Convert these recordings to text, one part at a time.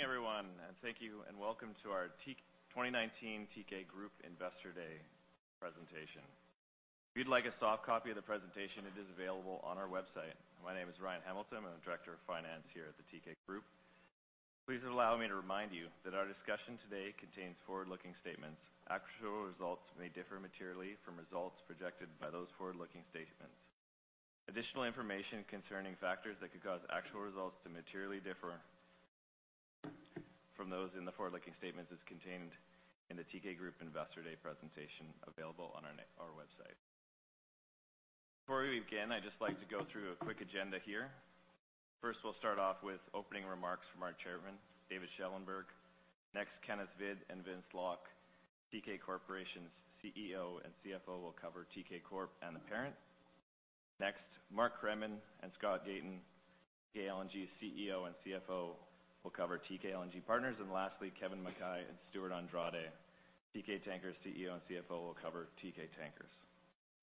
Good morning, everyone, and thank you, and welcome to our 2019 Teekay Group Investor Day presentation. If you'd like a soft copy of the presentation, it is available on our website. My name is Ryan Hamilton, I'm Director of Finance here at the Teekay Group. Please allow me to remind you that our discussion today contains forward-looking statements. Actual results may differ materially from results projected by those forward-looking statements. Additional information concerning factors that could cause actual results to materially differ from those in the forward-looking statements is contained in the Teekay Group Investor Day presentation available on our website. Before we begin, I'd just like to go through a quick agenda here. First, we'll start off with opening remarks from our Chairman, David Schellenberg. Next, Kenneth Hvid and Vince Lok, Teekay Corporation's CEO and CFO, will cover Teekay Corp and the parent. Next, Mark Kremin and Scott Gayton, Teekay LNG's CEO and CFO, will cover Teekay LNG Partners. Lastly, Kevin Mackay and Stewart Andrade, Teekay Tankers' CEO and CFO, will cover Teekay Tankers.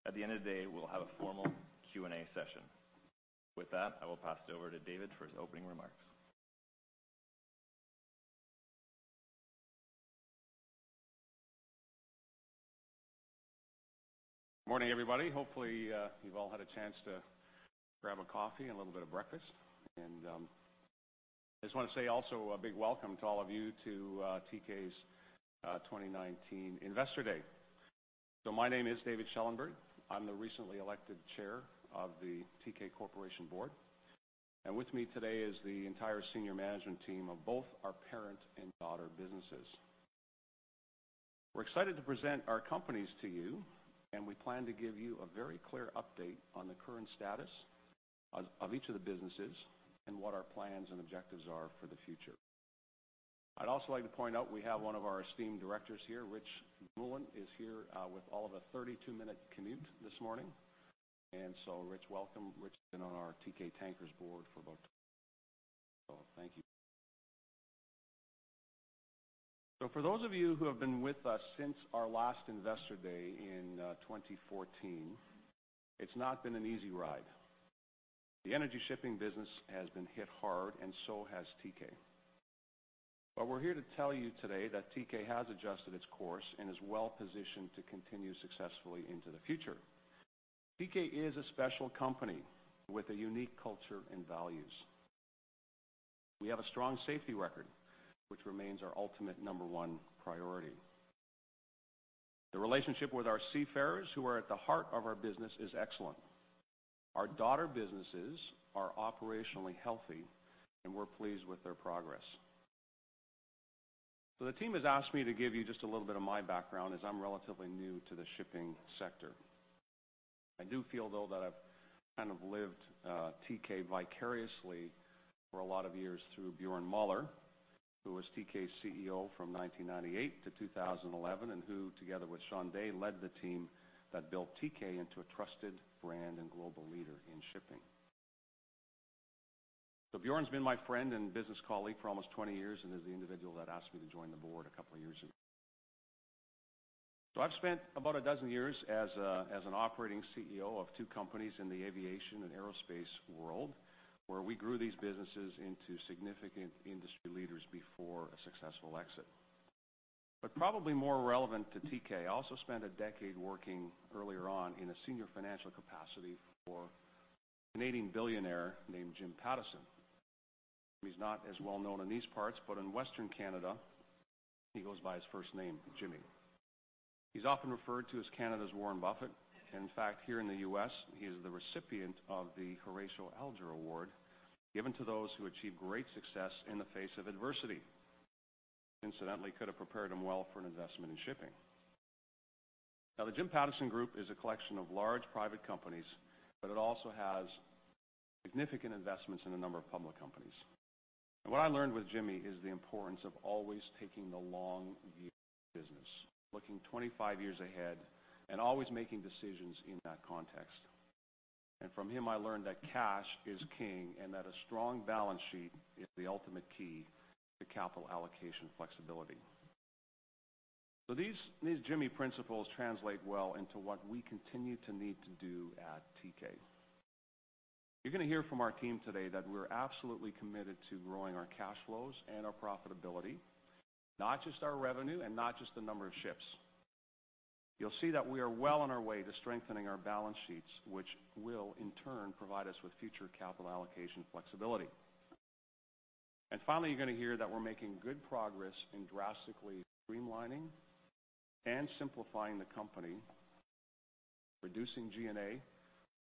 At the end of the day, we'll have a formal Q&A session. With that, I will pass it over to David for his opening remarks. Morning, everybody. Hopefully, you've all had a chance to grab a coffee and a little bit of breakfast. I just want to say also a big welcome to all of you to Teekay's 2019 Investor Day. My name is David Schellenberg. I'm the recently elected Chair of the Teekay Corporation Board, and with me today is the entire senior management team of both our parent and daughter businesses. We're excited to present our companies to you, and we plan to give you a very clear update on the current status of each of the businesses and what our plans and objectives are for the future. I'd also like to point out we have one of our esteemed directors here, Moulin, is here with all of a 32 minute commute this morning. Rich, welcome. Rich has been on our Teekay Tankers board for about. Thank you. For those of you who have been with us since our last Investor Day in 2014, it's not been an easy ride. The energy shipping business has been hit hard, and so has Teekay. We're here to tell you today that Teekay has adjusted its course and is well-positioned to continue successfully into the future. Teekay is a special company with a unique culture and values. We have a strong safety record, which remains our ultimate number one priority. The relationship with our seafarers, who are at the heart of our business, is excellent. Our daughter businesses are operationally healthy, and we're pleased with their progress. The team has asked me to give you just a little bit of my background, as I'm relatively new to the shipping sector. I do feel, though, that I've kind of lived Teekay vicariously for a lot of years through Bjorn Moller, who was Teekay's CEO from 1998 to 2011, and who, together with Sean Day, led the team that built Teekay into a trusted brand and global leader in shipping. Bjorn's been my friend and business colleague for almost 20 years and is the individual that asked me to join the board a couple of years ago. I've spent about a dozen years as an operating CEO of two companies in the aviation and aerospace world, where we grew these businesses into significant industry leaders before a successful exit. Probably more relevant to Teekay, I also spent a decade working earlier on in a senior financial capacity for a Canadian billionaire named Jim Pattison, who is not as well known in these parts, but in Western Canada, he goes by his first name, Jimmy. He's often referred to as Canada's Warren Buffett. In fact, here in the U.S., he is the recipient of the Horatio Alger Award, given to those who achieve great success in the face of adversity. Incidentally, could have prepared him well for an investment in shipping. The Jim Pattison Group is a collection of large private companies, but it also has significant investments in a number of public companies. What I learned with Jimmy is the importance of always taking the long view of business, looking 25 years ahead, and always making decisions in that context. From him, I learned that cash is king and that a strong balance sheet is the ultimate key to capital allocation flexibility. These Jimmy principles translate well into what we continue to need to do at Teekay. You're going to hear from our team today that we're absolutely committed to growing our cash flows and our profitability, not just our revenue and not just the number of ships. You'll see that we are well on our way to strengthening our balance sheets, which will, in turn, provide us with future capital allocation flexibility. Finally, you're going to hear that we're making good progress in drastically streamlining and simplifying the company, reducing G&A,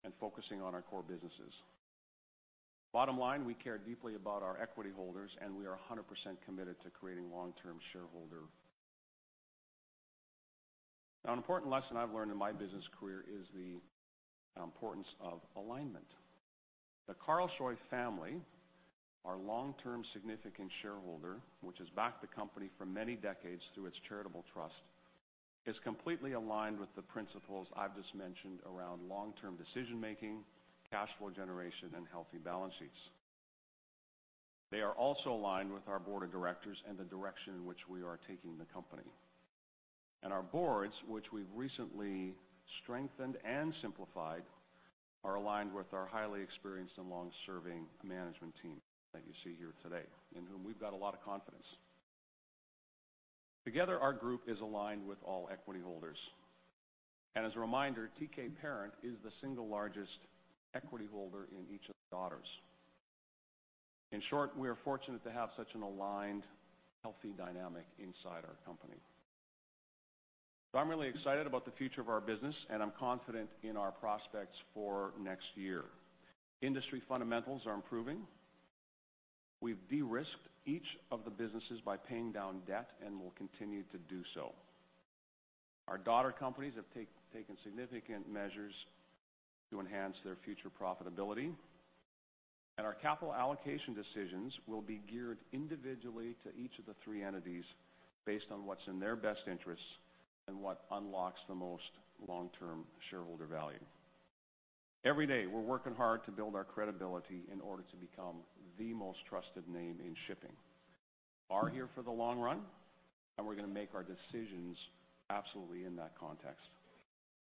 and focusing on our core businesses. Bottom line, we care deeply about our equity holders, and we are 100% committed to creating long-term shareholder. An important lesson I've learned in my business career is the importance of alignment. The Karlshoej family, our long-term significant shareholder, which has backed the company for many decades through its charitable trust, is completely aligned with the principles I've just mentioned around long-term decision-making, cash flow generation, and healthy balance sheets. They are also aligned with our board of directors and the direction in which we are taking the company. Our boards, which we've recently strengthened and simplified, are aligned with our highly experienced and long-serving management team that you see here today, in whom we've got a lot of confidence. Together, our group is aligned with all equity holders. As a reminder, Teekay parent is the single largest equity holder in each of the daughters. In short, we are fortunate to have such an aligned, healthy dynamic inside our company. I'm really excited about the future of our business, and I'm confident in our prospects for next year. Industry fundamentals are improving. We've de-risked each of the businesses by paying down debt, and will continue to do so. Our daughter companies have taken significant measures to enhance their future profitability. Our capital allocation decisions will be geared individually to each of the three entities based on what's in their best interests and what unlocks the most long-term shareholder value. Every day, we're working hard to build our credibility in order to become the most trusted name in shipping. We are here for the long run, and we're going to make our decisions absolutely in that context.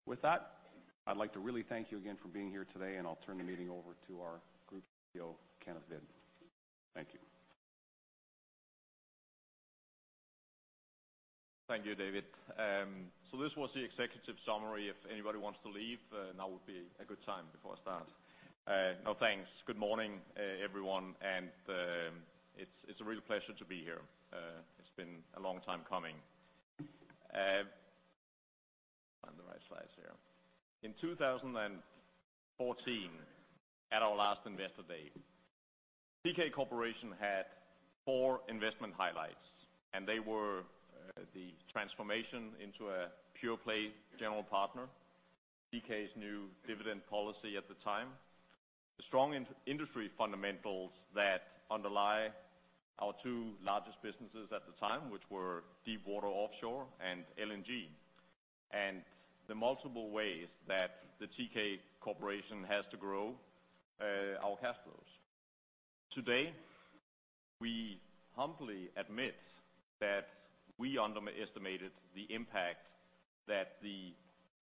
With that, I'd like to really thank you again for being here today, and I'll turn the meeting over to our Group CEO, Kenneth Hvid. Thank you. Thank you, David. This was the executive summary. If anybody wants to leave, now would be a good time before I start. No, thanks. Good morning, everyone. It's a real pleasure to be here. It's been a long time coming. Find the right slides here. In 2014, at our last Investor Day, Teekay Corporation had four investment highlights, and they were the transformation into a pure play general partner, Teekay's new dividend policy at the time, the strong industry fundamentals that underlie our two largest businesses at the time, which were Deepwater offshore and LNG, and the multiple ways that the Teekay Corporation has to grow our cash flows. Today, we humbly admit that we underestimated the impact that the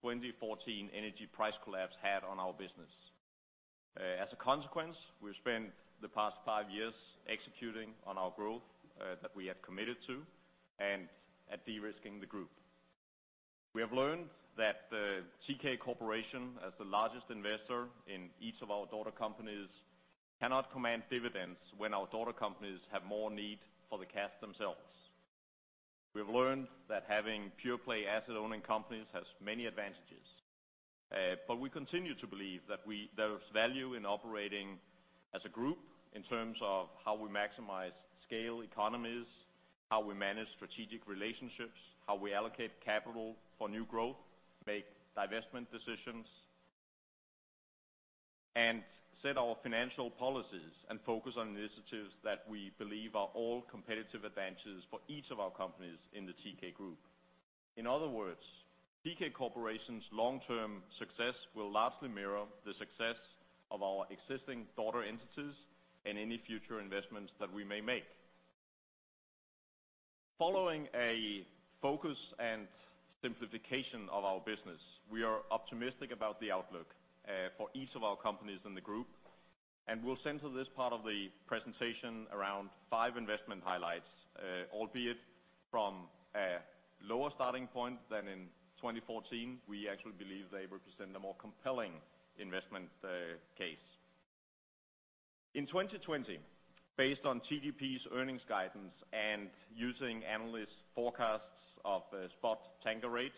2014 energy price collapse had on our business. As a consequence, we've spent the past five years executing on our growth that we have committed to and at de-risking the group. We have learned that Teekay Corporation, as the largest investor in each of our daughter companies, cannot command dividends when our daughter companies have more need for the cash themselves. We have learned that having pure play asset-owning companies has many advantages. We continue to believe that there is value in operating as a group in terms of how we maximize scale economies, how we manage strategic relationships, how we allocate capital for new growth, make divestment decisions, and set our financial policies and focus on initiatives that we believe are all competitive advantages for each of our companies in the Teekay group. In other words, Teekay Corporation's long-term success will largely mirror the success of our existing daughter entities and any future investments that we may make. Following a focus and simplification of our business, we are optimistic about the outlook for each of our companies in the Teekay Group, and we'll center this part of the presentation around five investment highlights. Albeit from a lower starting point than in 2014, we actually believe they represent a more compelling investment case. In 2020, based on TGP's earnings guidance and using analysts' forecasts of spot tanker rates,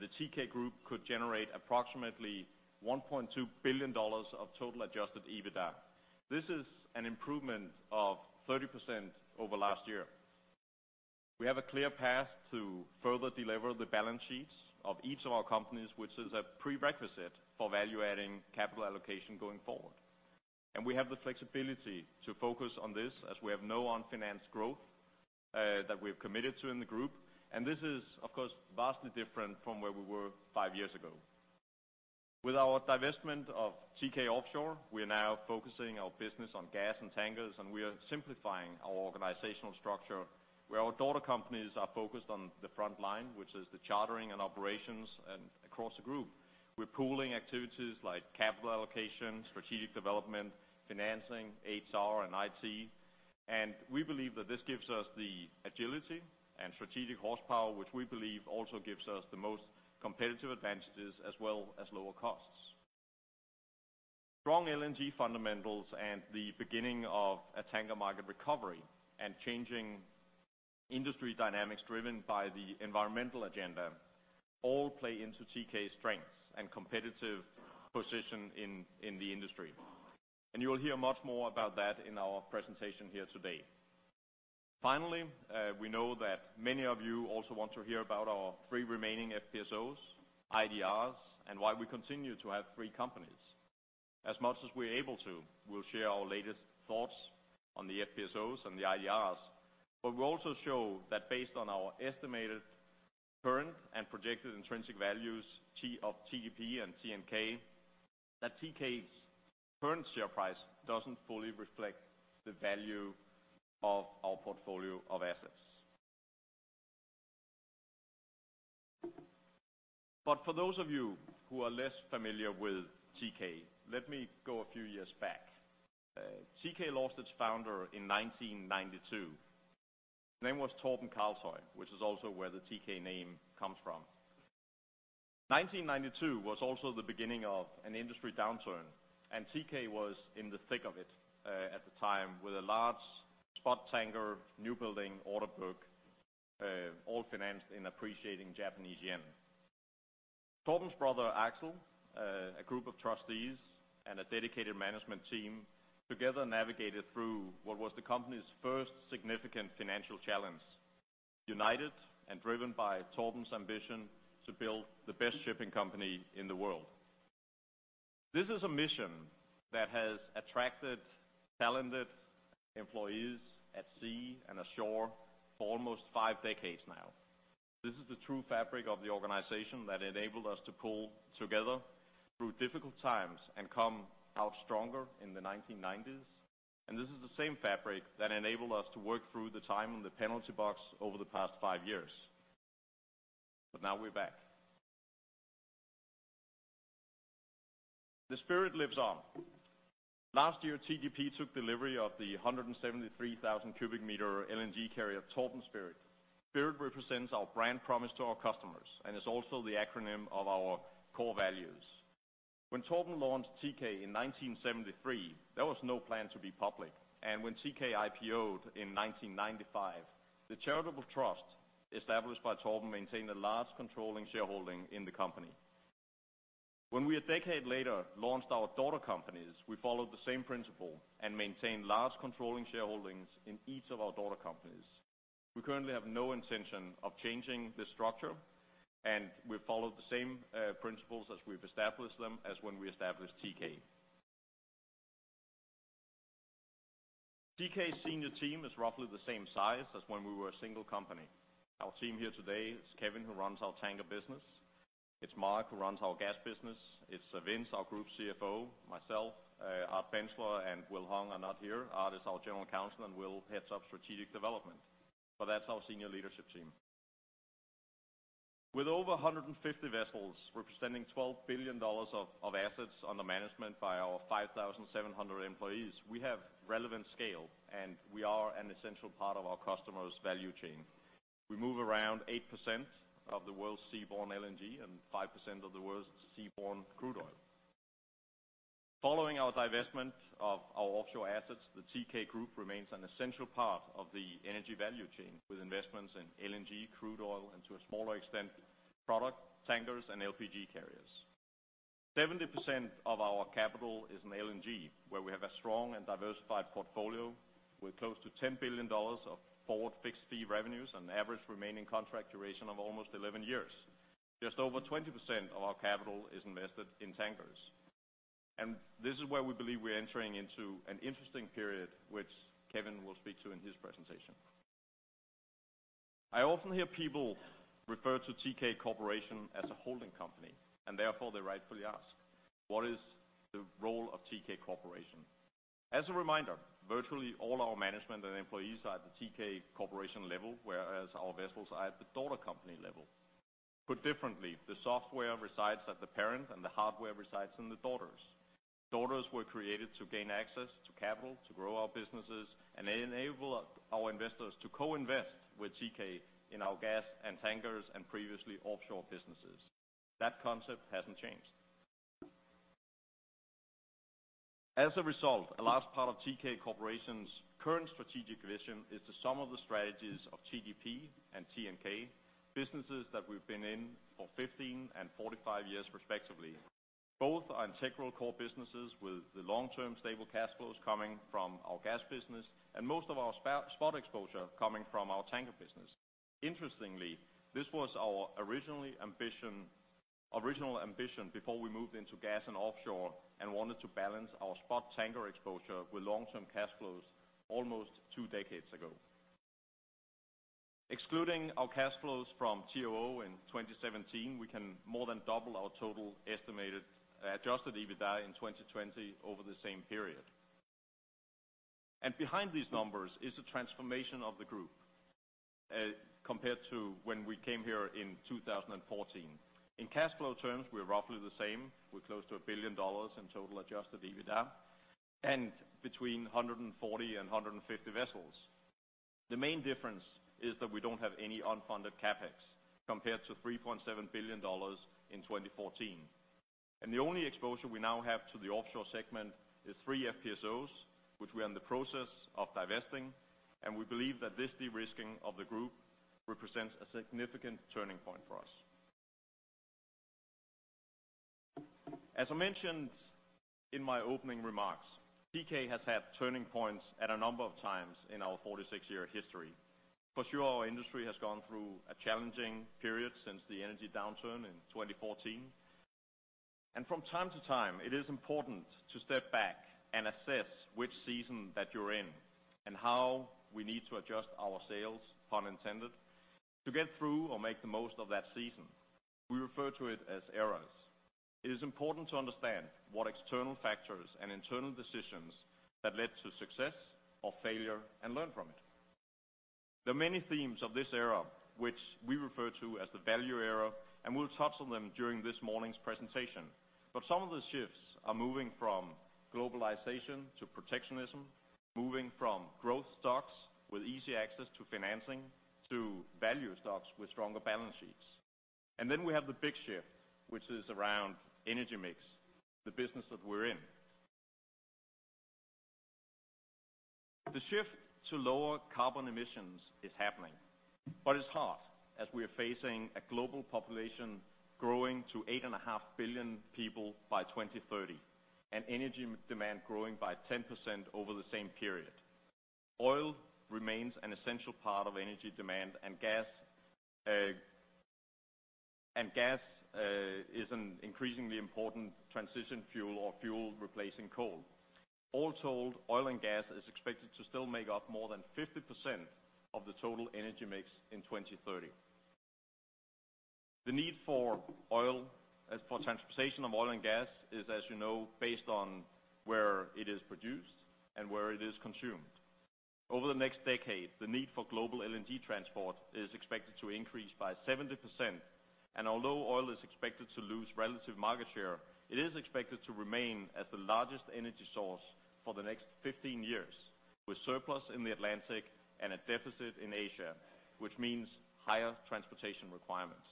the Teekay Group could generate approximately $1.2 billion of total adjusted EBITDA. This is an improvement of 30% over last year. We have a clear path to further delever the balance sheets of each of our companies, which is a prerequisite for value-adding capital allocation going forward. We have the flexibility to focus on this as we have no unfinanced growth that we've committed to in the group. This is, of course, vastly different from where we were five years ago. With our divestment of Teekay Offshore, we are now focusing our business on gas and tankers, and we are simplifying our organizational structure where our daughter companies are focused on the frontline, which is the chartering and operations and across the group. We're pooling activities like capital allocation, strategic development, financing, HR, and IT, and we believe that this gives us the agility and strategic horsepower, which we believe also gives us the most competitive advantages as well as lower costs. Strong LNG fundamentals and the beginning of a tanker market recovery and changing industry dynamics driven by the environmental agenda all play into Teekay's strengths and competitive position in the industry. You will hear much more about that in our presentation here today. Finally, we know that many of you also want to hear about our three remaining FPSOs, IDRs, and why we continue to have three companies. As much as we're able to, we'll share our latest thoughts on the FPSOs and the IDRs, but we'll also show that based on our estimated current and projected intrinsic values of TGP and TNK, that Teekay's current share price doesn't fully reflect the value of our portfolio of assets. For those of you who are less familiar with Teekay, let me go a few years back. Teekay lost its founder in 1992. His name was Torben Karlshoej, which is also where the Teekay name comes from. 1992 was also the beginning of an industry downturn, and Teekay was in the thick of it at the time, with a large spot tanker new building order book, all financed in appreciating Japanese yen. Torben's brother, Axel, a group of trustees, and a dedicated management team, together navigated through what was the company's first significant financial challenge, united and driven by Torben's ambition to build the best shipping company in the world. This is a mission that has attracted talented employees at sea and ashore for almost five decades now. This is the true fabric of the organization that enabled us to pull together through difficult times and come out stronger in the 1990s, and this is the same fabric that enabled us to work through the time in the penalty box over the past five years. Now we're back. The spirit lives on. Last year, TGP took delivery of the 173,000 cubic meter LNG carrier, Torben Spirit. Spirit represents our brand promise to our customers and is also the acronym of our core values. When Torben launched Teekay in 1973, there was no plan to be public, and when Teekay IPO in 1995, the charitable trust established by Torben maintained a large controlling shareholding in the company. When we, a decade later, launched our daughter companies, we followed the same principle and maintained large controlling shareholdings in each of our daughter companies. We currently have no intention of changing this structure, and we follow the same principles as we've established them as when we established Teekay. Teekay's senior team is roughly the same size as when we were a single company. Our team here today is Kevin, who runs our tanker business. It's Mark, who runs our gas business. It's Vince Lok, our Group CFO, myself. Art Bensler and Will Hung are not here. Art is our General Counsel, and Will heads up Strategic Development. That's our senior leadership team. With over 150 vessels representing $12 billion of assets under management by our 5,700 employees, we have relevant scale, and we are an essential part of our customers' value chain. We move around 8% of the world's seaborne LNG and 5% of the world's seaborne crude oil. Following our divestment of our offshore assets, the Teekay Group remains an essential part of the energy value chain, with investments in LNG, crude oil and, to a smaller extent, product tankers and LPG carriers. 70% of our capital is in LNG, where we have a strong and diversified portfolio with close to $10 billion of forward fixed-fee revenues, an average remaining contract duration of almost 11 years. Just over 20% of our capital is invested in tankers. This is where we believe we're entering into an interesting period, which Kevin will speak to in his presentation. I often hear people refer to Teekay Corporation as a holding company, and therefore they rightfully ask, what is the role of Teekay Corporation? As a reminder, virtually all our management and employees are at the Teekay Corporation level, whereas our vessels are at the daughter company level. Put differently, the software resides at the parent, and the hardware resides in the daughters. Daughters were created to gain access to capital to grow our businesses, and they enable our investors to co-invest with Teekay in our gas and tankers and previously offshore businesses. That concept hasn't changed. A large part of Teekay Corporation's current strategic vision is the sum of the strategies of TGP and TNK, businesses that we've been in for 15 and 45 years respectively. Both are integral core businesses, with the long-term stable cash flows coming from our gas business and most of our spot exposure coming from our tanker business. Interestingly, this was our original ambition before we moved into gas and offshore and wanted to balance our spot tanker exposure with long-term cash flows almost two decades ago. Excluding our cash flows from TOO in 2017, we can more than double our total estimated adjusted EBITDA in 2020 over the same period. Behind these numbers is the transformation of the group compared to when we came here in 2014. In cash flow terms, we're roughly the same. We're close to $1 billion in total adjusted EBITDA and between 140 and 150 vessels. The main difference is that we don't have any unfunded CapEx compared to $3.7 billion in 2014. The only exposure we now have to the offshore segment is three FPSOs, which we are in the process of divesting, and we believe that this de-risking of the group represents a significant turning point for us. As I mentioned in my opening remarks, Teekay has had turning points at a number of times in our 46-year history. For sure, our industry has gone through a challenging period since the energy downturn in 2014. From time to time, it is important to step back and assess which season that you're in and how we need to adjust our sails, pun intended, to get through or make the most of that season. We refer to it as eras. It is important to understand what external factors and internal decisions that led to success or failure and learn from it. There are many themes of this era, which we refer to as the value era, and we'll touch on them during this morning's presentation. Some of the shifts are moving from globalization to protectionism, moving from growth stocks with easy access to financing, to value stocks with stronger balance sheets. We have the big shift, which is around energy mix, the business that we're in. The shift to lower carbon emissions is happening, but it's hard as we are facing a global population growing to 8.5 billion people by 2030, and energy demand growing by 10% over the same period. Oil remains an essential part of energy demand and gas is an increasingly important transition fuel or fuel replacing coal. All told, oil and gas is expected to still make up more than 50% of the total energy mix in 2030. The need for transportation of oil and gas is, as you know, based on where it is produced and where it is consumed. Over the next decade, the need for global LNG transport is expected to increase by 70%. Although oil is expected to lose relative market share, it is expected to remain as the largest energy source for the next 15 years, with surplus in the Atlantic and a deficit in Asia, which means higher transportation requirements.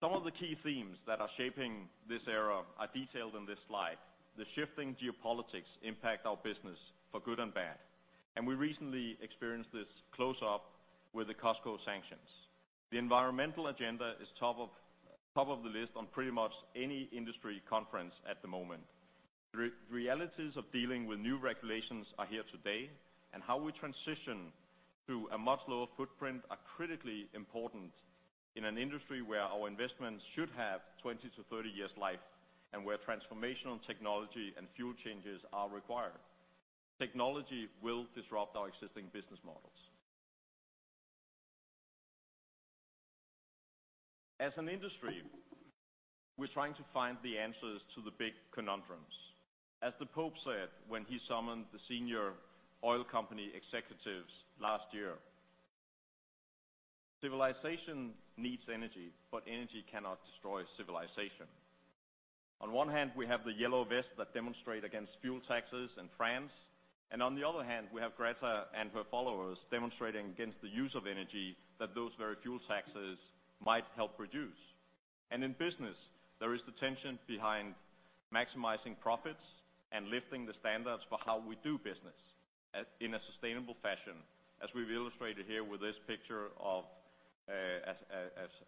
Some of the key themes that are shaping this era are detailed in this slide. The shifting geopolitics impact our business for good and bad, and we recently experienced this close up with the COSCO sanctions. The environmental agenda is top of the list on pretty much any industry conference at the moment. The realities of dealing with new regulations are here today, and how we transition to a much lower footprint are critically important in an industry where our investments should have 20-30 years life and where transformational technology and fuel changes are required. Technology will disrupt our existing business models. As an industry, we're trying to find the answers to the big conundrums. As the Pope said when he summoned the senior oil company executives last year, "Civilization needs energy, but energy cannot destroy civilization." On one hand, we have the yellow vest that demonstrate against fuel taxes in France, and on the other hand, we have Greta and her followers demonstrating against the use of energy that those very fuel taxes might help reduce. In business, there is the tension behind maximizing profits and lifting the standards for how we do business in a sustainable fashion, as we've illustrated here with this picture of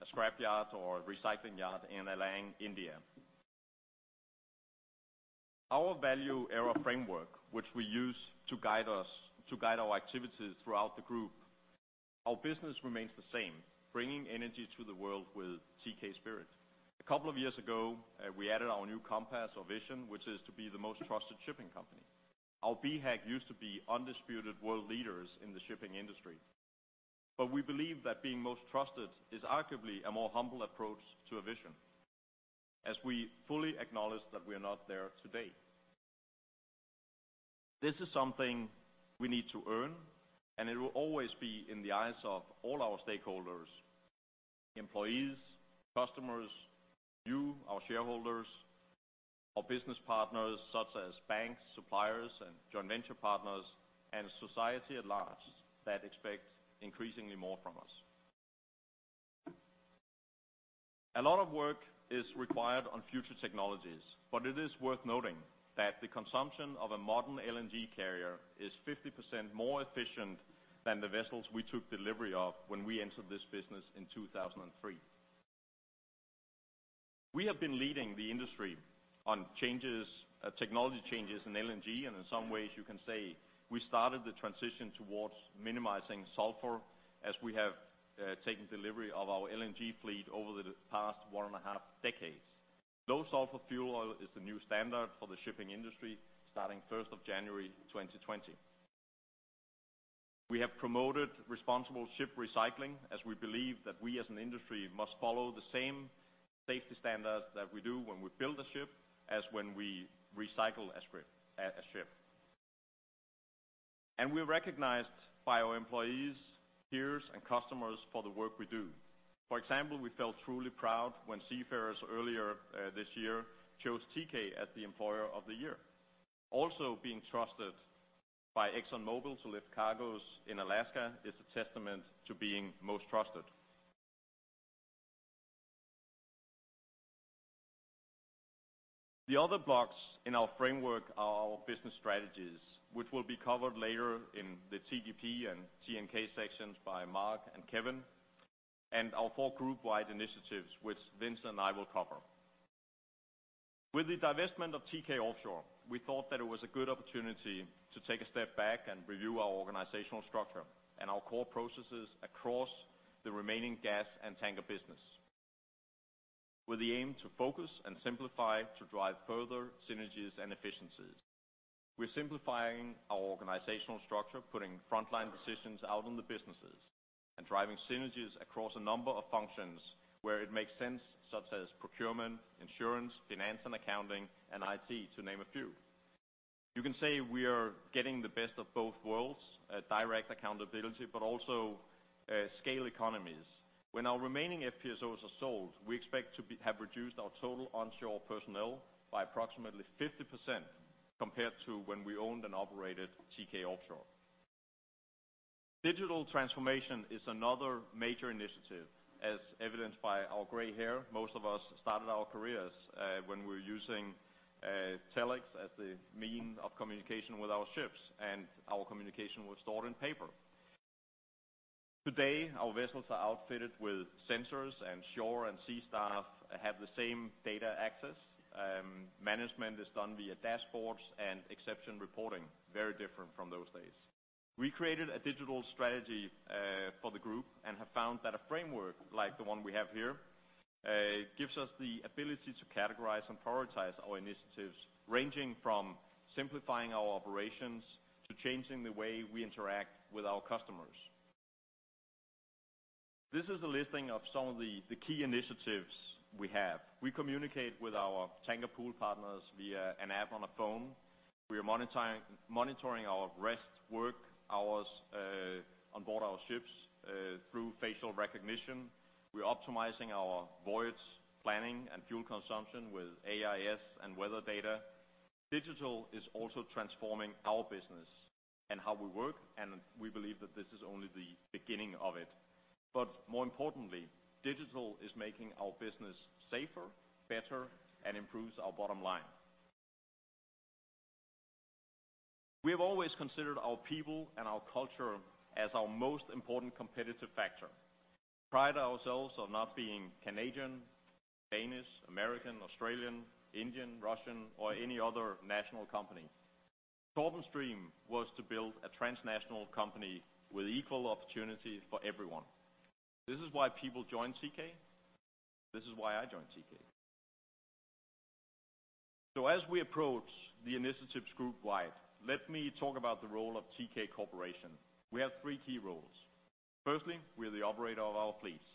a scrapyard or a recycling yard in Alang, India. Our value era framework, which we use to guide our activities throughout the Group. Our business remains the same, bringing energy to the world with Teekay Spirit. A couple of years ago, we added our new compass or vision, which is to be the most trusted shipping company. Our BHAG used to be undisputed world leaders in the shipping industry. We believe that being most trusted is arguably a more humble approach to a vision, as we fully acknowledge that we are not there today. This is something we need to earn, and it will always be in the eyes of all our stakeholders, employees, customers, you, our shareholders, our business partners such as banks, suppliers, and joint venture partners, and society at large that expect increasingly more from us. A lot of work is required on future technologies, but it is worth noting that the consumption of a modern LNG carrier is 50% more efficient than the vessels we took delivery of when we entered this business in 2003. We have been leading the industry on technology changes in LNG, and in some ways you can say we started the transition towards minimizing sulfur, as we have taken delivery of our LNG fleet over the past one and a half decades. Low sulfur fuel oil is the new standard for the shipping industry starting 1st of January 2020. We have promoted responsible ship recycling as we believe that we as an industry must follow the same safety standards that we do when we build a ship as when we recycle a ship. We are recognized by our employees, peers, and customers for the work we do. For example, we felt truly proud when seafarers earlier this year chose Teekay as the employer of the year. Also being trusted by ExxonMobil to lift cargoes in Alaska is a testament to being most trusted. The other blocks in our framework are our business strategies, which will be covered later in the TGP and TNK sections by Mark and Kevin, and our four group-wide initiatives, which Vince and I will cover. With the divestment of Teekay Offshore, we thought that it was a good opportunity to take a step back and review our organizational structure and our core processes across the remaining gas and tanker business, with the aim to focus and simplify to drive further synergies and efficiencies. We're simplifying our organizational structure, putting frontline decisions out in the businesses, and driving synergies across a number of functions where it makes sense, such as procurement, insurance, finance and accounting, and IT, to name a few. You can say we are getting the best of both worlds, direct accountability, but also scale economies. When our remaining FPSOs are sold, we expect to have reduced our total onshore personnel by approximately 50% compared to when we owned and operated Teekay Offshore. Digital transformation is another major initiative, as evidenced by our gray hair. Most of us started our careers when we were using Telex as the means of communication with our ships, and our communication was stored on paper. Today, our vessels are outfitted with sensors, and shore and sea staff have the same data access. Management is done via dashboards and exception reporting. Very different from those days. We created a digital strategy for the group and have found that a framework, like the one we have here, gives us the ability to categorize and prioritize our initiatives, ranging from simplifying our operations to changing the way we interact with our customers. This is a listing of some of the key initiatives we have. We communicate with our tanker pool partners via an app on a phone. We are monitoring our rest, work hours on board our ships through facial recognition. We're optimizing our voyage planning and fuel consumption with AIS and weather data. Digital is also transforming our business and how we work, and we believe that this is only the beginning of it. More importantly, digital is making our business safer, better, and improves our bottom line. We have always considered our people and our culture as our most important competitive factor. We pride ourselves on not being Canadian, Danish, American, Australian, Indian, Russian, or any other national company. Torben's dream was to build a transnational company with equal opportunity for everyone. This is why people join Teekay this is why I joined Teekay. As we approach the initiatives group-wide, let me talk about the role of Teekay Corporation. We have three key roles. Firstly, we are the operator of our fleets,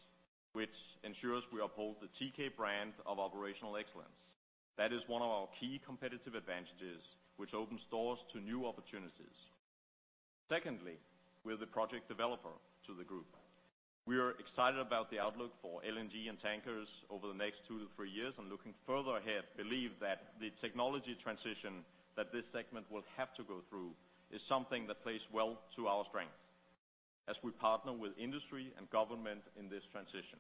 which ensures we uphold the Teekay brand of operational excellence. That is one of our key competitive advantages, which opens doors to new opportunities. Secondly, we're the project developer to the group. We are excited about the outlook for LNG and tankers over the next two to three years, looking further ahead, believe that the technology transition that this segment will have to go through is something that plays well to our strength, as we partner with industry and government in this transition.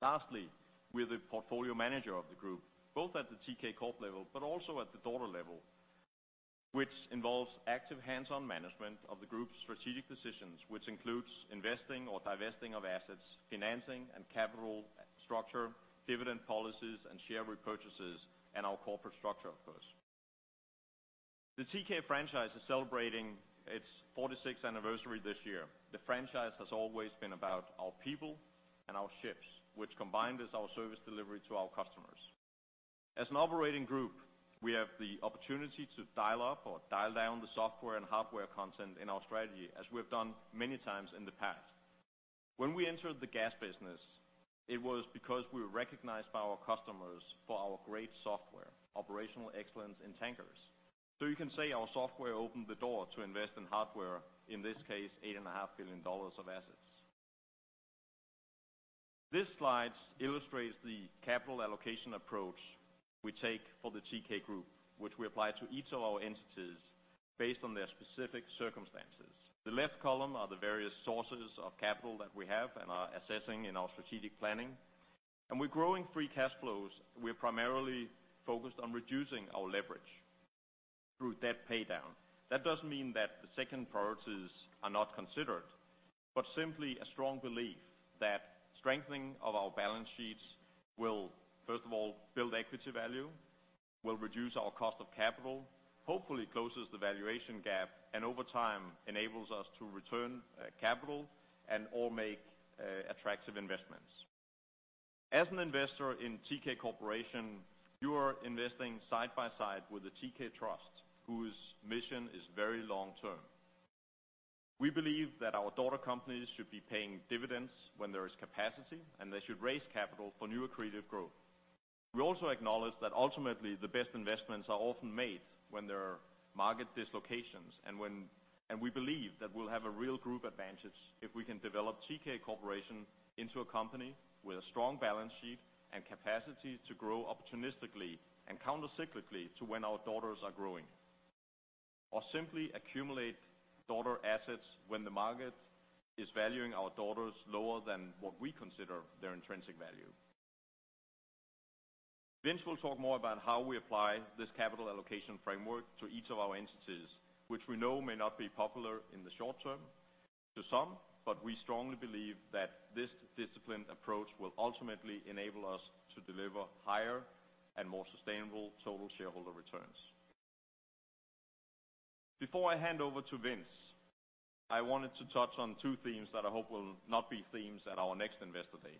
Lastly, we're the portfolio manager of the group, both at the Teekay Corp level, also at the daughter level, which involves active hands-on management of the group's strategic decisions, which includes investing or divesting of assets, financing and capital structure, dividend policies and share repurchases, our corporate structure, of course. The Teekay franchise is celebrating its 46th anniversary this year. The franchise has always been about our people and our ships, which combined is our service delivery to our customers. As an operating group, we have the opportunity to dial up or dial down the software and hardware content in our strategy, as we've done many times in the past. When we entered the gas business, it was because we were recognized by our customers for our great software, operational excellence in tankers. You can say our software opened the door to invest in hardware, in this case, $8.5 billion of assets. This slide illustrates the capital allocation approach we take for the Teekay Group, which we apply to each of our entities based on their specific circumstances. The left column are the various sources of capital that we have and are assessing in our strategic planning. With growing free cash flows, we're primarily focused on reducing our leverage through debt paydown. That doesn't mean that the second priorities are not considered, but simply a strong belief that strengthening of our balance sheets will, first of all, build equity value, will reduce our cost of capital, hopefully closes the valuation gap, and over time, enables us to return capital and/or make attractive investments. As an investor in Teekay Corporation, you are investing side by side with the Teekay Trust, whose mission is very long-term. We believe that our daughter companies should be paying dividends when there is capacity, and they should raise capital for new accretive growth. We also acknowledge that ultimately the best investments are often made when there are market dislocations. We believe that we'll have a real group advantage if we can develop Teekay Corporation into a company with a strong balance sheet and capacity to grow opportunistically and counter-cyclically to when our daughters are growing, or simply accumulate daughter assets when the market is valuing our daughters lower than what we consider their intrinsic value. Vince will talk more about how we apply this capital allocation framework to each of our entities, which we know may not be popular in the short term to some. We strongly believe that this disciplined approach will ultimately enable us to deliver higher and more sustainable total shareholder returns. Before I hand over to Vince, I wanted to touch on two themes that I hope will not be themes at our next investor day.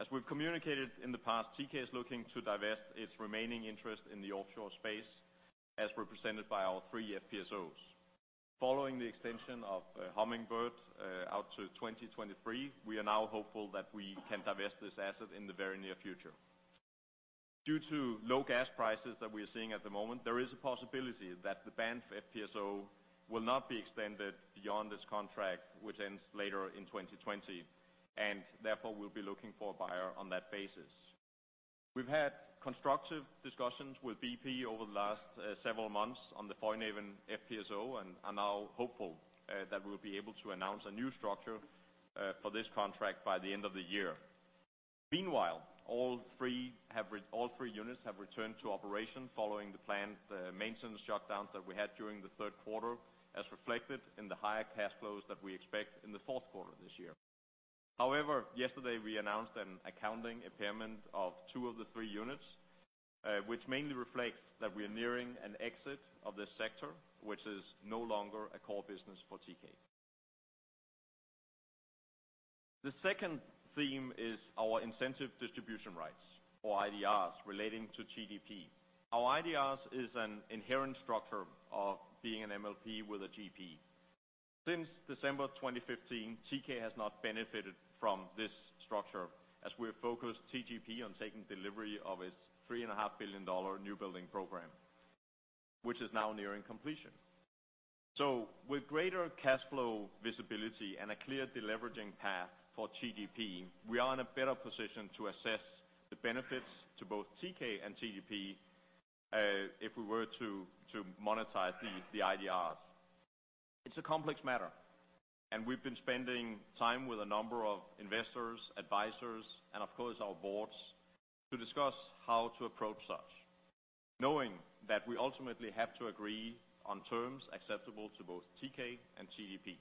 As we've communicated in the past, Teekay is looking to divest its remaining interest in the offshore space as represented by our three FPSOs. Following the extension of Hummingbird out to 2023, we are now hopeful that we can divest this asset in the very near future. Due to low gas prices that we are seeing at the moment, there is a possibility that the Banff FPSO will not be extended beyond this contract, which ends later in 2020, and therefore, we'll be looking for a buyer on that basis. We've had constructive discussions with BP over the last several months on the [Voyageur Spirit] FPSO, and are now hopeful that we'll be able to announce a new structure for this contract by the end of the year. Meanwhile, all three units have returned to operation following the planned maintenance shutdowns that we had during the third quarter, as reflected in the higher cash flows that we expect in the fourth quarter of this year. Yesterday, we announced an accounting impairment of two of the three units, which mainly reflects that we are nearing an exit of this sector, which is no longer a core business for Teekay. The second theme is our incentive distribution rights, or IDRs, relating to TGP. Our IDRs is an inherent structure of being an MLP with a GP. Since December 2015, Teekay has not benefited from this structure, as we have focused TGP on taking delivery of its $3.5 billion new building program, which is now nearing completion. With greater cash flow visibility and a clear deleveraging path for TGP, we are in a better position to assess the benefits to both Teekay and TGP if we were to monetize the IDRs. It's a complex matter, and we've been spending time with a number of investors, advisors, and of course our boards to discuss how to approach such, knowing that we ultimately have to agree on terms acceptable to both Teekay and TGP.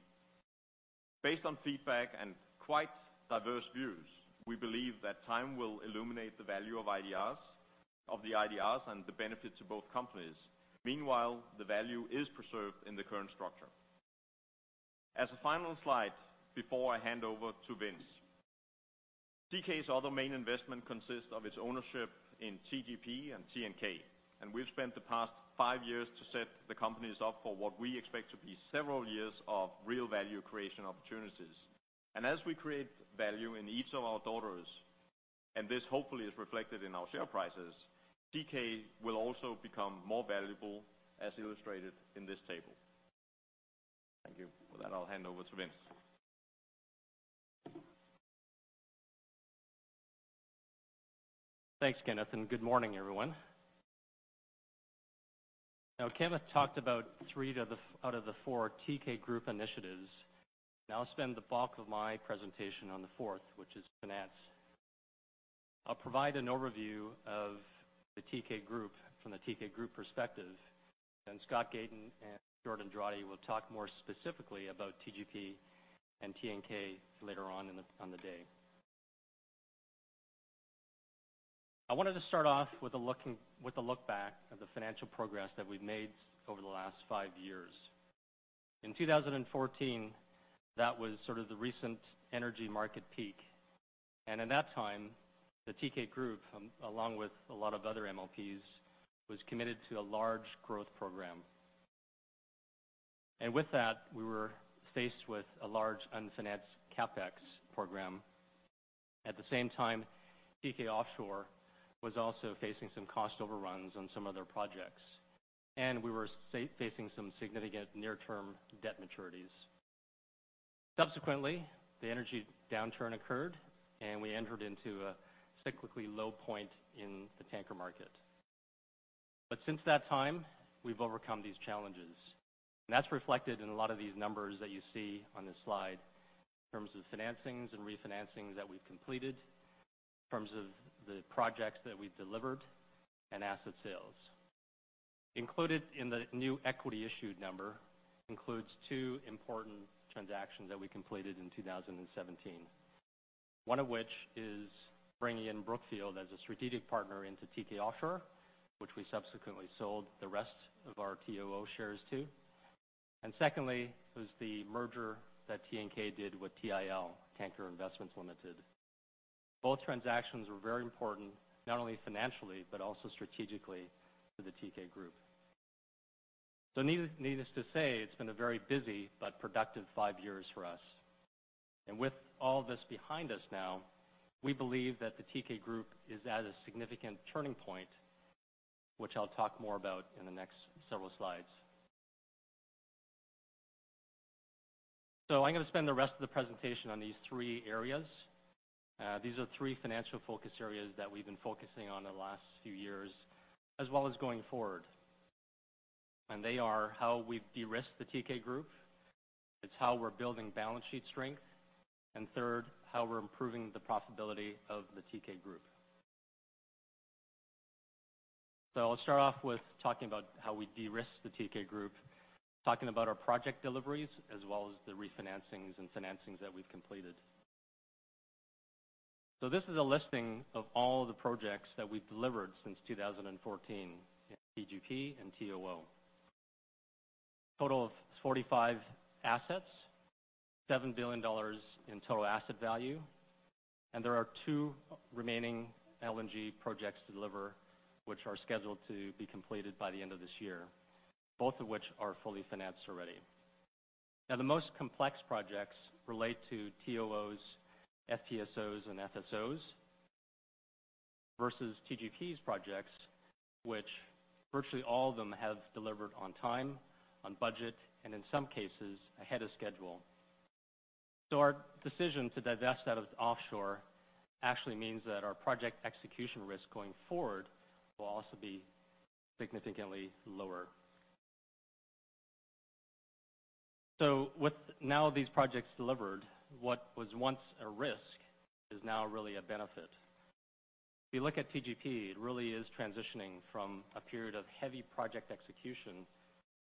Based on feedback and quite diverse views, we believe that time will illuminate the value of the IDRs and the benefit to both companies. Meanwhile, the value is preserved in the current structure. As a final slide before I hand over to Vince. Teekay's other main investment consists of its ownership in TGP and TNK, and we've spent the past five years to set the companies up for what we expect to be several years of real value creation opportunities. As we create value in each of our daughters, and this hopefully is reflected in our share prices, Teekay will also become more valuable as illustrated in this table. Thank you. With that, I'll hand over to Vince. Thanks, Kenneth, and good morning, everyone. Kenneth talked about three out of the four Teekay Group initiatives. I'll spend the bulk of my presentation on the fourth, which is finance. I'll provide an overview of the Teekay Group from the Teekay Group perspective, and Scott Gayton and Jordan Drawdy will talk more specifically about TGP and TNK later on in the day. I wanted to start off with a look back at the financial progress that we've made over the last five years. In 2014, that was sort of the recent energy market peak, and at that time, the Teekay Group, along with a lot of other MLPs, was committed to a large growth program. With that, we were faced with a large unfinanced CapEx program. At the same time, Teekay Offshore was also facing some cost overruns on some of their projects, and we were facing some significant near-term debt maturities. Subsequently, the energy downturn occurred, and we entered into a cyclically low point in the tanker market. Since that time, we've overcome these challenges, and that's reflected in a lot of these numbers that you see on this slide in terms of financings and refinancings that we've completed, in terms of the projects that we've delivered, and asset sales. Included in the new equity issued number includes two important transactions that we completed in 2017. One of which is bringing in Brookfield as a strategic partner into Teekay Offshore, which we subsequently sold the rest of our TOO shares to. Secondly, was the merger that TNK did with TIL, Tanker Investments Ltd. Both transactions were very important, not only financially, but also strategically for the Teekay Group. Needless to say, it's been a very busy but productive five years for us. With all this behind us now, we believe that the Teekay Group is at a significant turning point, which I'll talk more about in the next several slides. I'm going to spend the rest of the presentation on these three areas. These are three financial focus areas that we've been focusing on the last few years, as well as going forward. They are how we've de-risked the Teekay Group, it's how we're building balance sheet strength, and third, how we're improving the profitability of the Teekay Group. I'll start off with talking about how we de-risk the Teekay Group, talking about our project deliveries, as well as the refinancings and financings that we've completed. This is a listing of all the projects that we've delivered since 2014 in TGP and TOO. Total of 45 assets, $7 billion in total asset value, and there are two remaining LNG projects to deliver, which are scheduled to be completed by the end of this year, both of which are fully financed already. The most complex projects relate to TOO's FPSOs and FSOs versus TGP's projects, which virtually all of them have delivered on time, on budget, and in some cases, ahead of schedule. Our decision to divest out of offshore actually means that our project execution risk going forward will also be significantly lower. With now these projects delivered, what was once a risk is now really a benefit. If you look at TGP, it really is transitioning from a period of heavy project execution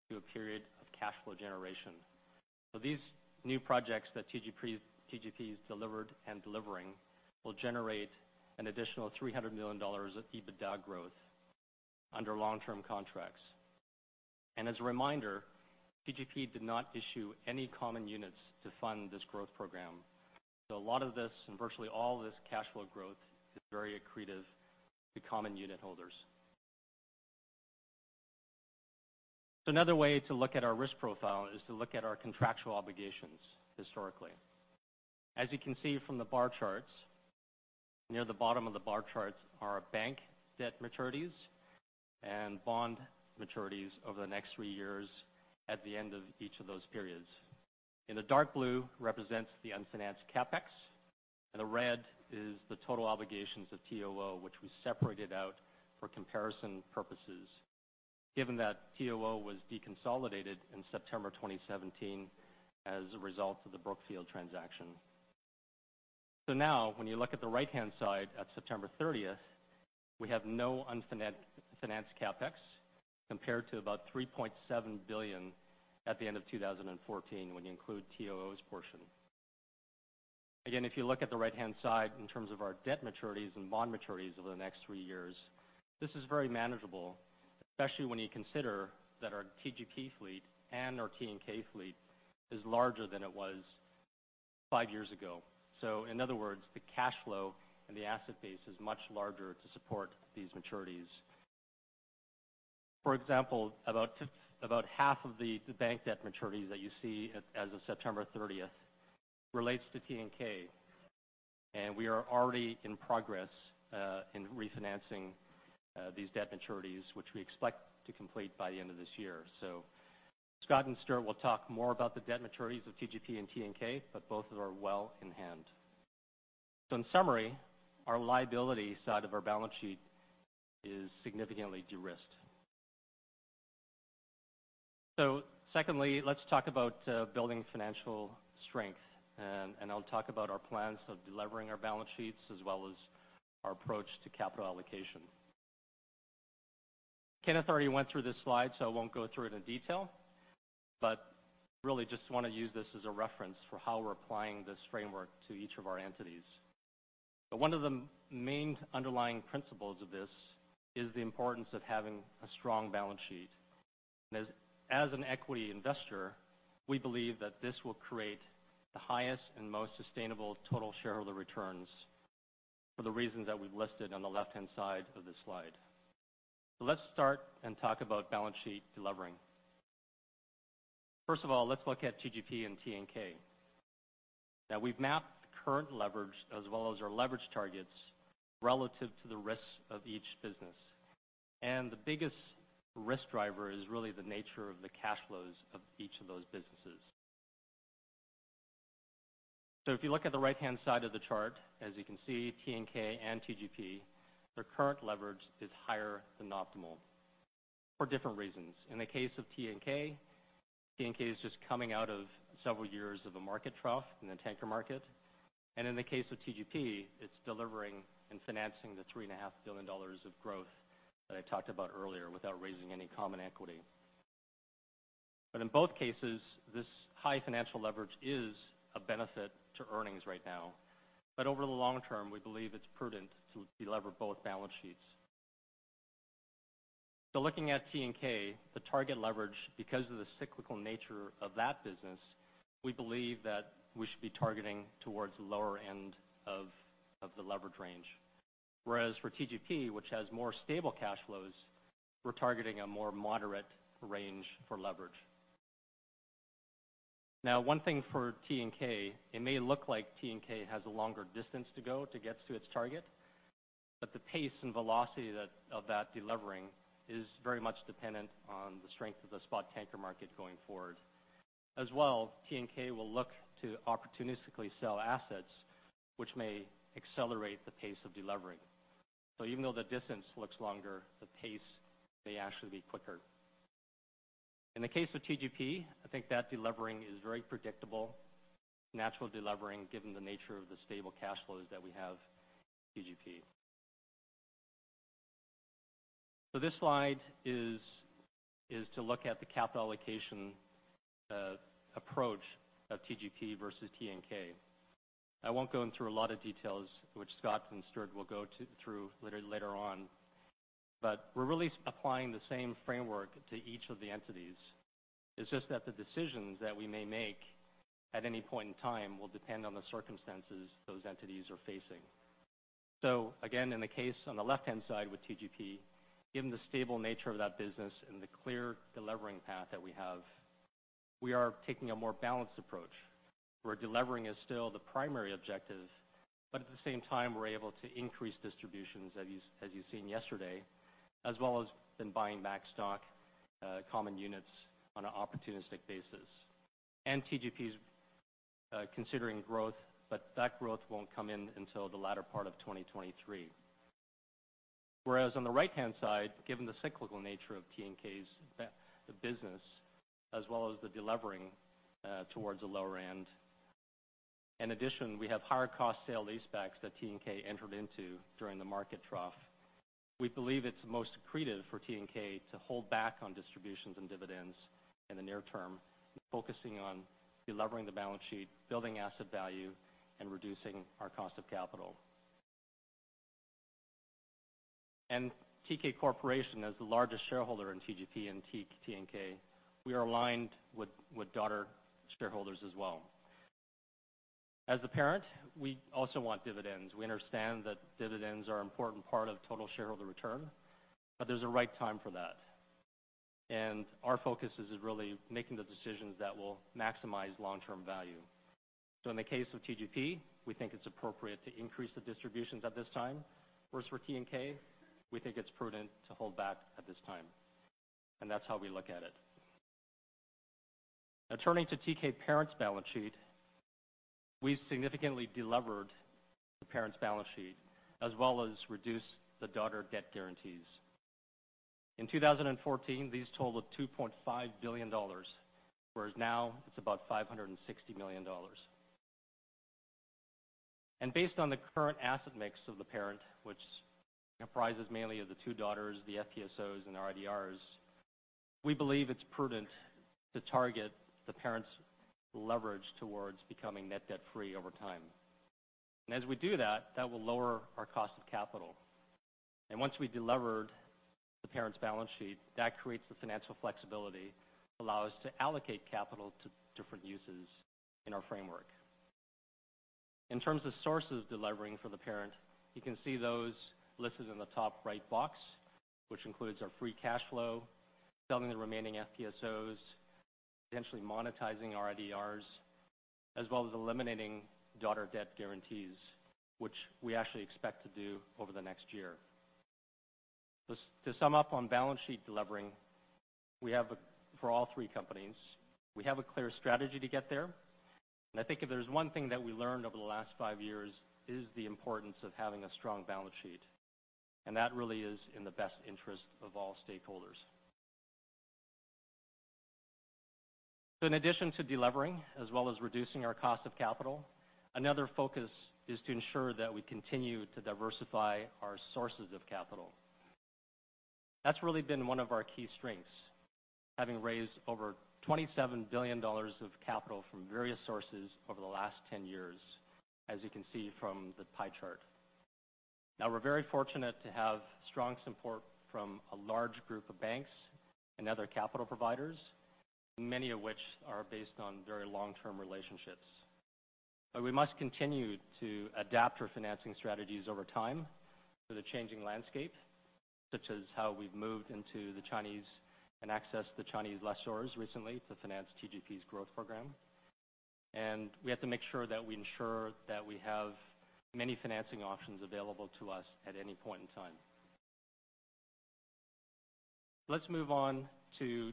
to a period of cash flow generation. These new projects that TGP's delivered and delevering will generate an additional $300 million of EBITDA growth under long-term contracts. As a reminder, TGP did not issue any common units to fund this growth program. A lot of this and virtually all this cash flow growth is very accretive to common unit holders. Another way to look at our risk profile is to look at our contractual obligations historically. As you can see from the bar charts, near the bottom of the bar charts are our bank debt maturities and bond maturities over the next three years at the end of each of those periods. In the dark blue represents the unfinanced CapEx, and the red is the total obligations of TOO, which we separated out for comparison purposes, given that TOO was deconsolidated in September 2017 as a result of the Brookfield transaction. Now when you look at the right-hand side at September 30th, we have no unfinanced CapEx compared to about $3.7 billion at the end of 2014 when you include TOO's portion. Again, if you look at the right-hand side in terms of our debt maturities and bond maturities over the next three years, this is very manageable, especially when you consider that our TGP fleet and our Teekay fleet is larger than it was five years ago. In other words, the cash flow and the asset base is much larger to support these maturities. For example, about half of the bank debt maturities that you see as of September 30th relates to Teekay, and we are already in progress in refinancing these debt maturities, which we expect to complete by the end of this year. Scott and Stewart will talk more about the debt maturities of TGP and Teekay, but both are well in hand. In summary, our liability side of our balance sheet is significantly de-risked. Secondly, let's talk about building financial strength, and I'll talk about our plans of de-levering our balance sheets as well as our approach to capital allocation. Kenneth already went through this slide, so I won't go through it in detail, but really just want to use this as a reference for how we're applying this framework to each of our entities. One of the main underlying principles of this is the importance of having a strong balance sheet. As an equity investor, we believe that this will create the highest and most sustainable total shareholder returns for the reasons that we've listed on the left-hand side of this slide. Let's start and talk about balance sheet de-levering. First of all, let's look at TGP and Teekay. We've mapped current leverage as well as our leverage targets relative to the risks of each business. The biggest risk driver is really the nature of the cash flows of each of those businesses. If you look at the right-hand side of the chart, as you can see, Teekay and TGP, their current leverage is higher than optimal for different reasons. In the case of Teekay is just coming out of several years of a market trough in the tanker market. In the case of TGP, it's delevering and financing the $3.5 billion of growth that I talked about earlier without raising any common equity. In both cases, this high financial leverage is a benefit to earnings right now. Over the long term, we believe it's prudent to de-lever both balance sheets. Looking at Teekay, the target leverage, because of the cyclical nature of that business, we believe that we should be targeting towards the lower end of the leverage range. Whereas for TGP, which has more stable cash flows, we're targeting a more moderate range for leverage. Now, one thing for Teekay, it may look like Teekay has a longer distance to go to get to its target, but the pace and velocity of that de-levering is very much dependent on the strength of the spot tanker market going forward. As well, Teekay will look to opportunistically sell assets, which may accelerate the pace of de-levering. Even though the distance looks longer, the pace may actually be quicker. In the case of TGP, I think that de-levering is very predictable, natural de-levering given the nature of the stable cash flows that we have at TGP. This slide is to look at the capital allocation approach of TGP versus TNK. I won't go in through a lot of details, which Scott and Stewart will go through later on. We're really applying the same framework to each of the entities. It's just that the decisions that we may make at any point in time will depend on the circumstances those entities are facing. Again, in the case on the left-hand side with TGP, given the stable nature of that business and the clear delevering path that we have, we are taking a more balanced approach, where delevering is still the primary objective, but at the same time, we're able to increase distributions as you've seen yesterday, as well as in buying back stock, common units on an opportunistic basis. TGP's considering growth, but that growth won't come in until the latter part of 2023. Whereas on the right-hand side, given the cyclical nature of TNK's business, as well as the delevering towards the lower end. In addition, we have higher cost sale leasebacks that TNK entered into during the market trough. We believe it's most accretive for TNK to hold back on distributions and dividends in the near term, focusing on delevering the balance sheet, building asset value, and reducing our cost of capital. Teekay Corporation, as the largest shareholder in TGP and TNK, we are aligned with daughter shareholders as well. As the parent, we also want dividends. We understand that dividends are an important part of total shareholder return, there's a right time for that. Our focus is really making the decisions that will maximize long-term value. In the case of TGP, we think it's appropriate to increase the distributions at this time. Whereas for TNK, we think it's prudent to hold back at this time. That's how we look at it. Now, turning to Teekay parent's balance sheet, we've significantly delevered the parent's balance sheet, as well as reduced the daughter debt guarantees. In 2014, these totaled $2.5 billion, whereas now it's about $560 million. Based on the current asset mix of the parent, which comprises mainly of the two daughters, the FPSOs, and IDRs, we believe it's prudent to target the parent's leverage towards becoming net debt-free over time. As we do that will lower our cost of capital. Once we've delevered the parent's balance sheet, that creates the financial flexibility that allow us to allocate capital to different uses in our framework. In terms of sources delivering for the parent, you can see those listed in the top right box, which includes our free cash flow, selling the remaining FPSOs, potentially monetizing IDRs, as well as eliminating daughter debt guarantees, which we actually expect to do over the next year. To sum up on balance sheet delivering for all three companies, we have a clear strategy to get there. I think if there's one thing that we learned over the last five years is the importance of having a strong balance sheet, and that really is in the best interest of all stakeholders. In addition to delivering as well as reducing our cost of capital, another focus is to ensure that we continue to diversify our sources of capital. That's really been one of our key strengths, having raised over $27 billion of capital from various sources over the last 10 years, as you can see from the pie chart. We're very fortunate to have strong support from a large group of banks and other capital providers, many of which are based on very long-term relationships. We must continue to adapt our financing strategies over time to the changing landscape, such as how we've moved into the Chinese and accessed the Chinese lessors recently to finance TGP's growth program. We have to make sure that we ensure that we have many financing options available to us at any point in time. Let's move on to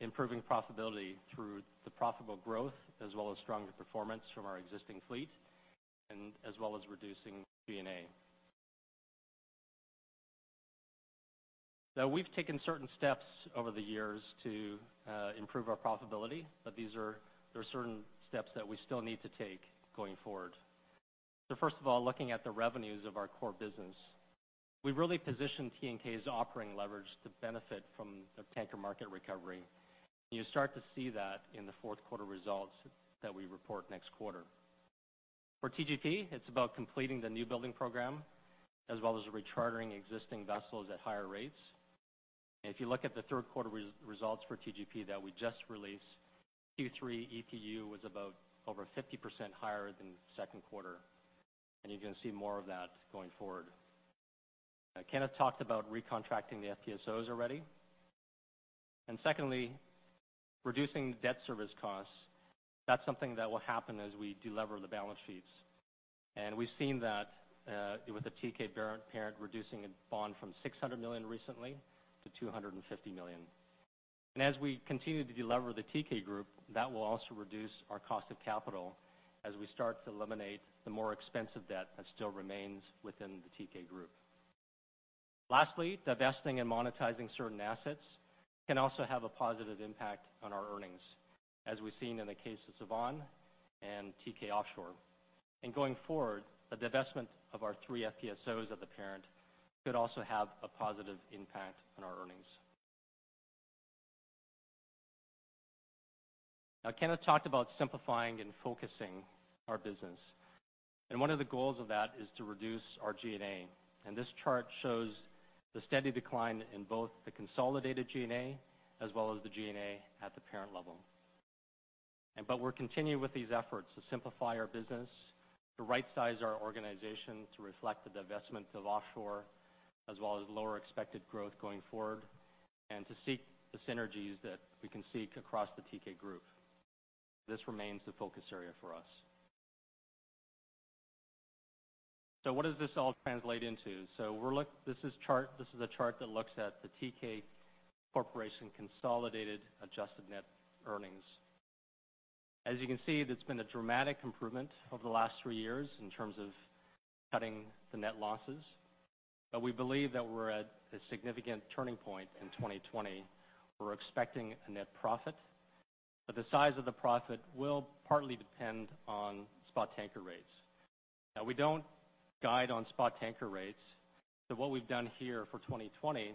improving profitability through the profitable growth, as well as stronger performance from our existing fleet, and as well as reducing G&A. We've taken certain steps over the years to improve our profitability, but there are certain steps that we still need to take going forward. First of all, looking at the revenues of our core business. We've really positioned TNK's operating leverage to benefit from the tanker market recovery. You start to see that in the fourth quarter results that we report next quarter. For TGP, it's about completing the new building program, as well as rechartering existing vessels at higher rates. If you look at the third quarter results for TGP that we just released, Q3 EPU was about over 50% higher than second quarter, and you're going to see more of that going forward. Kenneth talked about recontracting the FPSOs already. Secondly, reducing debt service costs. That's something that will happen as we delever the balance sheets. We've seen that with the Teekay parent reducing a bond from $600 million recently to $250 million. As we continue to delever the Teekay Group, that will also reduce our cost of capital as we start to eliminate the more expensive debt that still remains within the Teekay Group. Lastly, divesting and monetizing certain assets can also have a positive impact on our earnings, as we've seen in the case of Sevan and Teekay Offshore. Going forward, the divestment of our three FPSOs of the parent could also have a positive impact on our earnings. Kenneth talked about simplifying and focusing our business, and one of the goals of that is to reduce our G&A. This chart shows the steady decline in both the consolidated G&A as well as the G&A at the parent level. We're continuing with these efforts to simplify our business, to right-size our organization to reflect the divestment of Offshore, as well as lower expected growth going forward, and to seek the synergies that we can seek across the Teekay Group. This remains the focus area for us. What does this all translate into? This is a chart that looks at the Teekay Corporation consolidated adjusted net earnings. As you can see, it's been a dramatic improvement over the last three years in terms of cutting the net losses. We believe that we're at a significant turning point in 2020. We're expecting a net profit, but the size of the profit will partly depend on spot tanker rates. Now we don't guide on spot tanker rates. What we've done here for 2020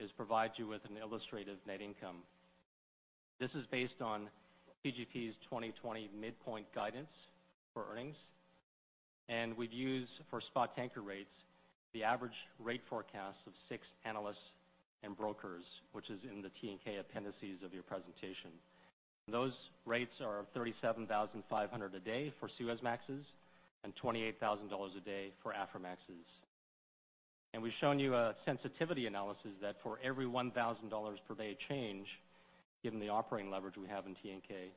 is provide you with an illustrative net income. This is based on TGP's 2020 midpoint guidance for earnings, and we've used, for spot tanker rates, the average rate forecast of six analysts and brokers, which is in the Teekay appendices of your presentation. Those rates are $37,500 a day for Suezmaxes and $28,000 a day for Aframaxes. We've shown you a sensitivity analysis that for every $1,000 per day change, given the operating leverage we have in Teekay,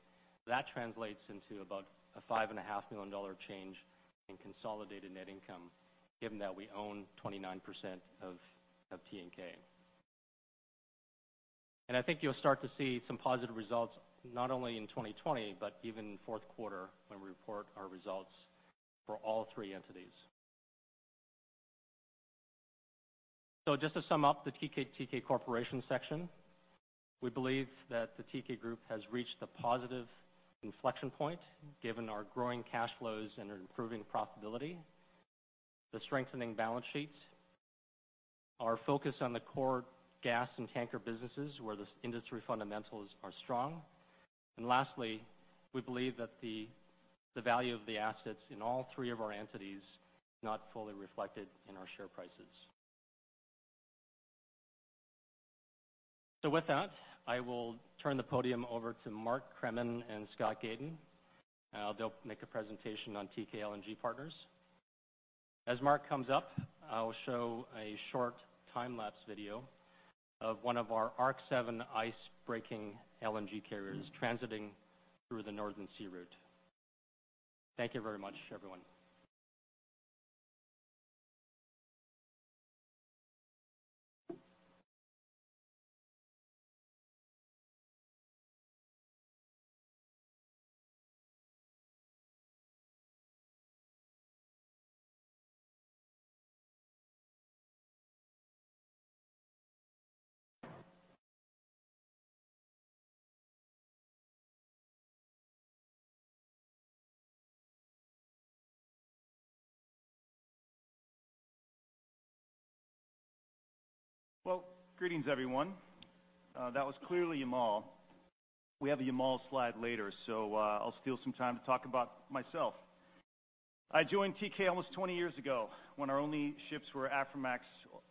that translates into about a $5.5 million change in consolidated net income, given that we own 29% of Teekay. I think you'll start to see some positive results not only in 2020, but even in fourth quarter when we report our results for all three entities. Just to sum up the Teekay Corporation section, we believe that the Teekay Group has reached a positive inflection point given our growing cash flows and improving profitability, the strengthening balance sheets, our focus on the core gas and tanker businesses where the industry fundamentals are strong, and lastly, we believe that the value of the assets in all three of our entities is not fully reflected in our share prices. With that, I will turn the podium over to Mark Kremin and Scott Gayton. They'll make a presentation on Teekay LNG Partners. As Mark comes up, I will show a short time-lapse video of one of our Arc7 ice-breaking LNG carriers transiting through the Northern Sea Route. Thank you very much, everyone. Greetings, everyone. That was clearly Yamal. We have a Yamal slide later, so I'll steal some time to talk about myself. I joined Teekay almost 20 years ago when our only ships were Aframax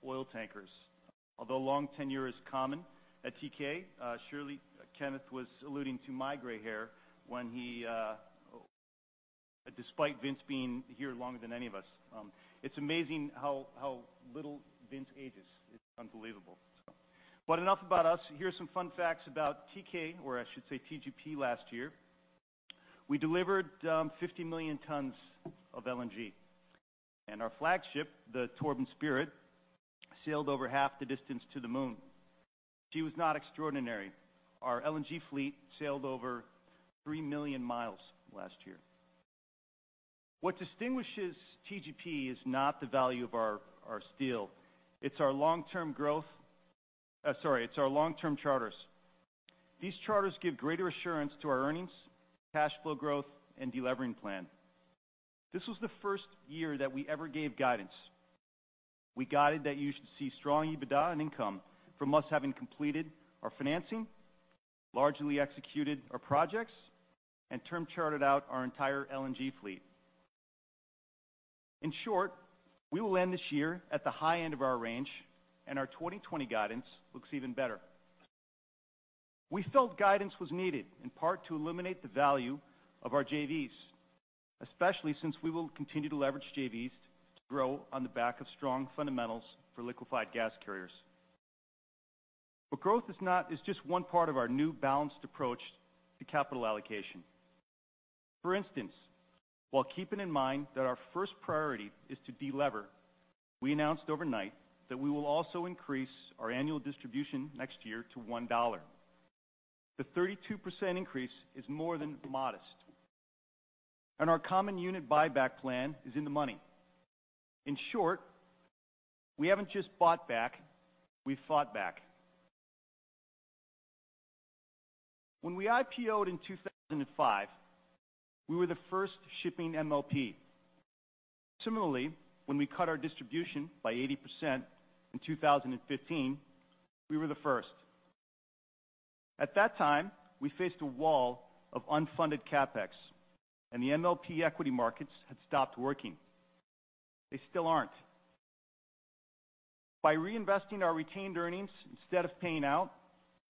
oil tankers. Although long tenure is common at Teekay, surely Kenneth was alluding to my gray hair despite Vince being here longer than any of us. It's amazing how little Vince ages. It's unbelievable. Enough about us. Here are some fun facts about Teekay, or I should say TGP last year. We delivered 50 million tons of LNG, and our flagship, the Torben Spirit, sailed over half the distance to the moon. She was not extraordinary. Our LNG fleet sailed over 3 million miles last year. What distinguishes TGP is not the value of our steel, it's our long-term charters. These charters give greater assurance to our earnings, cash flow growth, and delevering plan. This was the first year that we ever gave guidance. We guided that you should see strong EBITDA and income from us having completed our financing, largely executed our projects, and term chartered out our entire LNG fleet. In short, we will end this year at the high end of our range, and our 2020 guidance looks even better. We felt guidance was needed, in part to illuminate the value of our JVs, especially since we will continue to leverage JVs to grow on the back of strong fundamentals for liquified gas carriers. Growth is just one part of our new balanced approach to capital allocation. For instance, while keeping in mind that our first priority is to delever, we announced overnight that we will also increase our annual distribution next year to $1. The 32% increase is more than modest. Our common unit buyback plan is in the money. In short, we haven't just bought back, we've fought back. When we IPO'd in 2005, we were the first shipping MLP. Similarly, when we cut our distribution by 80% in 2015, we were the first. At that time, we faced a wall of unfunded CapEx, and the MLP equity markets had stopped working. They still aren't. By reinvesting our retained earnings instead of paying out,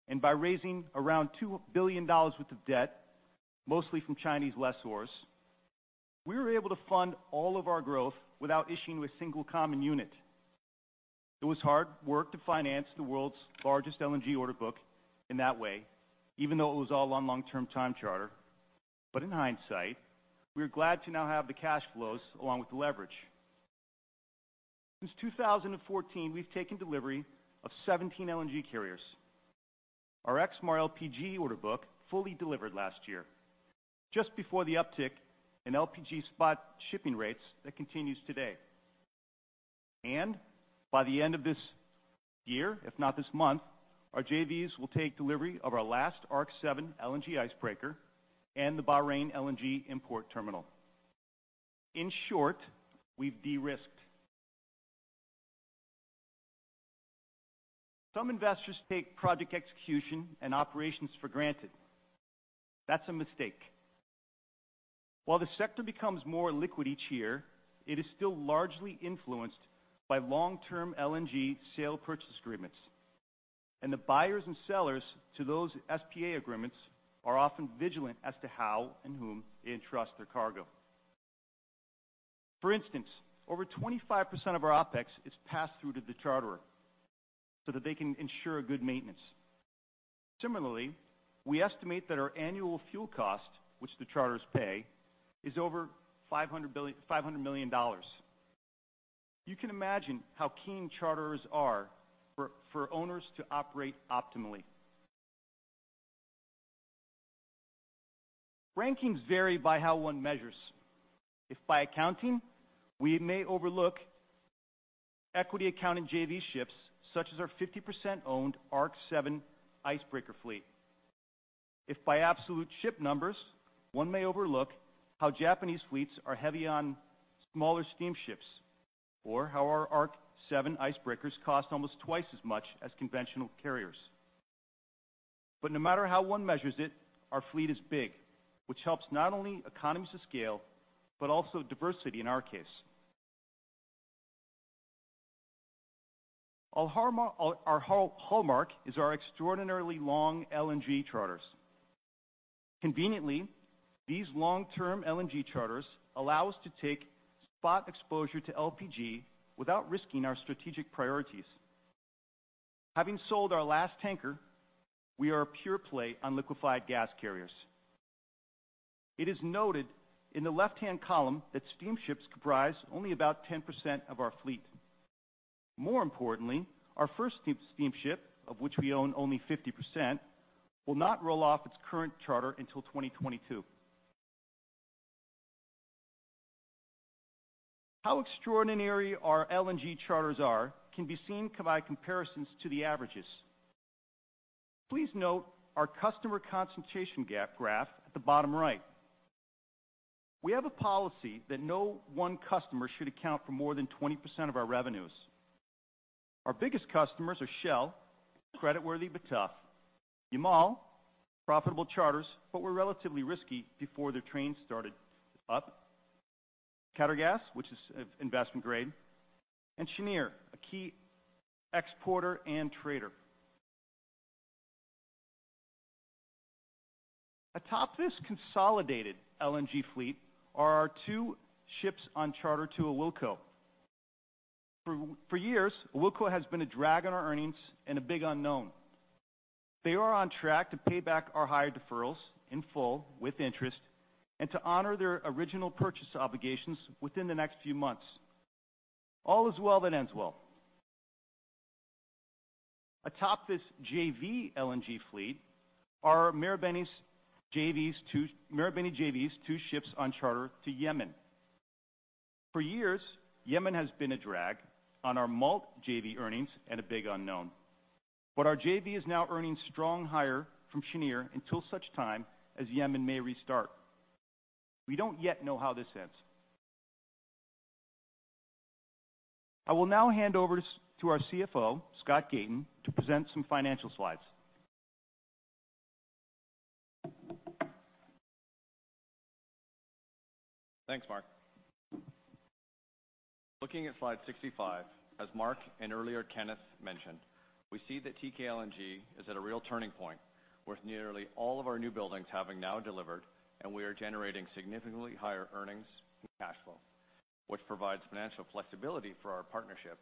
and by raising around $2 billion worth of debt, mostly from Chinese lessors, we were able to fund all of our growth without issuing a single common unit. It was hard work to finance the world's largest LNG order book in that way, even though it was all on long-term time charter. In hindsight, we are glad to now have the cash flows along with the leverage. Since 2014, we've taken delivery of 17 LNG carriers. Our EXMAR LPG order book fully delivered last year, just before the uptick in LPG spot shipping rates that continues today. By the end of this year, if not this month, our JVs will take delivery of our last Arc7 LNG icebreaker and the Bahrain LNG import terminal. In short, we've de-risked. Some investors take project execution and operations for granted. That's a mistake. While the sector becomes more liquid each year, it is still largely influenced by long-term LNG sale purchase agreements, and the buyers and sellers to those SPA agreements are often vigilant as to how and whom they entrust their cargo. For instance, over 25% of our OPEX is passed through to the charterer so that they can ensure good maintenance. Similarly, we estimate that our annual fuel cost, which the charters pay, is over $500 million. You can imagine how keen charterers are for owners to operate optimally. Rankings vary by how one measures. If by accounting, we may overlook equity account and JV ships, such as our 50%-owned Arc7 icebreaker fleet. If by absolute ship numbers, one may overlook how Japanese fleets are heavy on smaller steamships, or how our Arc7 icebreakers cost almost twice as much as conventional carriers. No matter how one measures it, our fleet is big, which helps not only economies of scale, but also diversity in our case. Our hallmark is our extraordinarily long LNG charters. Conveniently, these long-term LNG charters allow us to take spot exposure to LPG without risking our strategic priorities. Having sold our last tanker, we are a pure play on liquefied gas carriers. It is noted in the left-hand column that steamships comprise only about 10% of our fleet. More importantly, our first steamship, of which we own only 50%, will not roll off its current charter until 2022. How extraordinary our LNG charters are can be seen by comparisons to the averages. Please note our customer concentration graph at the bottom right. We have a policy that no one customer should account for more than 20% of our revenues. Our biggest customers are Shell, creditworthy but tough, Yamal, profitable charters, but were relatively risky before their train started up, Qatargas, which is investment grade, and Cheniere, a key exporter and trader. Atop this consolidated LNG fleet are our two ships on charter to Awilco. For years, Awilco has been a drag on our earnings and a big unknown. They are on track to pay back our hire deferrals in full with interest and to honor their original purchase obligations within the next few months. All is well that ends well. Atop this JV LNG fleet are Marubeni JV's two ships on charter to Yamal. For years, Yamal has been a drag on our Marubeni JV earnings and a big unknown. Our JV is now earning strong hire from Cheniere until such time as Yamal may restart. We don't yet know how this ends. I will now hand over to our CFO, Scott Gayton, to present some financial slides. Thanks, Mark. Looking at slide 65, as Mark and earlier Kenneth mentioned, we see that Teekay LNG is at a real turning point, with nearly all of our new buildings having now delivered, and we are generating significantly higher earnings and cash flow, which provides financial flexibility for our partnership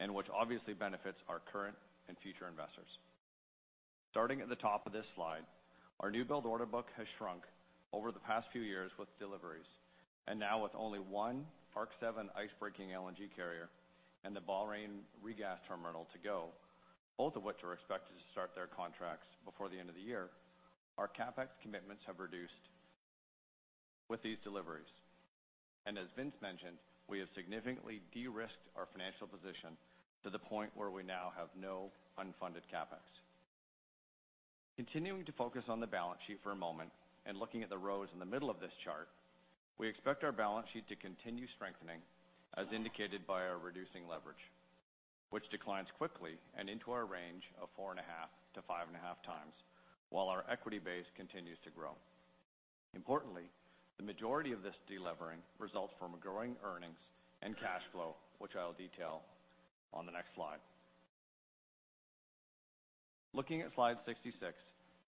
and which obviously benefits our current and future investors. Starting at the top of this slide, our new build order book has shrunk over the past few years with deliveries. Now with only one Arc7 icebreaking LNG carrier and the Bahrain regas terminal to go, both of which are expected to start their contracts before the end of the year, our CapEx commitments have reduced. With these deliveries, as Vince mentioned, we have significantly de-risked our financial position to the point where we now have no unfunded CapEx. Continuing to focus on the balance sheet for a moment, looking at the rows in the middle of this chart, we expect our balance sheet to continue strengthening as indicated by our reducing leverage, which declines quickly and into our range of four and a half to five and a half times, while our equity base continues to grow. Importantly, the majority of this de-levering results from growing earnings and cash flow, which I'll detail on the next slide. Looking at slide 66,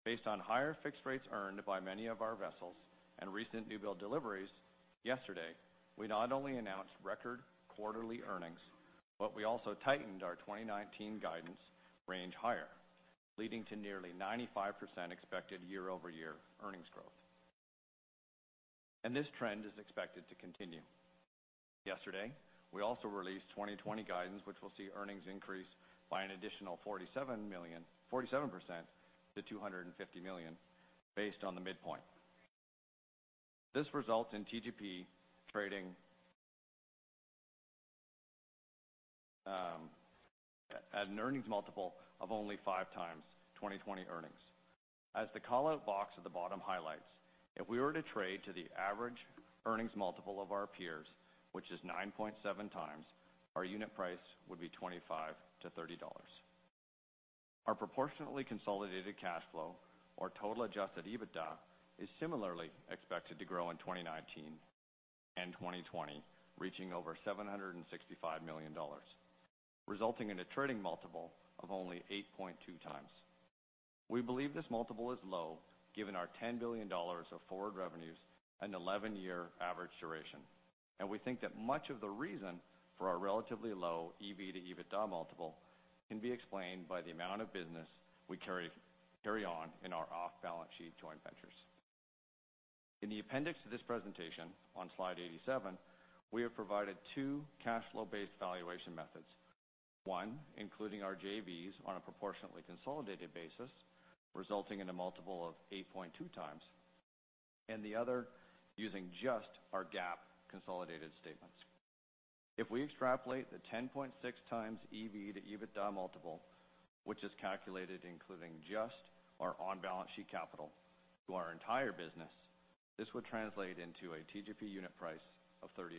based on higher fixed rates earned by many of our vessels and recent new-build deliveries, yesterday, we not only announced record quarterly earnings, we also tightened our 2019 guidance range higher, leading to nearly 95% expected year-over-year earnings growth. This trend is expected to continue. Yesterday, we also released 2020 guidance, which will see earnings increase by an additional 47% to $250 million based on the midpoint. This results in TGP trading at an earnings multiple of only 5x 2020 earnings. As the call-out box at the bottom highlights, if we were to trade to the average earnings multiple of our peers, which is 9.7x, our unit price would be $25-$30. Our proportionately consolidated cash flow or total adjusted EBITDA is similarly expected to grow in 2019 and 2020, reaching over $765 million, resulting in a trading multiple of only 8.2x. We believe this multiple is low given our $10 billion of forward revenues and 11-year average duration. We think that much of the reason for our relatively low EV to EBITDA multiple can be explained by the amount of business we carry on in our off-balance sheet joint ventures. In the appendix to this presentation on slide 87, we have provided two cashflow-based valuation methods. One, including our JVs on a proportionately consolidated basis, resulting in a multiple of 8.2 times. The other using just our GAAP consolidated statements. If we extrapolate the 10.6 times EV to EBITDA multiple, which is calculated including just our on-balance sheet capital to our entire business, this would translate into a TGP unit price of $38.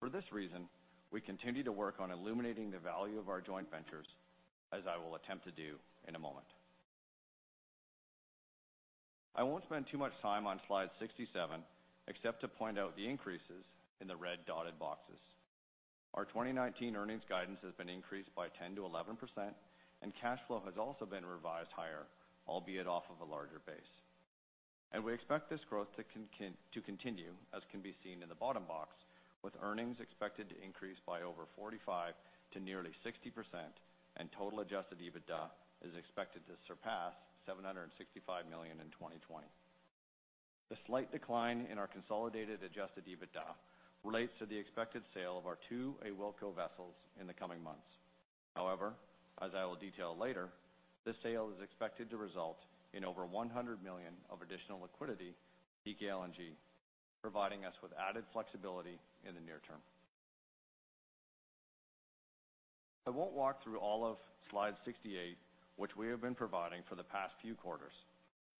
For this reason, we continue to work on illuminating the value of our joint ventures as I will attempt to do in a moment. I won't spend too much time on slide 67 except to point out the increases in the red dotted boxes. Our 2019 earnings guidance has been increased by 10%-11%, and cash flow has also been revised higher, albeit off of a larger base. We expect this growth to continue, as can be seen in the bottom box, with earnings expected to increase by over 45%-60%, and total adjusted EBITDA is expected to surpass $765 million in 2020. The slight decline in our consolidated adjusted EBITDA relates to the expected sale of our two Awilco vessels in the coming months. However, as I will detail later, this sale is expected to result in over $100 million of additional liquidity to TKLNG, providing us with added flexibility in the near term. I won't walk through all of slide 68, which we have been providing for the past few quarters,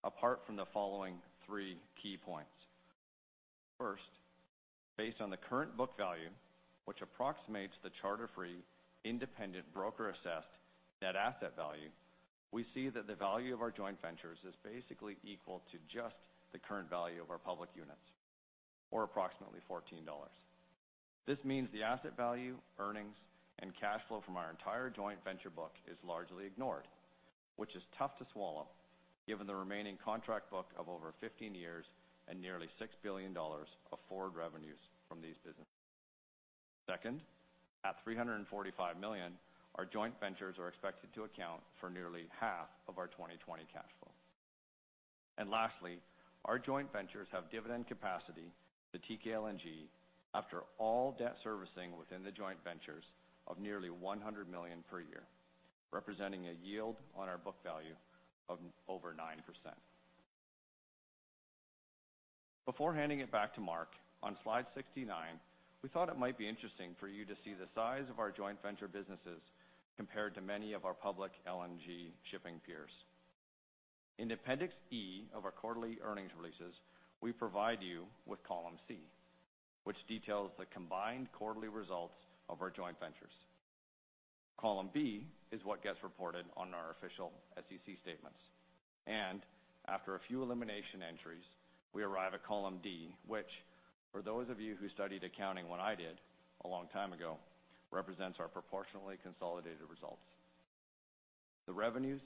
apart from the following three key points. First, based on the current book value, which approximates the charter free independent broker-assessed net asset value, we see that the value of our joint ventures is basically equal to just the current value of our public units, or approximately $14. This means the asset value, earnings, and cash flow from our entire joint venture book is largely ignored, which is tough to swallow given the remaining contract book of over 15 years and nearly $6 billion of forward revenues from these businesses. Second, at $345 million, our joint ventures are expected to account for nearly half of our 2020 cash flow. Lastly, our joint ventures have dividend capacity to TKLNG after all debt servicing within the joint ventures of nearly $100 million per year, representing a yield on our book value of over 9%. Before handing it back to Mark, on slide 69, we thought it might be interesting for you to see the size of our joint venture businesses compared to many of our public LNG shipping peers. In Appendix E of our quarterly earnings releases, we provide you with column C, which details the combined quarterly results of our joint ventures. Column B is what gets reported on our official SEC statements. After a few elimination entries, we arrive at column D, which for those of you who studied accounting when I did a long time ago, represents our proportionately consolidated results. The revenues,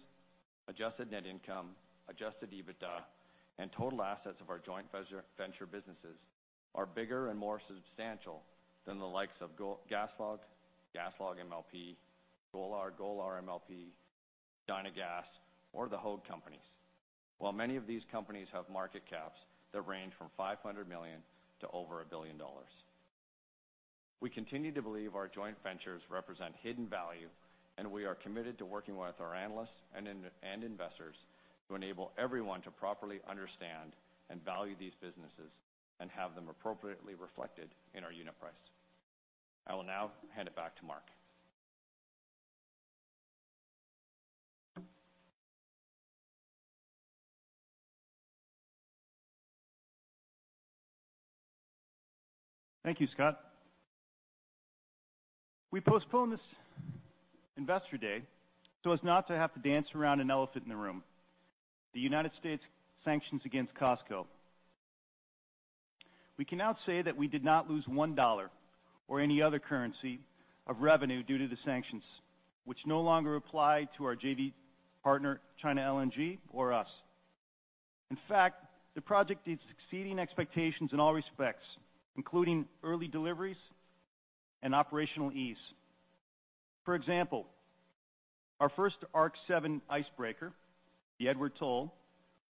adjusted net income, adjusted EBITDA, and total assets of our joint venture businesses are bigger and more substantial than the likes of GasLog MLP, Golar MLP, Dynagas, or The Höegh Companies. While many of these companies have market caps that range from $500 million to over $1 billion. We continue to believe our joint ventures represent hidden value, and we are committed to working with our analysts and investors to enable everyone to properly understand and value these businesses and have them appropriately reflected in our unit price. I will now hand it back to Mark. Thank you, Scott. We postponed this Investor Day so as not to have to dance around an elephant in the room, the U.S. sanctions against COSCO. We can now say that we did not lose $1 or any other currency of revenue due to the sanctions, which no longer apply to our JV partner, China LNG, or us. In fact, the project is exceeding expectations in all respects, including early deliveries and operational ease. For example, our first Arc7 icebreaker, the Eduard Toll,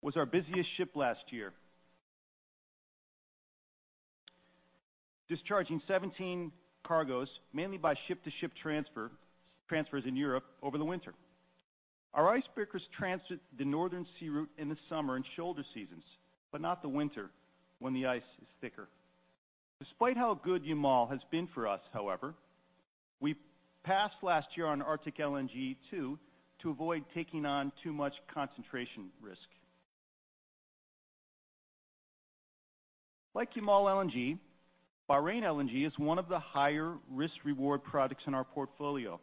was our busiest ship last year, discharging 17 cargoes, mainly by ship-to-ship transfers in Europe over the winter. Our icebreakers transit the northern sea route in the summer and shoulder seasons, but not the winter, when the ice is thicker. Despite how good Yamal has been for us, however, we passed last year on Arctic LNG 2 to avoid taking on too much concentration risk. Like Yamal LNG, Bahrain LNG is one of the higher risk-reward products in our portfolio.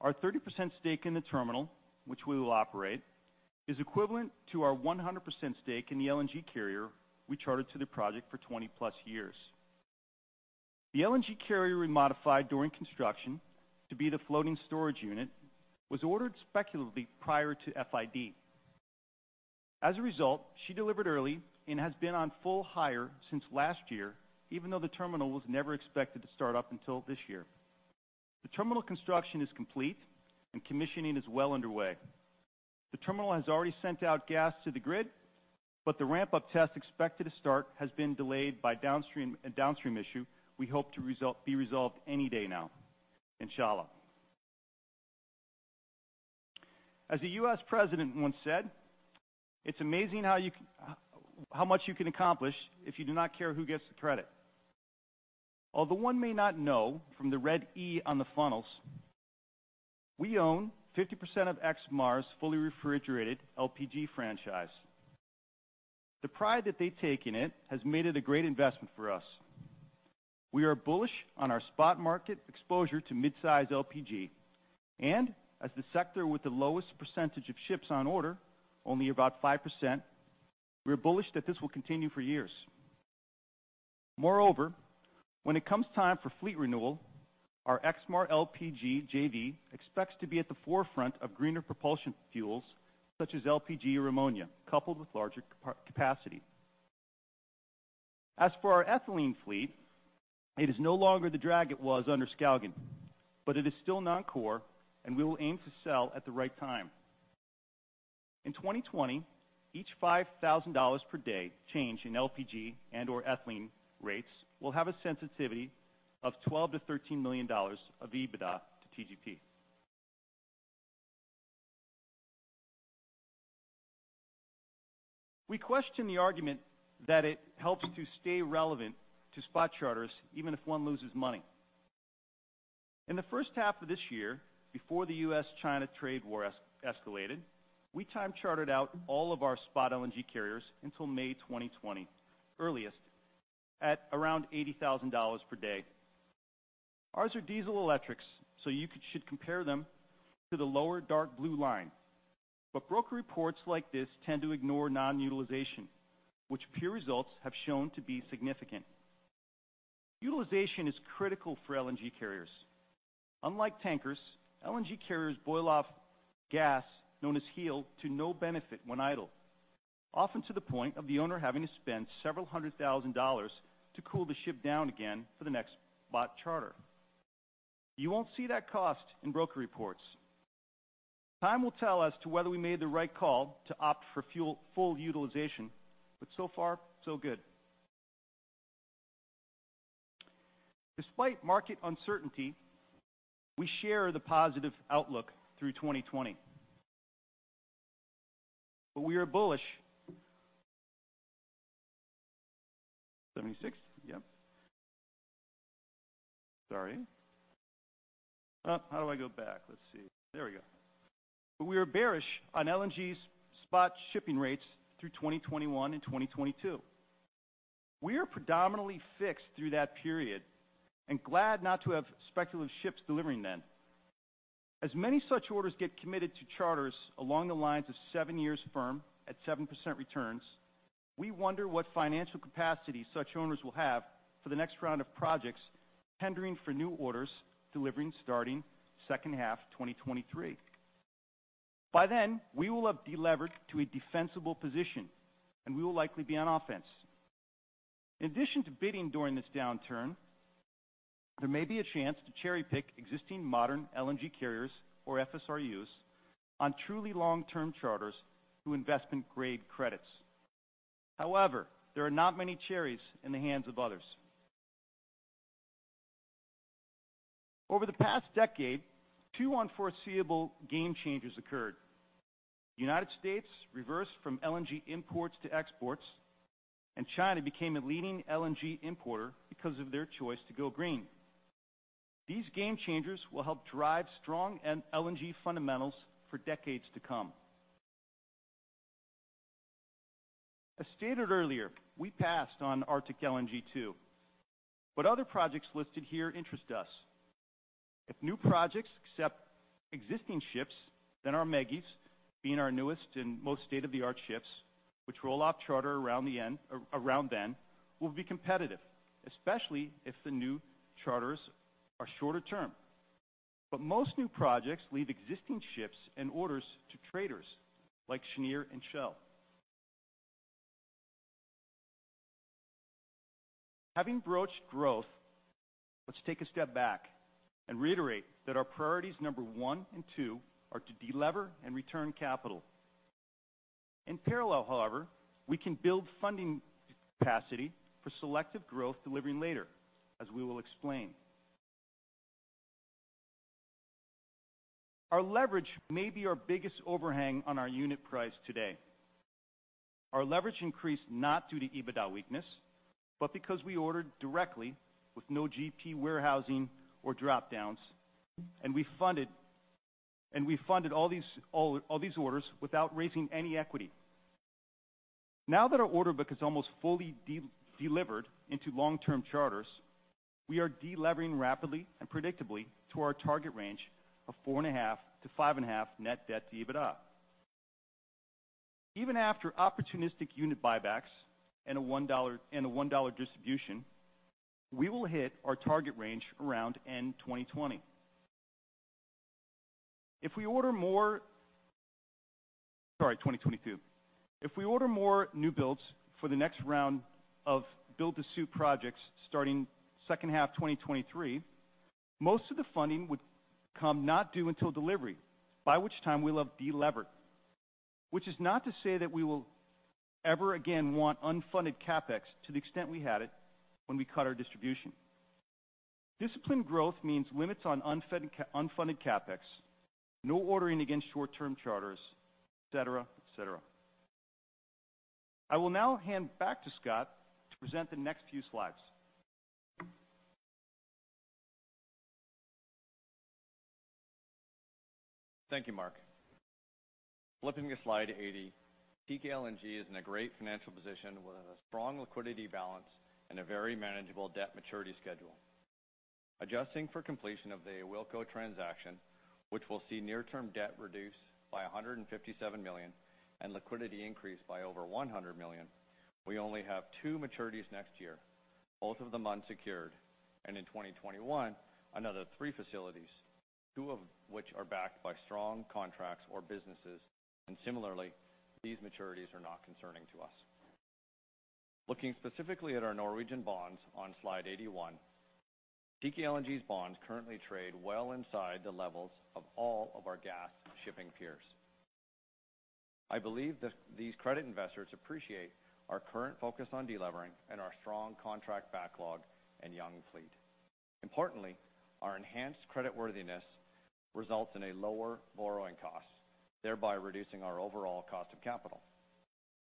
Our 30% stake in the terminal, which we will operate, is equivalent to our 100% stake in the LNG carrier we chartered to the project for 20-plus years. The LNG carrier we modified during construction to be the floating storage unit was ordered speculatively prior to FID. As a result, she delivered early and has been on full hire since last year, even though the terminal was never expected to start up until this year. The terminal construction is complete, and commissioning is well underway. The terminal has already sent out gas to the grid, but the ramp-up test expected to start has been delayed by a downstream issue we hope to be resolved any day now, Inshallah. As a U.S. president once said, "It's amazing how much you can accomplish if you do not care who gets the credit." Although one may not know from the red E on the funnels, we own 50% of EXMAR's fully refrigerated LPG franchise. The pride that they take in it has made it a great investment for us. We're bullish on our spot market exposure to mid-size LPG, and as the sector with the lowest percentage of ships on order, only about 5%, we're bullish that this will continue for years. Moreover, when it comes time for fleet renewal, our EXMAR LPG JV expects to be at the forefront of greener propulsion fuels such as LPG or ammonia, coupled with larger capacity. As for our ethylene fleet, it is no longer the drag it was under Skaugen, but it is still non-core, and we will aim to sell at the right time. In 2020, each $5,000 per day change in LPG and/or ethylene rates will have a sensitivity of $12 million-$13 million of EBITDA to TGP. We question the argument that it helps to stay relevant to spot charters, even if one loses money. In the first half of this year, before the U.S.-China trade war escalated, we time-chartered out all of our spot LNG carriers until May 2020, earliest, at around $80,000 per day. Ours are diesel-electrics, so you should compare them to the lower dark blue line. Broker reports like this tend to ignore non-utilization, which peer results have shown to be significant. Utilization is critical for LNG carriers. Unlike tankers, LNG carriers boil off gas, known as heel, to no benefit when idle, often to the point of the owner having to spend several hundred thousand dollars to cool the ship down again for the next spot charter. You won't see that cost in broker reports. Time will tell as to whether we made the right call to opt for full utilization, so far, so good. Despite market uncertainty, we share the positive outlook through 2020. We are bullish. 76 yep. Sorry. How do I go back? Let's see. There we go. We are bearish on LNG's spot shipping rates through 2021 and 2022. We are predominantly fixed through that period and glad not to have speculative ships delivering then. As many such orders get committed to charters along the lines of seven years firm at 7% returns, we wonder what financial capacity such owners will have for the next round of projects tendering for new orders delivering starting second half 2023. By then, we will have de-leveraged to a defensible position, and we will likely be on offense. In addition to bidding during this downturn, there may be a chance to cherry-pick existing modern LNG carriers or FSRUs on truly long-term charters through investment-grade credits. However, there are not many cherries in the hands of others. Over the past decade, two unforeseeable game changers occurred. The United States reversed from LNG imports to exports, and China became a leading LNG importer because of their choice to go green. These game changers will help drive strong LNG fundamentals for decades to come. As stated earlier, we passed on Arctic LNG 2, but other projects listed here interest us. If new projects accept existing ships, then our ME-GIs, being our newest and most state-of-the-art ships, which roll off charter around then, will be competitive, especially if the new charters are shorter term. Most new projects leave existing ships and orders to traders like Cheniere and Shell. Having broached growth, let's take a step back and reiterate that our priorities number one and two are to de-lever and return capital. In parallel, however, we can build funding capacity for selective growth delivery later, as we will explain. Our leverage may be our biggest overhang on our unit price today. Our leverage increased not due to EBITDA weakness, but because we ordered directly with no GP warehousing or drop-downs, and we funded all these orders without raising any equity. Now that our order book is almost fully delivered into long-term charters, we are de-levering rapidly and predictably to our target range of 4.5-5.5 net debt to EBITDA. Even after opportunistic unit buybacks and a $1 distribution, we will hit our target range around end 2020. If we order more, sorry, 2022. If we order more new builds for the next round of build-to-suit projects starting second half 2023, most of the funding would come not due until delivery, by which time we will have de-levered. Which is not to say that we will ever again want unfunded CapEx to the extent we had it when we cut our distribution. Disciplined growth means limits on unfunded CapEx, no ordering against short-term charters, et cetera. I will now hand back to Scott to present the next few slides. Thank you, Mark. Flipping to slide 80, Teekay LNG is in a great financial position with a strong liquidity balance and a very manageable debt maturity schedule. Adjusting for completion of the Awilco transaction, which will see near-term debt reduced by $157 million and liquidity increased by over $100 million, we only have two maturities next year, both of them unsecured, and in 2021, another three facilities, two of which are backed by strong contracts or businesses, and similarly, these maturities are not concerning to us. Looking specifically at our Norwegian bonds on slide 81, Teekay LNG's bonds currently trade well inside the levels of all of our gas shipping peers. I believe these credit investors appreciate our current focus on de-levering and our strong contract backlog and young fleet. Importantly, our enhanced creditworthiness results in a lower borrowing cost, thereby reducing our overall cost of capital.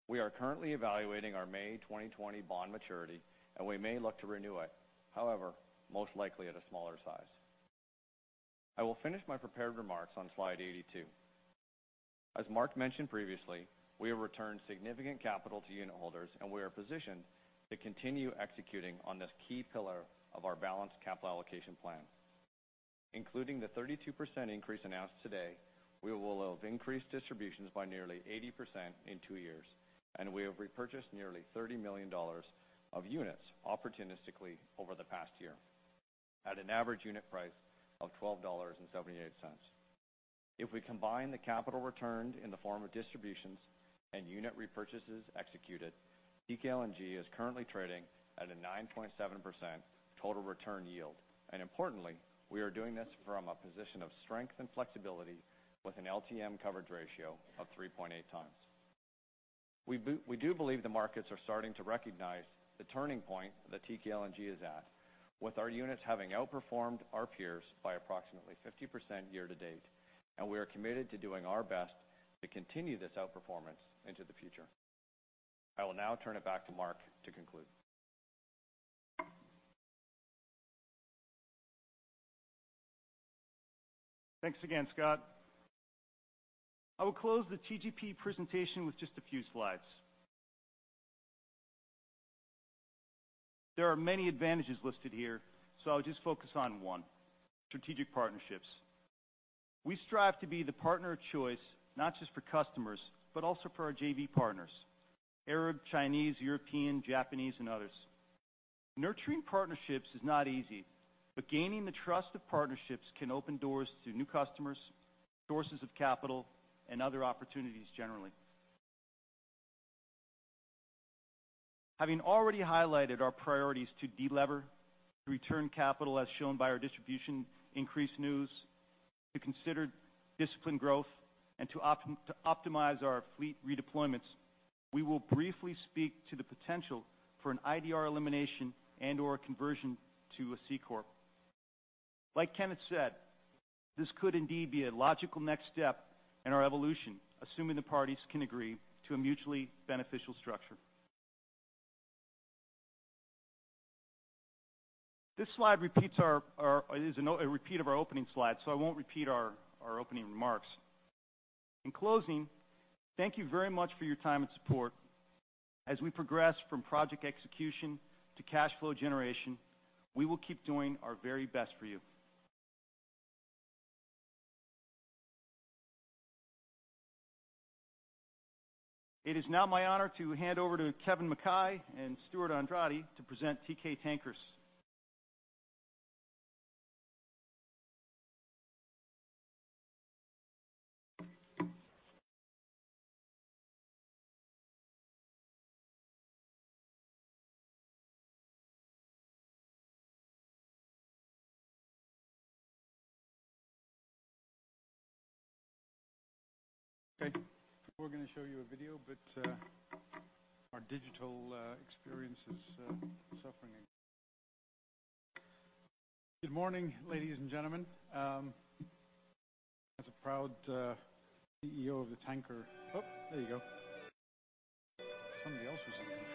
We are currently evaluating our May 2020 bond maturity, and we may look to renew it. However, most likely at a smaller size. I will finish my prepared remarks on slide 82. As Mark mentioned previously, we have returned significant capital to unit holders, and we are positioned to continue executing on this key pillar of our balanced capital allocation plan. Including the 32% increase announced today, we will have increased distributions by nearly 80% in two years, and we have repurchased nearly $30 million of units opportunistically over the past year at an average unit price of $12.78. If we combine the capital returned in the form of distributions and unit repurchases executed, Teekay LNG is currently trading at a 9.7% total return yield. And importantly, we are doing this from a position of strength and flexibility with an LTM coverage ratio of 3.8x. We do believe the markets are starting to recognize the turning point that Teekay LNG is at, with our units having outperformed our peers by approximately 50% year to date, and we are committed to doing our best to continue this outperformance into the future. I will now turn it back to Mark to conclude. Thanks again, Scott. I will close the TGP presentation with just a few slides. There are many advantages listed here, so I'll just focus on one: strategic partnerships. We strive to be the partner of choice, not just for customers, but also for our JV partners, Arab, Chinese, European, Japanese, and others. Nurturing partnerships is not easy, but gaining the trust of partnerships can open doors to new customers, sources of capital, and other opportunities generally. Having already highlighted our priorities to delever, to return capital as shown by our distribution increase news, to consider disciplined growth, and to optimize our fleet redeployments, we will briefly speak to the potential for an IDR elimination and/or conversion to a C corp. Like Kenneth said, this could indeed be a logical next step in our evolution, assuming the parties can agree to a mutually beneficial structure. This slide is a repeat of our opening slide, so I won't repeat our opening remarks. In closing, thank you very much for your time and support. As we progress from project execution to cash flow generation, we will keep doing our very best for you. It is now my honor to hand over to Kevin Mackay and Stewart Andrade to present Teekay Tankers. Okay. We're going to show you a video, but our digital experience is suffering. Good morning, ladies and gentlemen. Oh, there you go. Somebody else is in control.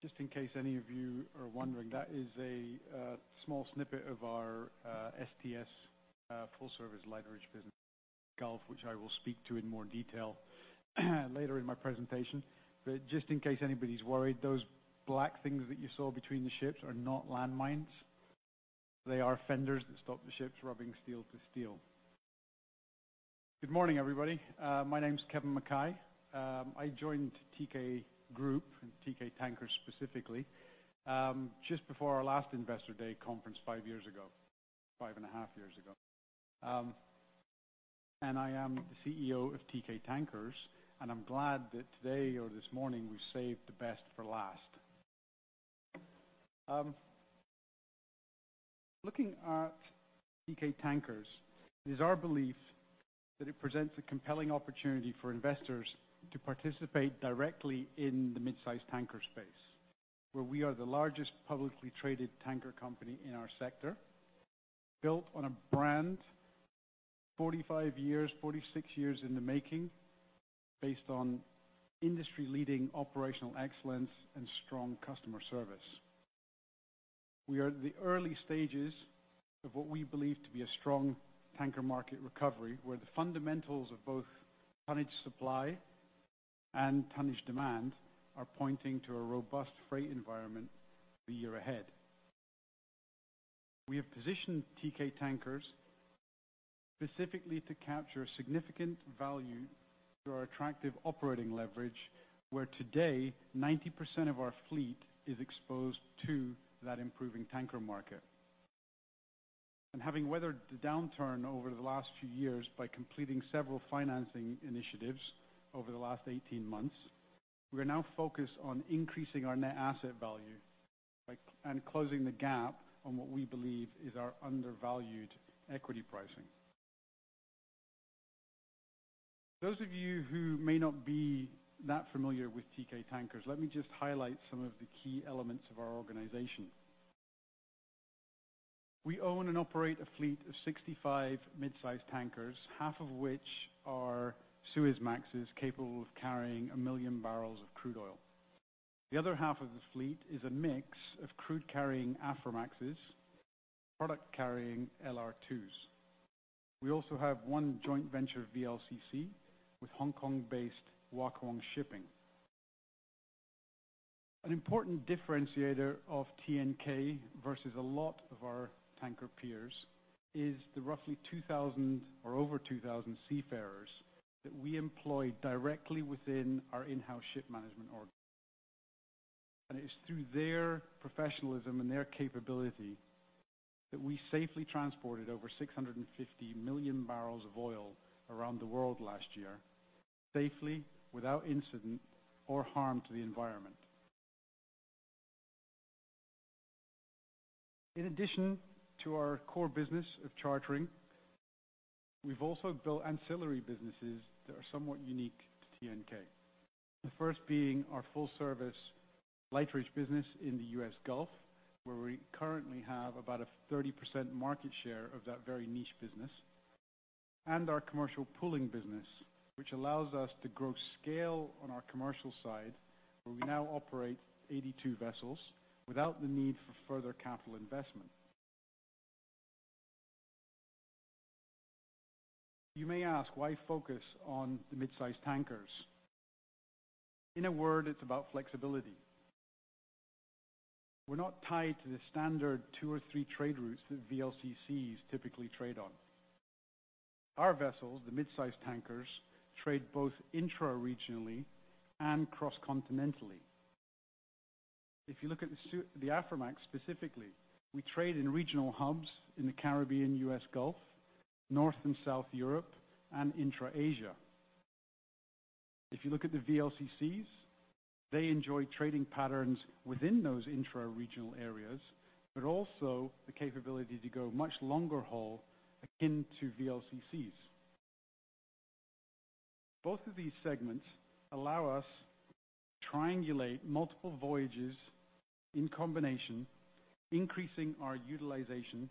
Just in case any of you are wondering, that is a small snippet of our STS full-service lightering business in the Gulf, which I will speak to in more detail later in my presentation. Just in case anybody's worried, those black things that you saw between the ships are not landmines. They are fenders that stop the ships from rubbing steel to steel. Good morning, everybody. My name's Kevin Mackay. I joined Teekay Group, and Teekay Tankers specifically, just before our last Investor Day conference five and a half years ago. I am the CEO of Teekay Tankers, and I'm glad that today or this morning, we've saved the best for last. Looking at Teekay Tankers, it is our belief that it presents a compelling opportunity for investors to participate directly in the mid-size tanker space, where we are the largest publicly traded tanker company in our sector, built on a brand 46 years in the making, based on industry-leading operational excellence and strong customer service. We are at the early stages of what we believe to be a strong tanker market recovery, where the fundamentals of both tonnage supply and tonnage demand are pointing to a robust freight environment for the year ahead. We have positioned Teekay Tankers specifically to capture significant value through our attractive operating leverage, where today, 90% of our fleet is exposed to that improving tanker market. Having weathered the downturn over the last few years by completing several financing initiatives over the last 18 months, we are now focused on increasing our net asset value and closing the gap on what we believe is our undervalued equity pricing. Those of you who may not be that familiar with Teekay Tankers, let me just highlight some of the key elements of our organization. We own and operate a fleet of 65 mid-size tankers, half of which are Suezmaxes capable of carrying 1 million barrels of crude oil. The other half of the fleet is a mix of crude-carrying Aframaxes and product-carrying LR2s. We also have one joint venture VLCC with Hong Kong-based Wah Kwong Shipping. An important differentiator of TNK versus a lot of our tanker peers is the roughly over 2,000 seafarers that we employ directly within our in-house ship management organization. It is through their professionalism and their capability that we safely transported over 650 million barrels of oil around the world last year, safely without incident or harm to the environment. In addition to our core business of chartering, we've also built ancillary businesses that are somewhat unique to TNK. The first being our full-service lightering business in the U.S. Gulf, where we currently have about a 30% market share of that very niche business, and our commercial pooling business, which allows us to grow scale on our commercial side, where we now operate 82 vessels without the need for further capital investment. You may ask why focus on the midsize tankers. In a word, it's about flexibility. We're not tied to the standard two or three trade routes that VLCCs typically trade on. Our vessels, the midsize tankers, trade both intra-regionally and cross-continentally. If you look at the Aframax specifically, we trade in regional hubs in the Caribbean, U.S. Gulf, North and South Europe, and intra-Asia. If you look at the VLCCs, they enjoy trading patterns within those intra-regional areas, but also the capability to go much longer haul akin to VLCCs. Both of these segments allow us to triangulate multiple voyages in combination, increasing our utilization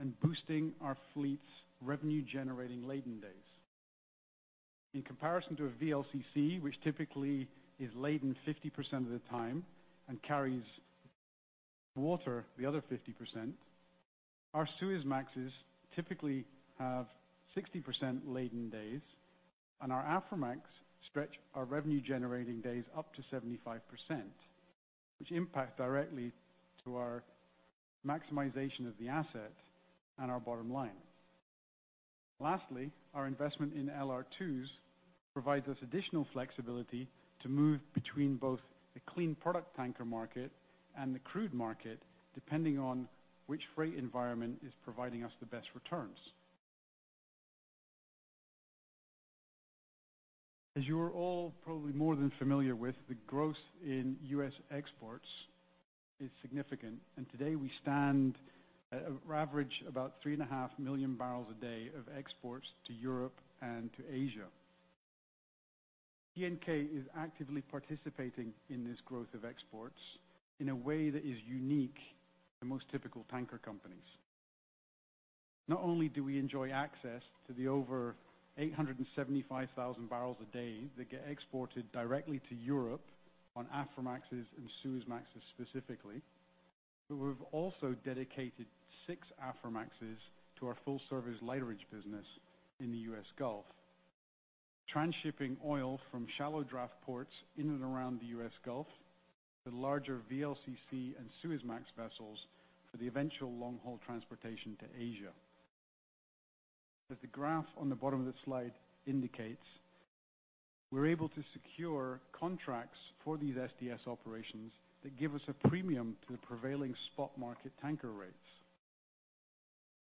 and boosting our fleet's revenue-generating laden days. In comparison to a VLCC, which typically is laden 50% of the time and carries water the other 50%, our Suezmaxes typically have 60% laden days, and our Aframax stretch our revenue-generating days up to 75%, which impact directly to our maximization of the asset and our bottom line. Lastly, our investment in LR2s provides us additional flexibility to move between both the clean product tanker market and the crude market, depending on which freight environment is providing us the best returns. As you are all probably more than familiar with, the growth in U.S. exports is significant, and today we stand at an average of about 3.5 million barrels a day of exports to Europe and to Asia. Teekay is actively participating in this growth of exports in a way that is unique to most typical tanker companies. Not only do we enjoy access to the over 875,000 barrels a day that get exported directly to Europe on Aframaxes and Suezmaxes specifically, but we've also dedicated six Aframaxes to our full-service lighterage business in the U.S. Gulf, transshipping oil from shallow draft ports in and around the U.S. Gulf to larger VLCC and Suezmax vessels for the eventual long-haul transportation to Asia. As the graph on the bottom of the slide indicates, we're able to secure contracts for these STS operations that give us a premium to the prevailing spot market tanker rates,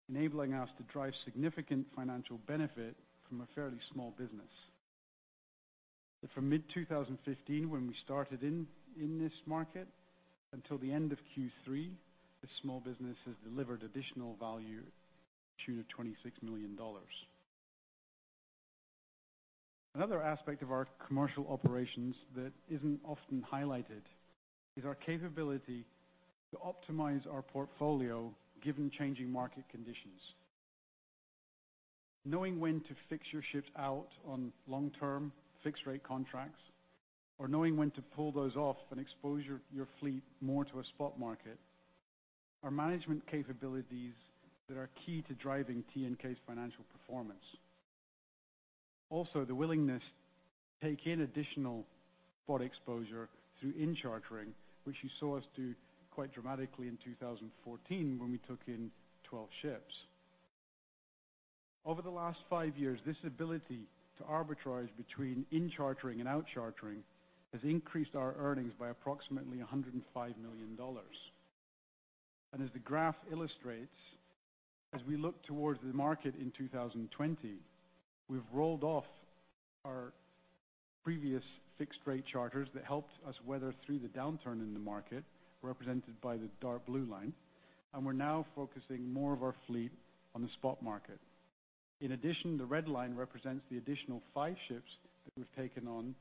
enabling us to drive significant financial benefit from a fairly small business. From mid-2015, when we started in this market until the end of Q3, this small business has delivered additional value to the tune of $26 million. Another aspect of our commercial operations that isn't often highlighted is our capability to optimize our portfolio given changing market conditions. Knowing when to fix your ships out on long-term fixed-rate contracts or knowing when to pull those off and expose your fleet more to a spot market are management capabilities that are key to driving Teekay's financial performance. The willingness to take in additional spot exposure through in-chartering, which you saw us do quite dramatically in 2014, when we took in 12 ships. Over the last five years, this ability to arbitrage between in-chartering and out-chartering has increased our earnings by approximately $105 million. As the graph illustrates, as we look towards the market in 2020, we've rolled off our previous fixed-rate charters that helped us weather through the downturn in the market, represented by the dark blue line, and we're now focusing more of our fleet on the spot market. In addition, the red line represents the additional five ships that we've taken on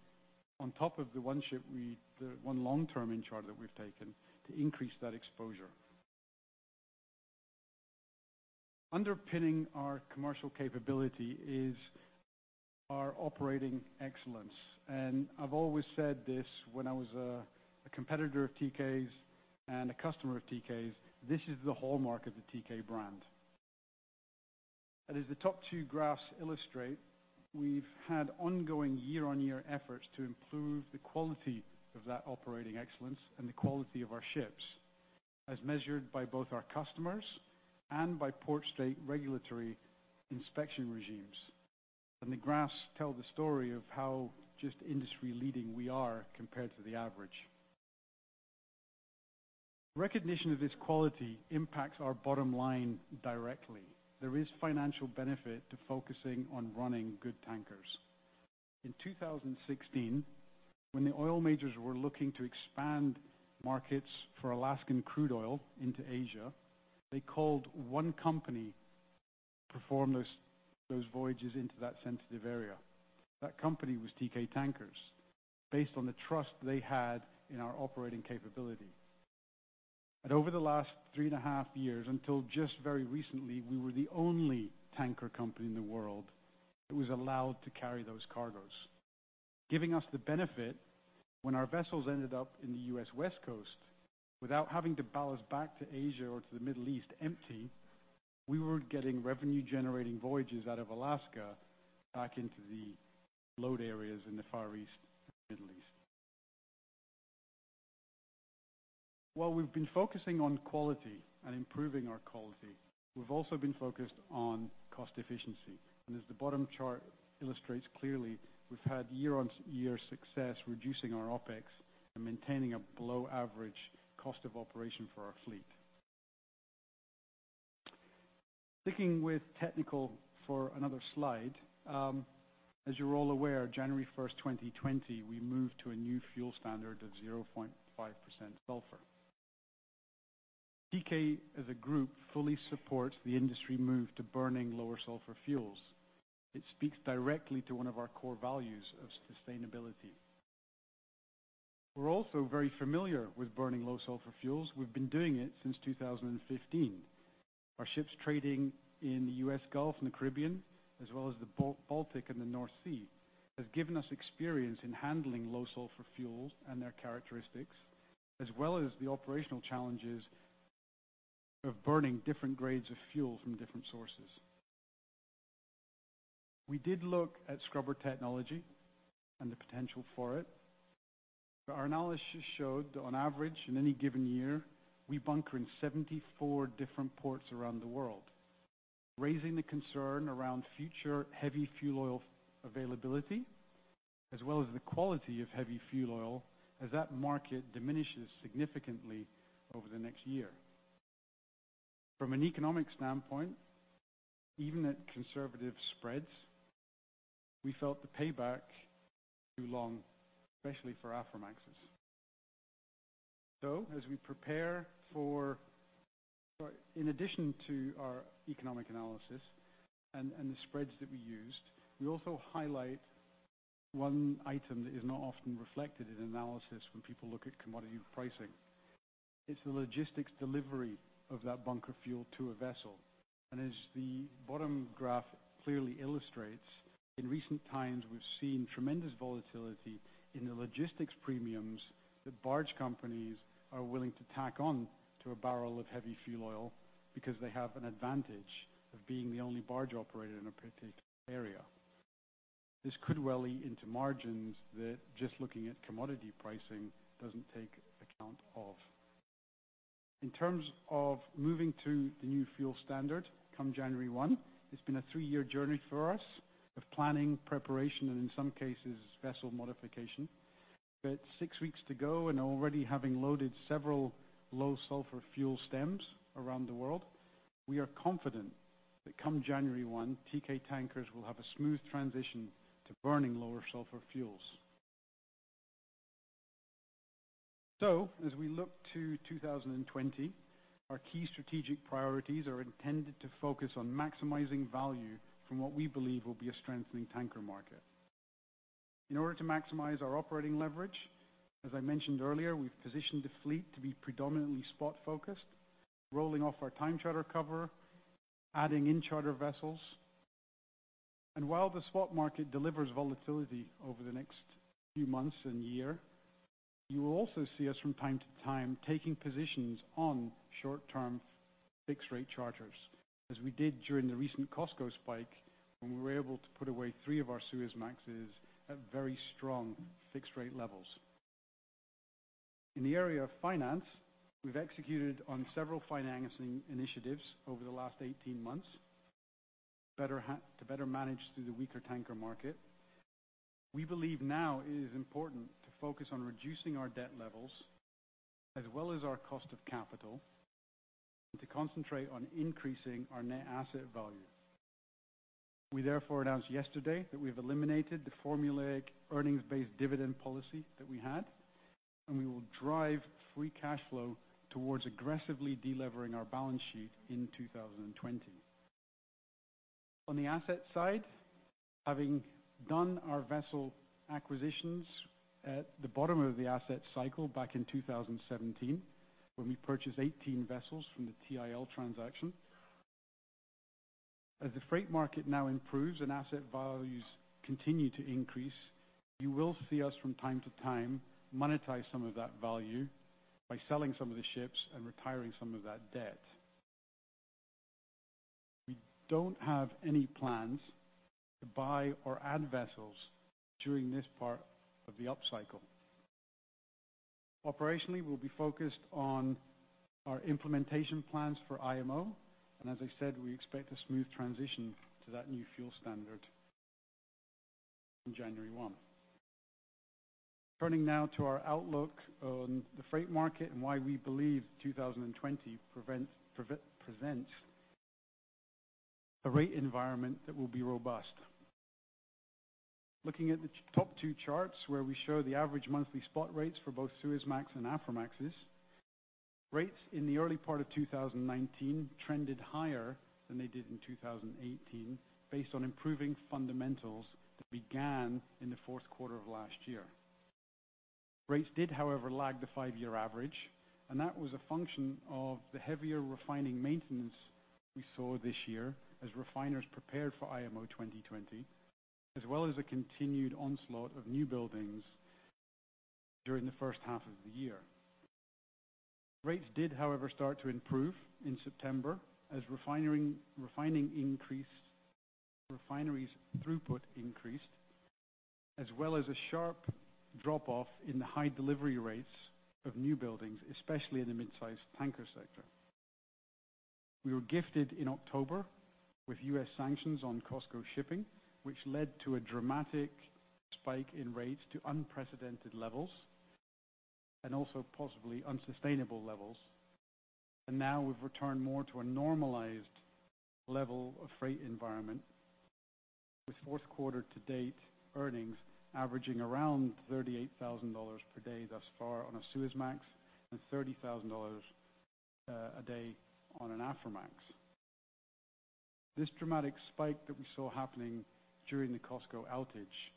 top of the one long-term in charter that we've taken to increase that exposure. Underpinning our commercial capability is our operating excellence. I've always said this when I was a competitor of Teekay's and a customer of Teekay's, this is the hallmark of the Teekay brand. As the top two graphs illustrate, we've had ongoing year-on-year efforts to improve the quality of that operating excellence and the quality of our ships, as measured by both our customers and by port state regulatory inspection regimes. The graphs tell the story of how just industry-leading we are compared to the average. Recognition of this quality impacts our bottom line directly. There is financial benefit to focusing on running good tankers. In 2016, when the oil majors were looking to expand markets for Alaskan crude oil into Asia, they called one company to perform those voyages into that sensitive area. That company was Teekay Tankers, based on the trust they had in our operating capability. Over the last three and a half years until just very recently, we were the only tanker company in the world that was allowed to carry those cargoes. Giving us the benefit when our vessels ended up in the U.S. West Coast without having to ballast back to Asia or to the Middle East empty, we were getting revenue generating voyages out of Alaska back into the load areas in the Far East and Middle East. While we've been focusing on quality and improving our quality, we've also been focused on cost efficiency. As the bottom chart illustrates clearly, we've had year-on-year success reducing our OPEX and maintaining a below average cost of operation for our fleet. Sticking with technical for another slide, as you're all aware, January 1st, 2020, we moved to a new fuel standard of 0.5% sulfur. Teekay as a group fully supports the industry move to burning lower sulfur fuels. It speaks directly to one of our core values of sustainability. We're also very familiar with burning low sulfur fuels. We've been doing it since 2015. Our ships trading in the U.S. Gulf and the Caribbean, as well as the Baltic and the North Sea, have given us experience in handling low sulfur fuels and their characteristics, as well as the operational challenges of burning different grades of fuel from different sources. We did look at scrubber technology and the potential for it, but our analysis showed that on average, in any given year, we bunker in 74 different ports around the world, raising the concern around future heavy fuel oil availability, as well as the quality of heavy fuel oil as that market diminishes significantly over the next year. From an economic standpoint, even at conservative spreads, we felt the payback too long, especially for Aframaxes. As we prepare, in addition to our economic analysis and the spreads that we used, we also highlight one item that is not often reflected in analysis when people look at commodity pricing. It's the logistics delivery of that bunker fuel to a vessel. As the bottom graph clearly illustrates, in recent times, we've seen tremendous volatility in the logistics premiums that barge companies are willing to tack on to a barrel of heavy fuel oil because they have an advantage of being the only barge operator in a particular area. This could well eat into margins that just looking at commodity pricing doesn't take account of. In terms of moving to the new fuel standard come January 1, it's been a three-year journey for us of planning, preparation, and in some cases, vessel modification. Six weeks to go and already having loaded several low sulfur fuel stems around the world, we are confident that come January 1, Teekay Tankers will have a smooth transition to burning lower sulfur fuels. As we look to 2020, our key strategic priorities are intended to focus on maximizing value from what we believe will be a strengthening tanker market. In order to maximize our operating leverage, as I mentioned earlier, we've positioned the fleet to be predominantly spot focused, rolling off our time charter cover, adding in charter vessels. While the spot market delivers volatility over the next few months and year, you will also see us from time to time taking positions on short-term fixed rate charters, as we did during the recent COSCO spike, when we were able to put away three of our Suezmaxes at very strong fixed rate levels. In the area of finance, we've executed on several financing initiatives over the last 18 months to better manage through the weaker tanker market. We believe now it is important to focus on reducing our debt levels as well as our cost of capital, and to concentrate on increasing our net asset value. We therefore announced yesterday that we've eliminated the formulaic earnings-based dividend policy that we had, we will drive free cash flow towards aggressively de-levering our balance sheet in 2020. On the asset side, having done our vessel acquisitions at the bottom of the asset cycle back in 2017, when we purchased 18 vessels from the TIL transaction. As the freight market now improves and asset values continue to increase, you will see us from time to time monetize some of that value by selling some of the ships and retiring some of that debt. We don't have any plans to buy or add vessels during this part of the upcycle. Operationally, we'll be focused on our implementation plans for IMO, and as I said, we expect a smooth transition to that new fuel standard from January 1. Turning now to our outlook on the freight market and why we believe 2020 presents a rate environment that will be robust. Looking at the top two charts where we show the average monthly spot rates for both Suezmax and Aframaxes, rates in the early part of 2019 trended higher than they did in 2018 based on improving fundamentals that began in the fourth quarter of last year. Rates did, however, lag the five-year average, and that was a function of the heavier refining maintenance we saw this year as refiners prepared for IMO 2020, as well as a continued onslaught of new buildings during the first half of the year. Rates did, however, start to improve in September as refineries' throughput increased, as well as a sharp drop-off in the high delivery rates of new buildings, especially in the mid-sized tanker sector. We were gifted in October with U.S. sanctions on COSCO Shipping, which led to a dramatic spike in rates to unprecedented levels, and also possibly unsustainable levels. Now we've returned more to a normalized level of freight environment, with fourth quarter to date earnings averaging around $38,000 per day thus far on a Suezmax and $30,000 a day on an Aframax. This dramatic spike that we saw happening during the COSCO outage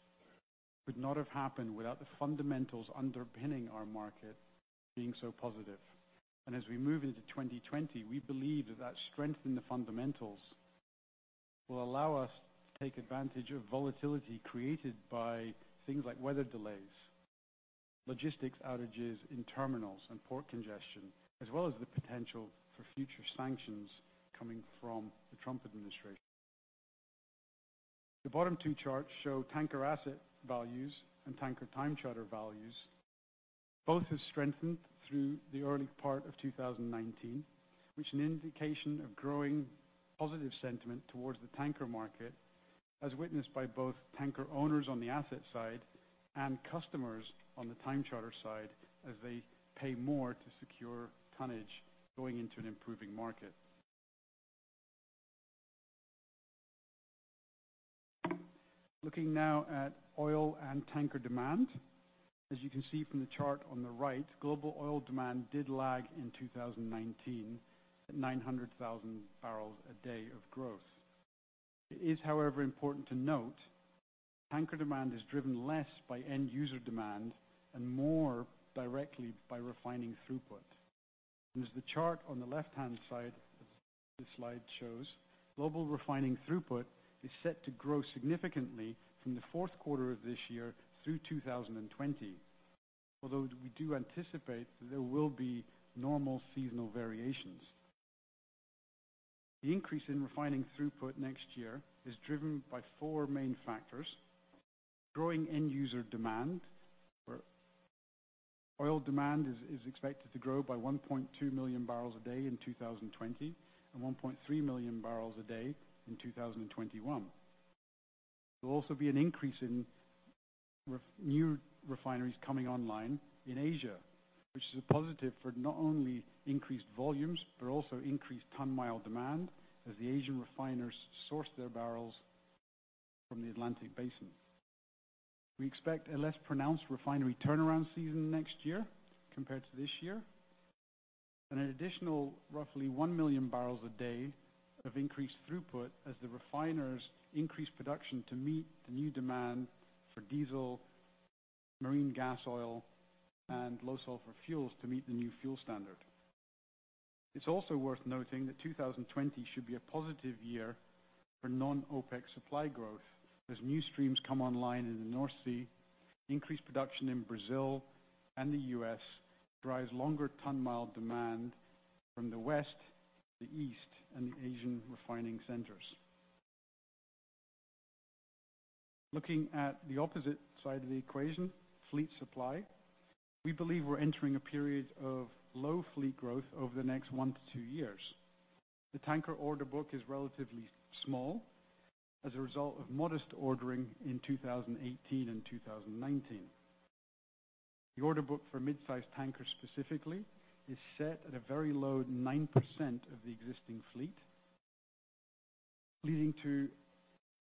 could not have happened without the fundamentals underpinning our market being so positive. As we move into 2020, we believe that that strength in the fundamentals will allow us to take advantage of volatility created by things like weather delays, logistics outages in terminals, and port congestion, as well as the potential for future sanctions coming from the Trump administration. The bottom two charts show tanker asset values and tanker time charter values. Both have strengthened through the early part of 2019, which is an indication of growing positive sentiment towards the tanker market as witnessed by both tanker owners on the asset side and customers on the time charter side, as they pay more to secure tonnage going into an improving market. Looking now at oil and tanker demand. As you can see from the chart on the right, global oil demand did lag in 2019 at 900,000 barrels a day of growth. It is, however, important to note, tanker demand is driven less by end user demand and more directly by refining throughput. As the chart on the left-hand side of this slide shows, global refining throughput is set to grow significantly from the fourth quarter of this year through 2020, although we do anticipate that there will be normal seasonal variations. The increase in refining throughput next year is driven by four main factors, growing end user demand, where oil demand is expected to grow by 1.2 million barrels a day in 2020 and 1.3 million barrels a day in 2021. There will also be an increase in new refineries coming online in Asia, which is a positive for not only increased volumes but also increased ton mile demand as the Asian refiners source their barrels from the Atlantic Basin. We expect a less pronounced refinery turnaround season next year compared to this year, and an additional roughly one million barrels a day of increased throughput as the refiners increase production to meet the new demand for diesel, marine gas oil, and low sulfur fuels to meet the new fuel standard. It's also worth noting that 2020 should be a positive year for non-OPEX supply growth as new streams come online in the North Sea, increased production in Brazil and the U.S., drives longer ton mile demand from the West, the East, and the Asian refining centers. Looking at the opposite side of the equation, fleet supply. We believe we're entering a period of low fleet growth over the next one to two years. The tanker order book is relatively small as a result of modest ordering in 2018 and 2019. The order book for mid-size tankers specifically, is set at a very low 9% of the existing fleet, leading to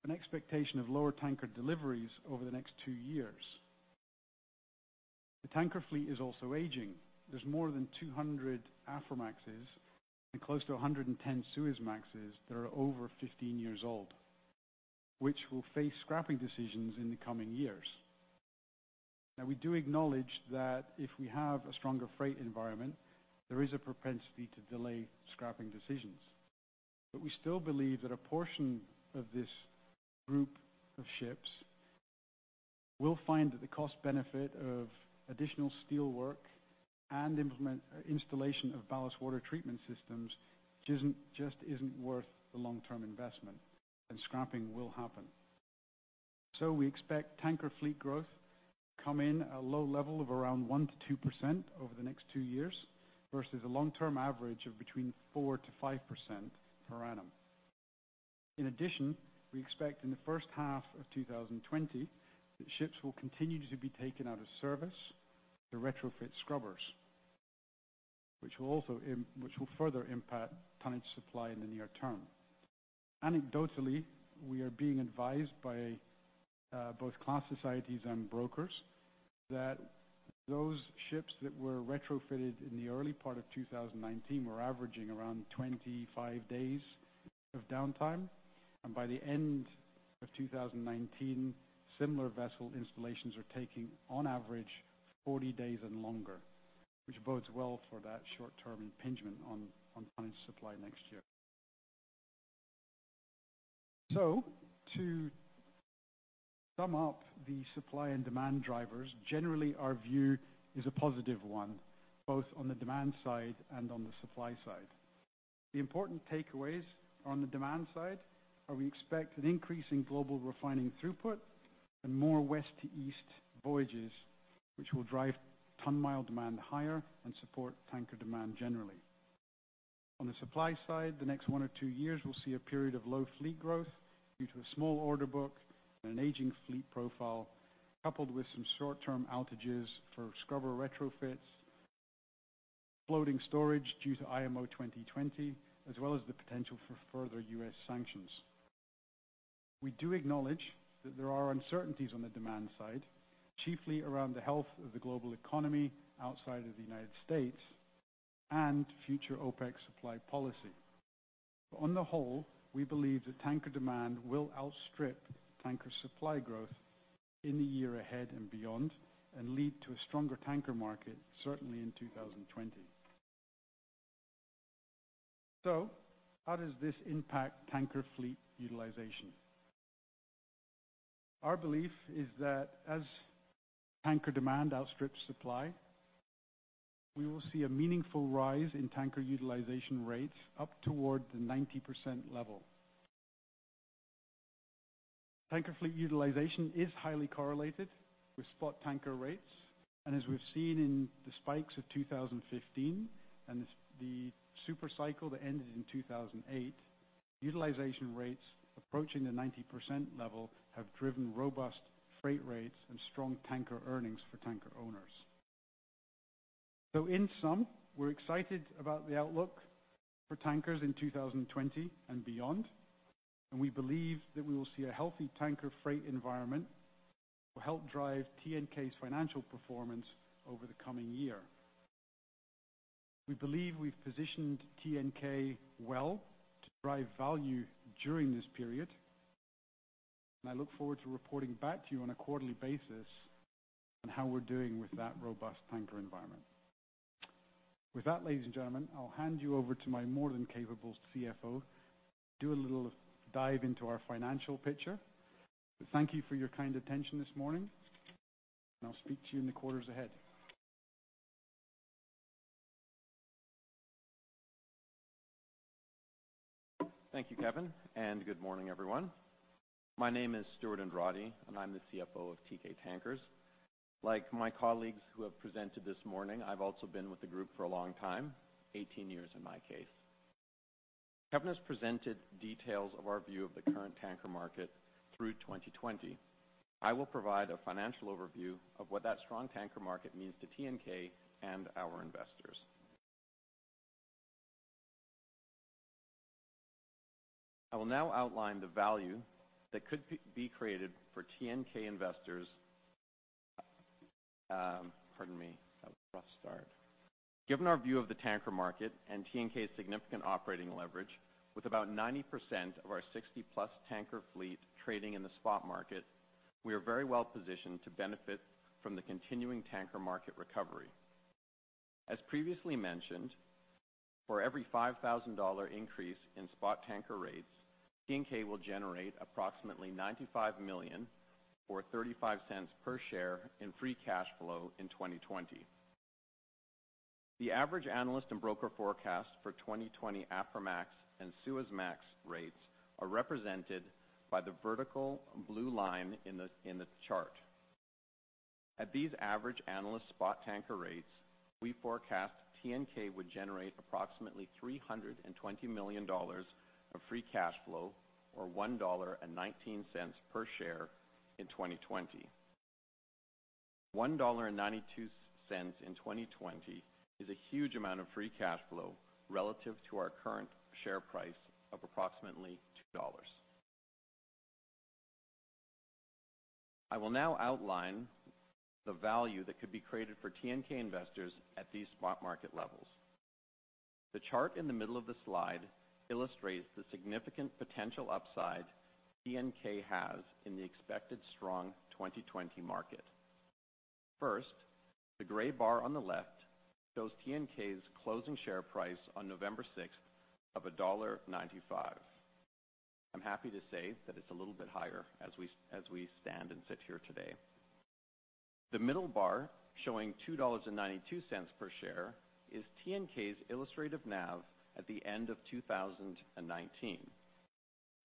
an expectation of lower tanker deliveries over the next two years. The tanker fleet is also aging. There's more than 200 Aframaxes and close to 110 Suezmaxes that are over 15 years old, which will face scrapping decisions in the coming years. We do acknowledge that if we have a stronger freight environment, there is a propensity to delay scrapping decisions. We still believe that a portion of this group of ships will find that the cost benefit of additional steelwork and installation of ballast water treatment systems just isn't worth the long-term investment, and scrapping will happen. We expect tanker fleet growth to come in at a low level of around 1% to 2% over the next two years, versus a long-term average of between 4% to 5% per annum. In addition, we expect in the first half of 2020, that ships will continue to be taken out of service to retrofit scrubbers, which will further impact tonnage supply in the near term. Anecdotally, we are being advised by both class societies and brokers that those ships that were retrofitted in the early part of 2019 were averaging around 25 days of downtime, and by the end of 2019, similar vessel installations are taking, on average, 40 days and longer, which bodes well for that short-term impingement on tonnage supply next year. To sum up the supply and demand drivers, generally our view is a positive one, both on the demand side and on the supply side. The important takeaways are on the demand side, are we expect an increase in global refining throughput and more West to East voyages, which will drive ton mile demand higher and support tanker demand generally. On the supply side, the next one or two years will see a period of low fleet growth due to a small order book and an aging fleet profile, coupled with some short-term outages for scrubber retrofits, floating storage due to IMO 2020, as well as the potential for further U.S. sanctions. We do acknowledge that there are uncertainties on the demand side, chiefly around the health of the global economy outside of the United States and future OPEX supply policy. On the whole, we believe that tanker demand will outstrip tanker supply growth in the year ahead and beyond and lead to a stronger tanker market, certainly in 2020. How does this impact tanker fleet utilization? Our belief is that as tanker demand outstrips supply, we will see a meaningful rise in tanker utilization rates up toward the 90% level. Tanker fleet utilization is highly correlated with spot tanker rates. As we've seen in the spikes of 2015 and the super cycle that ended in 2008, utilization rates approaching the 90% level have driven robust freight rates and strong tanker earnings for tanker owners. In sum, we're excited about the outlook for tankers in 2020 and beyond. We believe that we will see a healthy tanker freight environment will help drive TNK's financial performance over the coming year. We believe we've positioned TNK well to drive value during this period. I look forward to reporting back to you on a quarterly basis on how we're doing with that robust tanker environment. With that, ladies and gentlemen, I'll hand you over to my more than capable CFO to do a little dive into our financial picture. Thank you for your kind attention this morning, and I'll speak to you in the quarters ahead. Thank you, Kevin, and good morning, everyone. My name is Stewart Andrade, and I'm the CFO of Teekay Tankers. Like my colleagues who have presented this morning, I've also been with the group for a long time, 18 years in my case. Kevin has presented details of our view of the current tanker market through 2020. I will provide a financial overview of what that strong tanker market means to TNK and our investors. I will now outline the value that could be created for TNK investors. Pardon me, that was a rough start. Given our view of the tanker market and TNK's significant operating leverage with about 90% of our 60-plus tanker fleet trading in the spot market, we are very well positioned to benefit from the continuing tanker market recovery. As previously mentioned, for every $5,000 increase in spot tanker rates, TNK will generate approximately $95 million or $0.35 per share in free cash flow in 2020. The average analyst and broker forecast for 2020 Aframax and Suezmax rates are represented by the vertical blue line in the chart. At these average analyst spot tanker rates, we forecast TNK would generate approximately $320 million of free cash flow or $1.19 per share in 2020. $1.92 in 2020 is a huge amount of free cash flow relative to our current share price of approximately $2. I will now outline the value that could be created for TNK investors at these spot market levels. The chart in the middle of the slide illustrates the significant potential upside TNK has in the expected strong 2020 market. The gray bar on the left shows TNK's closing share price on November 6th of $1.95. I'm happy to say that it's a little bit higher as we stand and sit here today. The middle bar showing $2.92 per share is TNK's illustrative NAV at the end of 2019.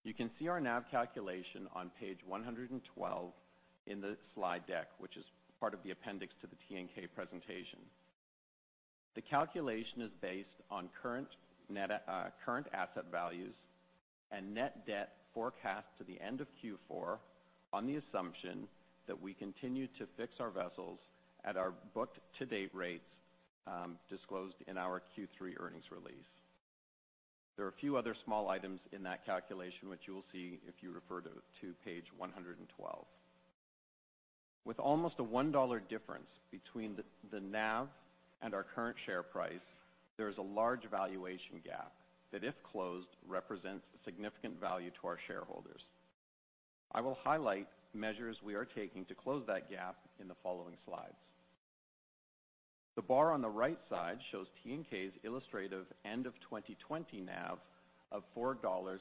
You can see our NAV calculation on page 112 in the slide deck, which is part of the appendix to the TNK presentation. The calculation is based on current asset values and net debt forecast to the end of Q4 on the assumption that we continue to fix our vessels at our booked to-date rates, disclosed in our Q3 earnings release. There are a few other small items in that calculation, which you will see if you refer to page 112. With almost a $1 difference between the NAV and our current share price, there is a large valuation gap that, if closed, represents significant value to our shareholders. I will highlight measures we are taking to close that gap in the following slides. The bar on the right side shows Teekay's illustrative end of 2020 NAV of $4.18.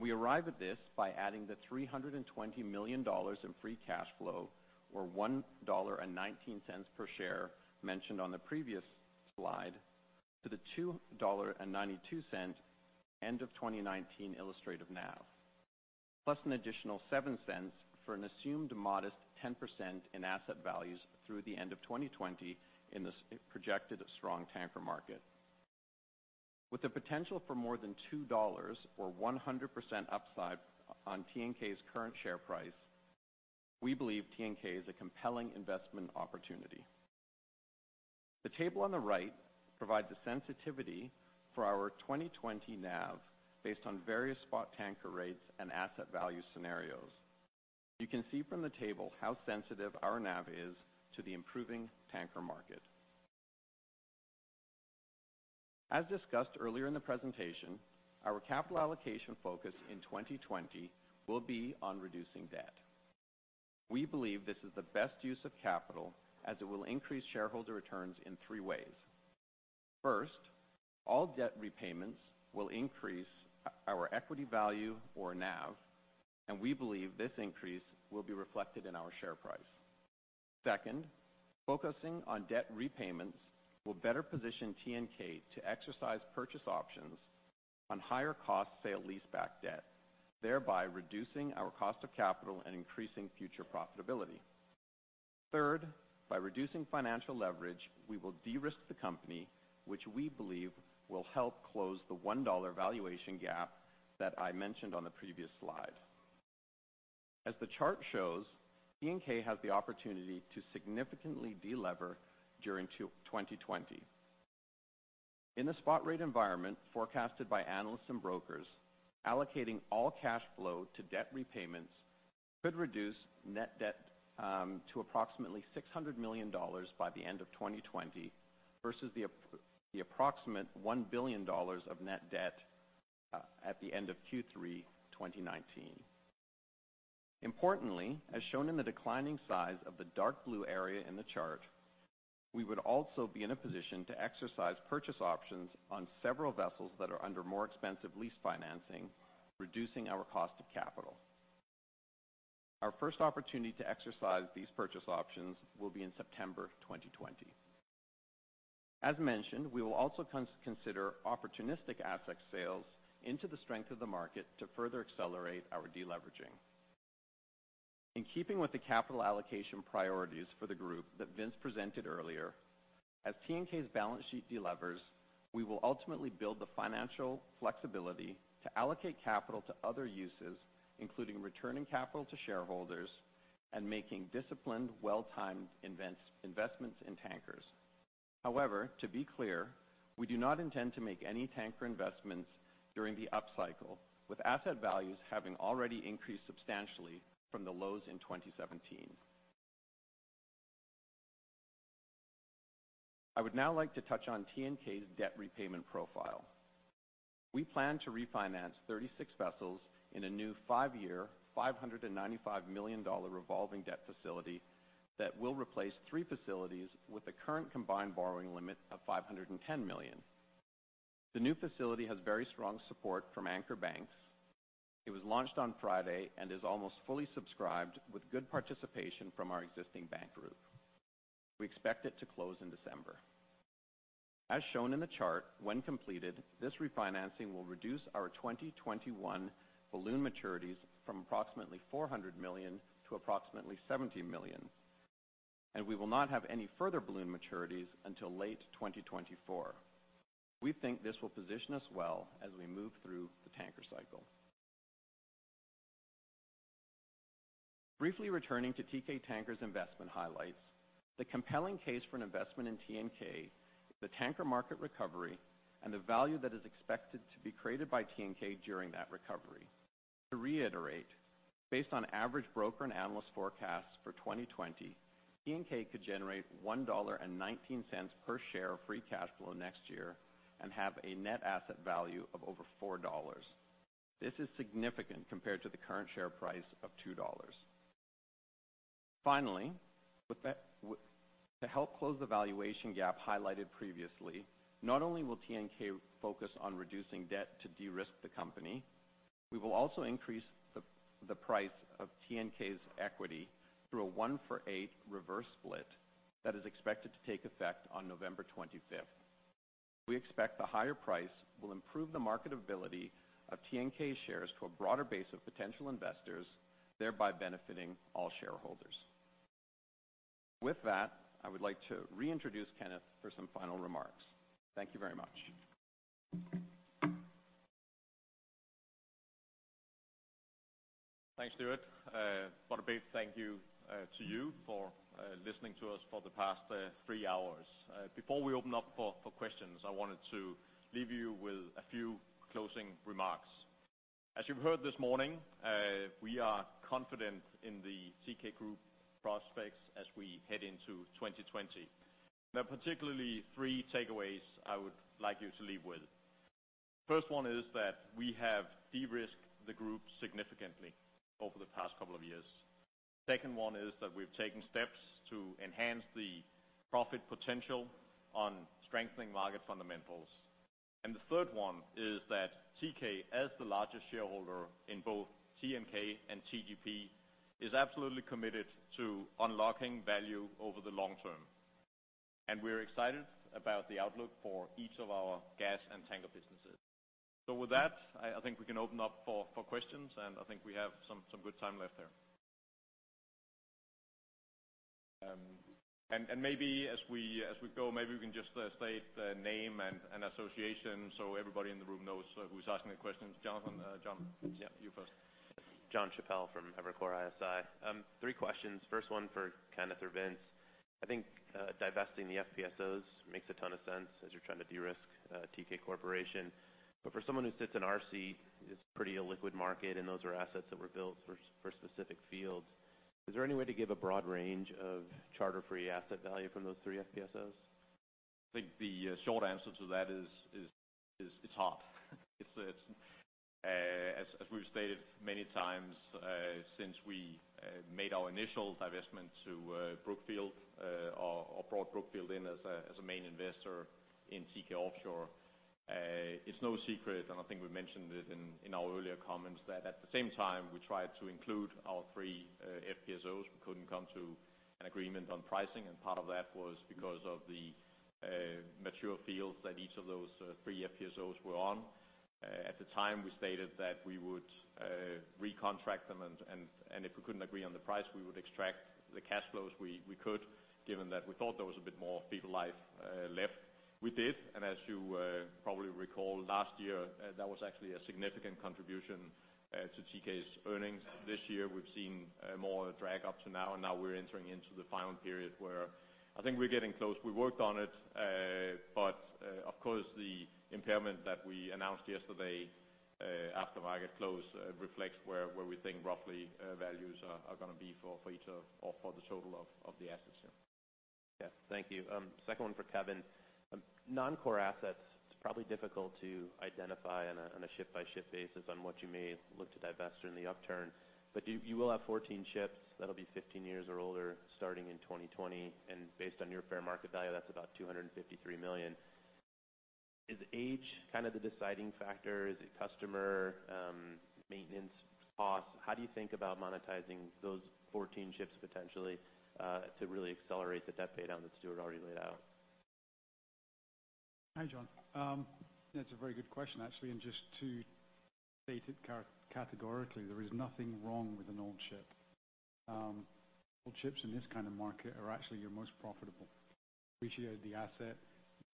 We arrive at this by adding the $320 million in free cash flow, or $1.19 per share mentioned on the previous slide, to the $2.92 end of 2019 illustrative NAV. An additional $0.07 for an assumed modest 10% in asset values through the end of 2020 in this projected strong tanker market. With the potential for more than $2 or 100% upside on Teekay's current share price, we believe Teekay is a compelling investment opportunity. The table on the right provides the sensitivity for our 2020 NAV based on various spot tanker rates and asset value scenarios. You can see from the table how sensitive our NAV is to the improving tanker market. As discussed earlier in the presentation, our capital allocation focus in 2020 will be on reducing debt. We believe this is the best use of capital as it will increase shareholder returns in three ways. First, all debt repayments will increase our equity value or NAV, we believe this increase will be reflected in our share price. Second, focusing on debt repayments will better position Teekay to exercise purchase options on higher cost sale leaseback debt, thereby reducing our cost of capital and increasing future profitability. Third, by reducing financial leverage, we will de-risk the company, which we believe will help close the $1 valuation gap that I mentioned on the previous slide. As the chart shows, Teekay has the opportunity to significantly de-lever during 2020. In the spot rate environment forecasted by analysts and brokers, allocating all cash flow to debt repayments could reduce net debt to approximately $600 million by the end of 2020 versus the approximate $1 billion of net debt at the end of Q3 2019. Importantly, as shown in the declining size of the dark blue area in the chart, we would also be in a position to exercise purchase options on several vessels that are under more expensive lease financing, reducing our cost of capital. Our first opportunity to exercise these purchase options will be in September 2020. As mentioned, we will also consider opportunistic asset sales into the strength of the market to further accelerate our de-leveraging. In keeping with the capital allocation priorities for the group that Vince presented earlier, as Teekay's balance sheet de-levers, we will ultimately build the financial flexibility to allocate capital to other uses, including returning capital to shareholders and making disciplined, well-timed investments in tankers. However, to be clear, we do not intend to make any tanker investments during the upcycle, with asset values having already increased substantially from the lows in 2017. I would now like to touch on Teekay's debt repayment profile. We plan to refinance 36 vessels in a new five-year, $595 million revolving debt facility that will replace three facilities with a current combined borrowing limit of $510 million. The new facility has very strong support from anchor banks. It was launched on Friday and is almost fully subscribed with good participation from our existing bank group. We expect it to close in December. As shown in the chart, when completed, this refinancing will reduce our 2021 balloon maturities from approximately $400 million to approximately $70 million, and we will not have any further balloon maturities until late 2024. We think this will position us well as we move through the tanker cycle. Briefly returning to Teekay Tankers investment highlights, the compelling case for an investment in Teekay is the tanker market recovery and the value that is expected to be created by Teekay during that recovery. To reiterate, based on average broker and analyst forecasts for 2020, Teekay could generate $1.19 per share of free cash flow next year and have a net asset value of over $4. This is significant compared to the current share price of $2. To help close the valuation gap highlighted previously, not only will Teekay focus on reducing debt to de-risk the company, we will also increase the price of Teekay's equity through a one for eight reverse split that is expected to take effect on November 25th. We expect the higher price will improve the marketability of Teekay shares to a broader base of potential investors, thereby benefiting all shareholders. With that, I would like to reintroduce Kenneth for some final remarks. Thank you very much. Thanks, Stewart. What a big thank you to you for listening to us for the past three hours. Before we open up for questions, I wanted to leave you with a few closing remarks. As you've heard this morning, we are confident in the Teekay Group prospects as we head into 2020. There are particularly three takeaways I would like you to leave with. First one is that we have de-risked the group significantly over the past couple of years. Second one is that we've taken steps to enhance the profit potential on strengthening market fundamentals. The third one is that Teekay, as the largest shareholder in both TNK and TGP, is absolutely committed to unlocking value over the long term. We're excited about the outlook for each of our gas and tanker businesses. With that, I think we can open up for questions, and I think we have some good time left there. As we go, maybe we can just state name and association so everybody in the room knows who's asking the questions. John, yeah, you first. John Chappell from Evercore ISI. Three questions. First one for Kenneth or Vince. I think, divesting the FPSOs makes a ton of sense as you're trying to de-risk Teekay Corporation. For someone who sits in our seat, it's a pretty illiquid market, and those are assets that were built for specific fields. Is there any way to give a broad range of charter free asset value from those three FPSOs? I think the short answer to that is, it's hard. As we've stated many times, since we made our initial divestment to Brookfield, or brought Brookfield in as a main investor in Teekay Offshore, it's no secret, and I think we mentioned it in our earlier comments, that at the same time, we tried to include our three FPSOs. We couldn't come to an agreement on pricing, and part of that was because of the mature fields that each of those three FPSOs were on. At the time, we stated that we would recontract them, and if we couldn't agree on the price, we would extract the cash flows we could, given that we thought there was a bit more life left. We did, and as you probably recall, last year, that was actually a significant contribution to Teekay's earnings. This year, we've seen more drag up to now, and now we're entering into the final period where I think we're getting close. We worked on it, but, of course, the impairment that we announced yesterday, after market close, reflects where we think roughly values are going to be for each of, or for the total of the assets, yeah. Yeah. Thank you. Second one for Kevin. Non-core assets, it's probably difficult to identify on a ship-by-ship basis on what you may look to divest during the upturn. You will have 14 ships that'll be 15 years or older starting in 2020, and based on your fair market value, that's about $253 million. Is age kind of the deciding factor? Is it customer? Maintenance cost? How do you think about monetizing those 14 ships potentially, to really accelerate the debt pay down that Stewart already laid out? Hi, John. That's a very good question, actually, and just to state it categorically, there is nothing wrong with an old ship. Old ships in this kind of market are actually your most profitable. Depreciate the asset,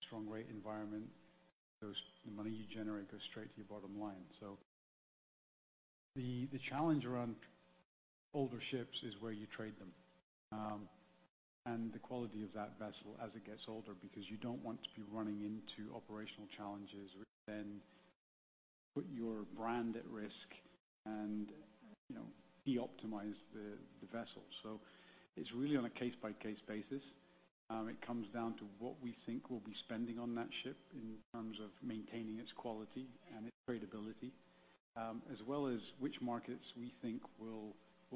strong rate environment, the money you generate goes straight to your bottom line. The challenge around older ships is where you trade them, and the quality of that vessel as it gets older, because you don't want to be running into operational challenges which then put your brand at risk and de-optimize the vessel. It's really on a case-by-case basis. It comes down to what we think we'll be spending on that ship in terms of maintaining its quality and its tradability, as well as which markets we think will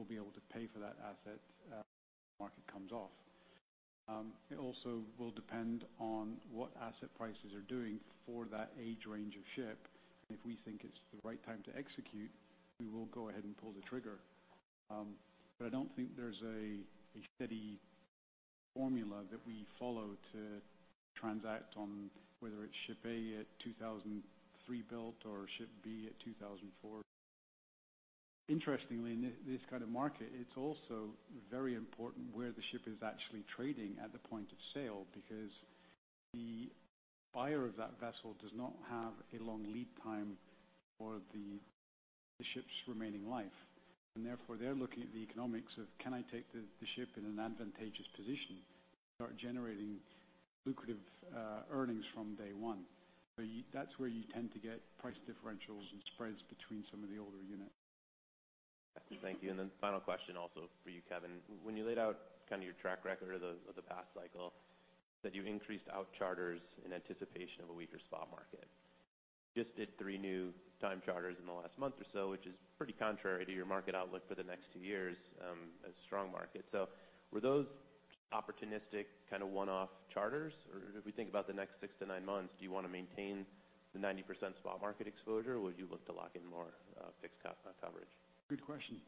be able to pay for that asset when the market comes off. It also will depend on what asset prices are doing for that age range of ship. If we think it's the right time to execute, we will go ahead and pull the trigger. I don't think there's a steady formula that we follow to transact on, whether it's ship A at 2003 built or ship B at 2004. Interestingly, in this kind of market, it's also very important where the ship is actually trading at the point of sale because the buyer of that vessel does not have a long lead time for the ship's remaining life. Therefore, they're looking at the economics of, can I take the ship in an advantageous position and start generating lucrative earnings from day one? That's where you tend to get price differentials and spreads between some of the older units. Thank you. Final question also for you, Kevin. When you laid out your track record of the past cycle, that you increased out charters in anticipation of a weaker spot market. Just did three new time charters in the last month or so, which is pretty contrary to your market outlook for the next two years, a strong market. Were those opportunistic one-off charters? If we think about the next six to nine months, do you want to maintain the 90% spot market exposure, or would you look to lock in more fixed cost coverage? Good question.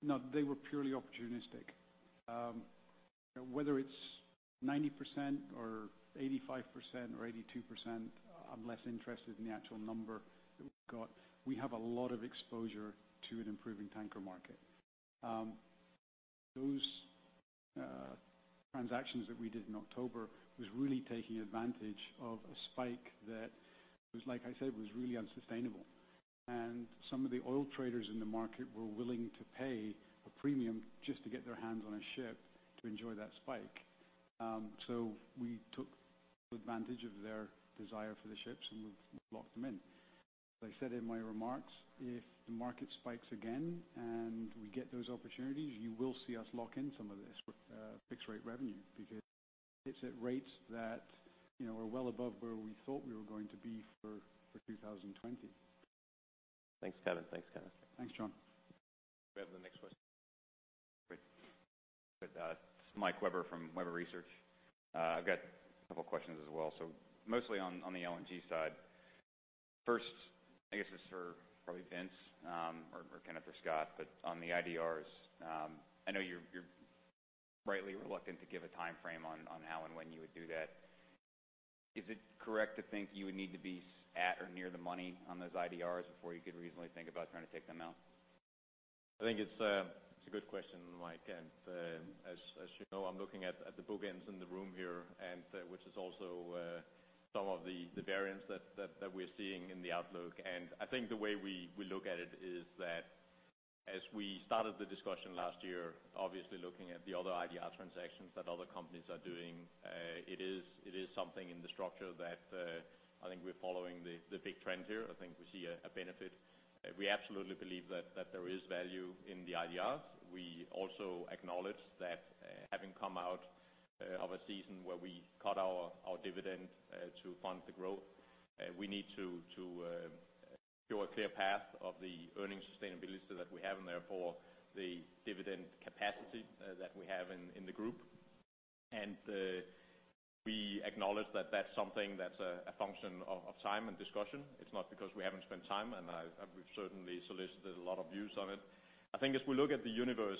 No, they were purely opportunistic. Whether it's 90% or 85% or 82%, I'm less interested in the actual number that we've got. We have a lot of exposure to an improving tanker market. Those transactions that we did in October was really taking advantage of a spike that was, like I said, was really unsustainable. Some of the oil traders in the market were willing to pay a premium just to get their hands on a ship to enjoy that spike. We took advantage of their desire for the ships and we've locked them in. As I said in my remarks, if the market spikes again and we get those opportunities, you will see us lock in some of this with fixed rate revenue because it's at rates that are well above where we thought we were going to be for 2020. Thanks, Kevin. Thanks, Kenneth. Thanks, John. We have the next question. Great. It is Mike Webber from Webber Research. I have got a couple questions as well, so mostly on the LNG side. First, I guess this is for probably Vince or Kenneth or Scott, but on the IDRs, I know you are rightly reluctant to give a timeframe on how and when you would do that. Is it correct to think you would need to be at or near the money on those IDRs before you could reasonably think about trying to take them out? I think it's a good question, Mike. As you know, I'm looking at the boogins in the room here, which is also some of the variants that we're seeing in the outlook. I think the way we look at it is that as we started the discussion last year, obviously looking at the other IDR transactions that other companies are doing, it is something in the structure that I think we're following the big trend here. I think we see a benefit. We absolutely believe that there is value in the IDRs. We also acknowledge that having come out of a season where we cut our dividend to fund the growth, we need to show a clear path of the earnings sustainability that we have and therefore the dividend capacity that we have in the group. We acknowledge that that's something that's a function of time and discussion. It's not because we haven't spent time, and we've certainly solicited a lot of views on it. I think as we look at the universe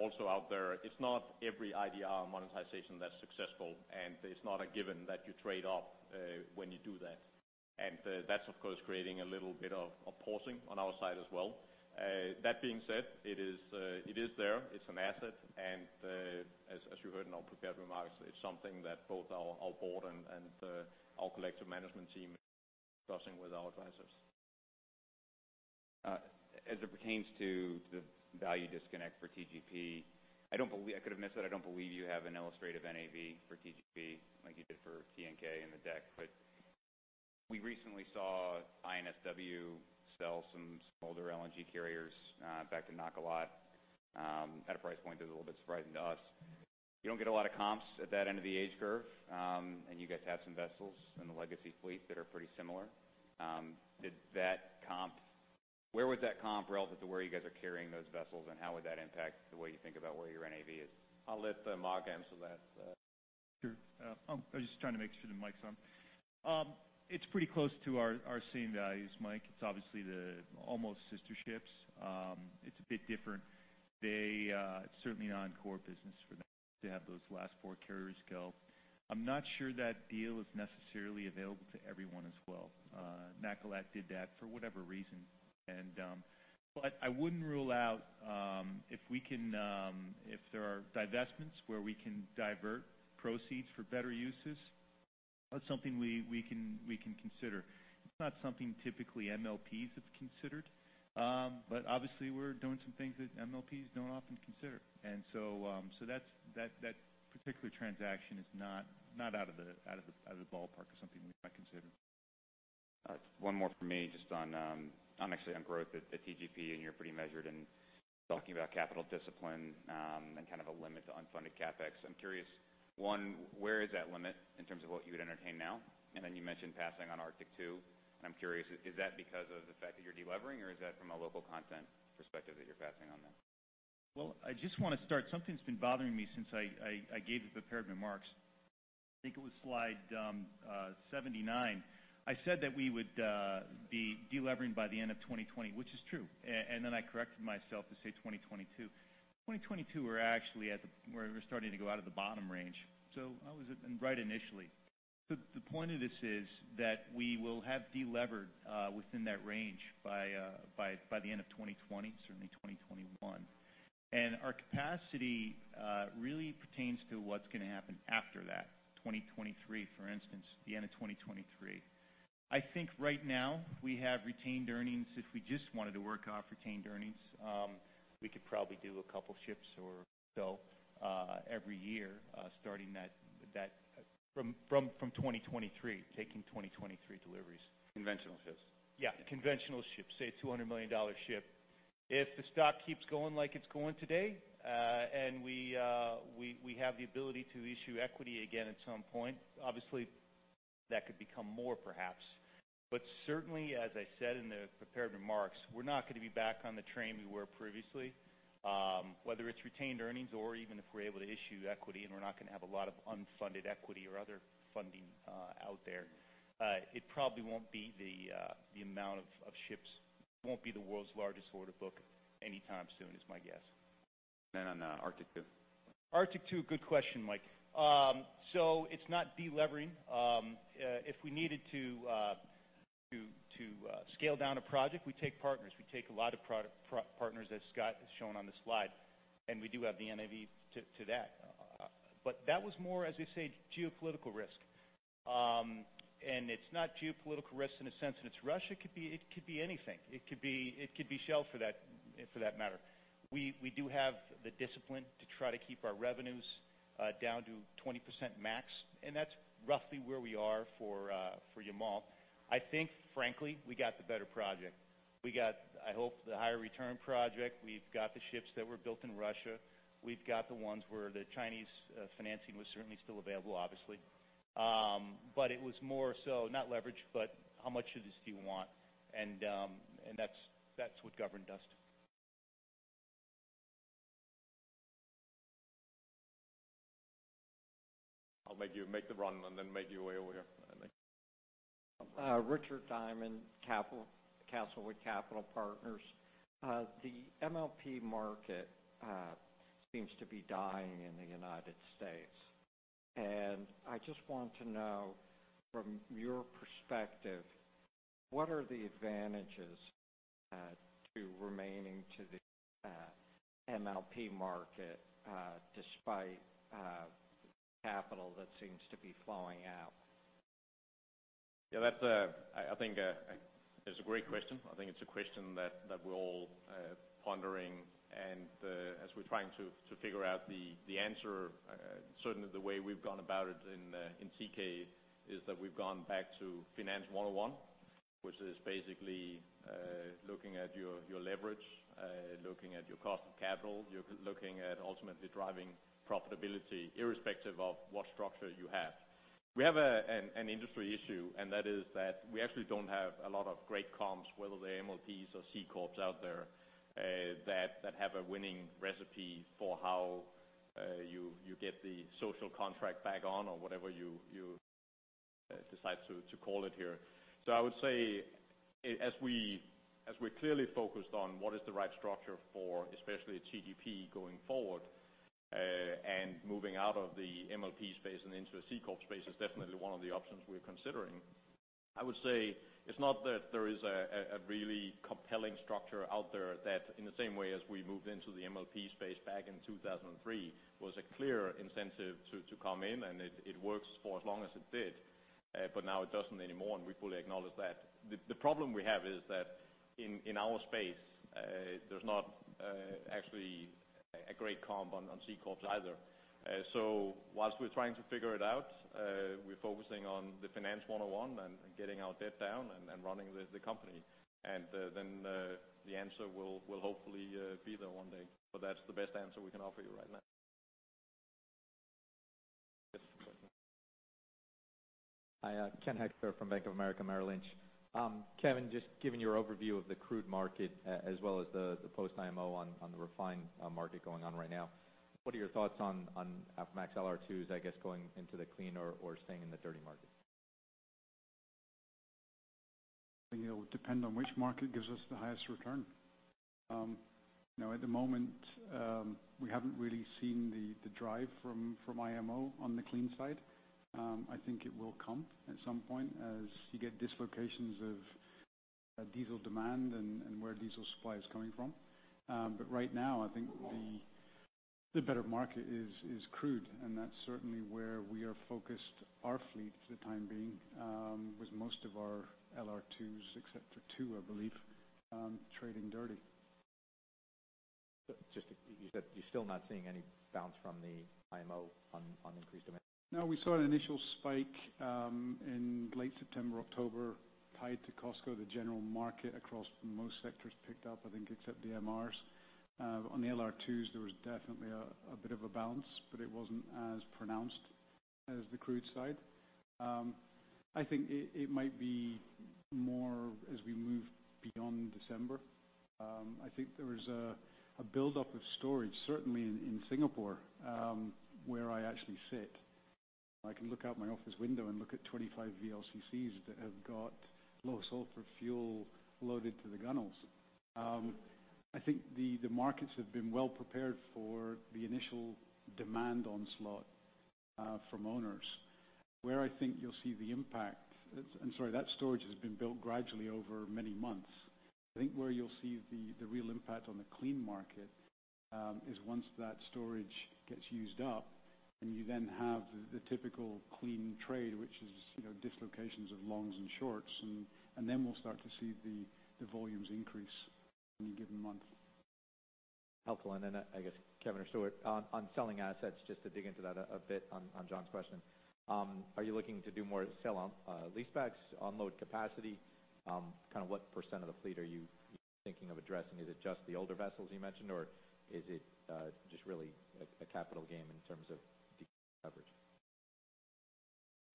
also out there, it's not every IDR monetization that's successful, and it's not a given that you trade off when you do that. That's of course creating a little bit of pausing on our side as well. That being said, it is there, it's an asset, and as you heard in our prepared remarks, it's something that both our board and our collective management team discussing with our advisors. As it pertains to the value disconnect for TGP, I could have missed it. I don't believe you have an illustrative NAV for TGP like you did for TNK in the deck, but we recently saw INSW sell some older LNG carriers back to Nakilat at a price point that was a little bit surprising to us. You don't get a lot of comps at that end of the age curve, and you guys have some vessels in the legacy fleet that are pretty similar. Where was that comp relative to where you guys are carrying those vessels, and how would that impact the way you think about where your NAV is? I'll let Mark answer that. Sure. I'm just trying to make sure the mic's on. It's pretty close to our same values, Mike. It's obviously the almost sister ships. It's a bit different. It's certainly a non-core business for them to have those last four carriers go. I'm not sure that deal is necessarily available to everyone as well. Nakilat did that for whatever reason. I wouldn't rule out if there are divestments where we can divert proceeds for better uses, that's something we can consider. It's not something typically MLPs have considered. Obviously, we're doing some things that MLPs don't often consider. That particular transaction is not out of the ballpark of something we might consider. One more from me, actually on growth at TGP. You're pretty measured in talking about capital discipline, and kind of a limit to unfunded CapEx. I'm curious, one, where is that limit in terms of what you would entertain now? Then you mentioned passing on Arctic II, and I'm curious, is that because of the fact that you're de-levering or is that from a local content perspective that you're passing on that? I just want to start, something's been bothering me since I gave the prepared remarks. I think it was slide 79. I said that we would be de-levering by the end of 2020, which is true. I corrected myself to say 2022. 2022, we're actually at where we're starting to go out of the bottom range. I was right initially. The point of this is that we will have de-levered within that range by the end of 2020, certainly 2021. Our capacity really pertains to what's going to happen after that. 2023, for instance, the end of 2023. I think right now we have retained earnings. If we just wanted to work off retained earnings, we could probably do a couple ships or so every year starting from 2023, taking 2023 deliveries. Conventional ships? Conventional ships, say $200 million ship. If the stock keeps going like it's going today, and we have the ability to issue equity again at some point, obviously that could become more perhaps. Certainly, as I said in the prepared remarks, we're not going to be back on the train we were previously. Whether it's retained earnings or even if we're able to issue equity and we're not going to have a lot of unfunded equity or other funding out there. It probably won't be the amount of ships, won't be the world's largest order book anytime soon is my guess. On Arctic II. Arctic II, good question, Mike. It's not de-levering. If we needed to scale down a project, we take partners. We take a lot of partners, as Scott has shown on the slide, and we do have the NAV to that. That was more, as we say, geopolitical risk it's not geopolitical risk in a sense, and it's Russia. It could be anything. It could be Shell for that matter. We do have the discipline to try to keep our revenues down to 20% max, and that's roughly where we are for Yamal. I think, frankly, we got the better project. We got, I hope, the higher return project. We've got the ships that were built in Russia. We've got the ones where the Chinese financing was certainly still available, obviously. It was more so not leverage, but how much of this do you want? That's what governed us. I'll make you make the run and then make your way over here. Richard Diamond, Castlewood Capital Partners. The MLP market seems to be dying in the United States, and I just want to know from your perspective, what are the advantages to remaining to the MLP market despite capital that seems to be flowing out? Yeah, that's, I think, is a great question. I think it's a question that we're all pondering. As we're trying to figure out the answer, certainly the way we've gone about it in Teekay is that we've gone back to Finance 101, which is basically looking at your leverage, looking at your cost of capital, looking at ultimately driving profitability irrespective of what structure you have. We have an industry issue, and that is that we actually don't have a lot of great comps, whether they're MLPs or C corps out there, that have a winning recipe for how you get the social contract back on or whatever you decide to call it here. I would say as we're clearly focused on what is the right structure for, especially TGP going forward, and moving out of the MLP space and into a C corp space is definitely one of the options we're considering. I would say it's not that there is a really compelling structure out there that in the same way as we moved into the MLP space back in 2003, was a clear incentive to come in, and it works for as long as it did. Now it doesn't anymore, and we fully acknowledge that. The problem we have is that in our space, there's not actually a great comp on C corps either. Whilst we're trying to figure it out, we're focusing on the Finance 101 and getting our debt down and running the company. The answer will hopefully be there one day. That's the best answer we can offer you right now. Yes. Hi, Ken Hoexter from Bank of America Merrill Lynch. Kevin, just given your overview of the crude market as well as the post IMO on the refined market going on right now, what are your thoughts on Aframax LR2s, I guess, going into the clean or staying in the dirty market? It will depend on which market gives us the highest return. At the moment, we haven't really seen the drive from IMO on the clean side. I think it will come at some point as you get dislocations of diesel demand and where diesel supply is coming from. But right now, I think the better market is crude, and that's certainly where we are focused our fleet for the time being with most of our LR2s, except for two, I believe, trading dirty. Just you said you're still not seeing any bounce from the IMO on increased demand. No, we saw an initial spike in late September, October, tied to COSCO. The general market across most sectors picked up, I think except the MRs. On the LR2s, there was definitely a bit of a bounce, but it wasn't as pronounced as the crude side. I think it might be more as we move beyond December. I think there is a build-up of storage, certainly in Singapore, where I actually sit. I can look out my office window and look at 25 VLCCs that have got low sulfur fuel loaded to the gunnels. I think the markets have been well prepared for the initial demand onslaught from owners. Where I think you'll see the impact, I'm sorry, that storage has been built gradually over many months. I think where you'll see the real impact on the clean market is once that storage gets used up and you then have the typical clean trade, which is dislocations of longs and shorts, and then we'll start to see the volumes increase in a given month. Helpful. I guess, Kevin or Stewart, on selling assets, just to dig into that a bit on John's question, are you looking to do more sale on lease backs, unload capacity? What % of the fleet are you thinking of addressing? Is it just the older vessels you mentioned, or is it just really a capital game in terms of de-leverage?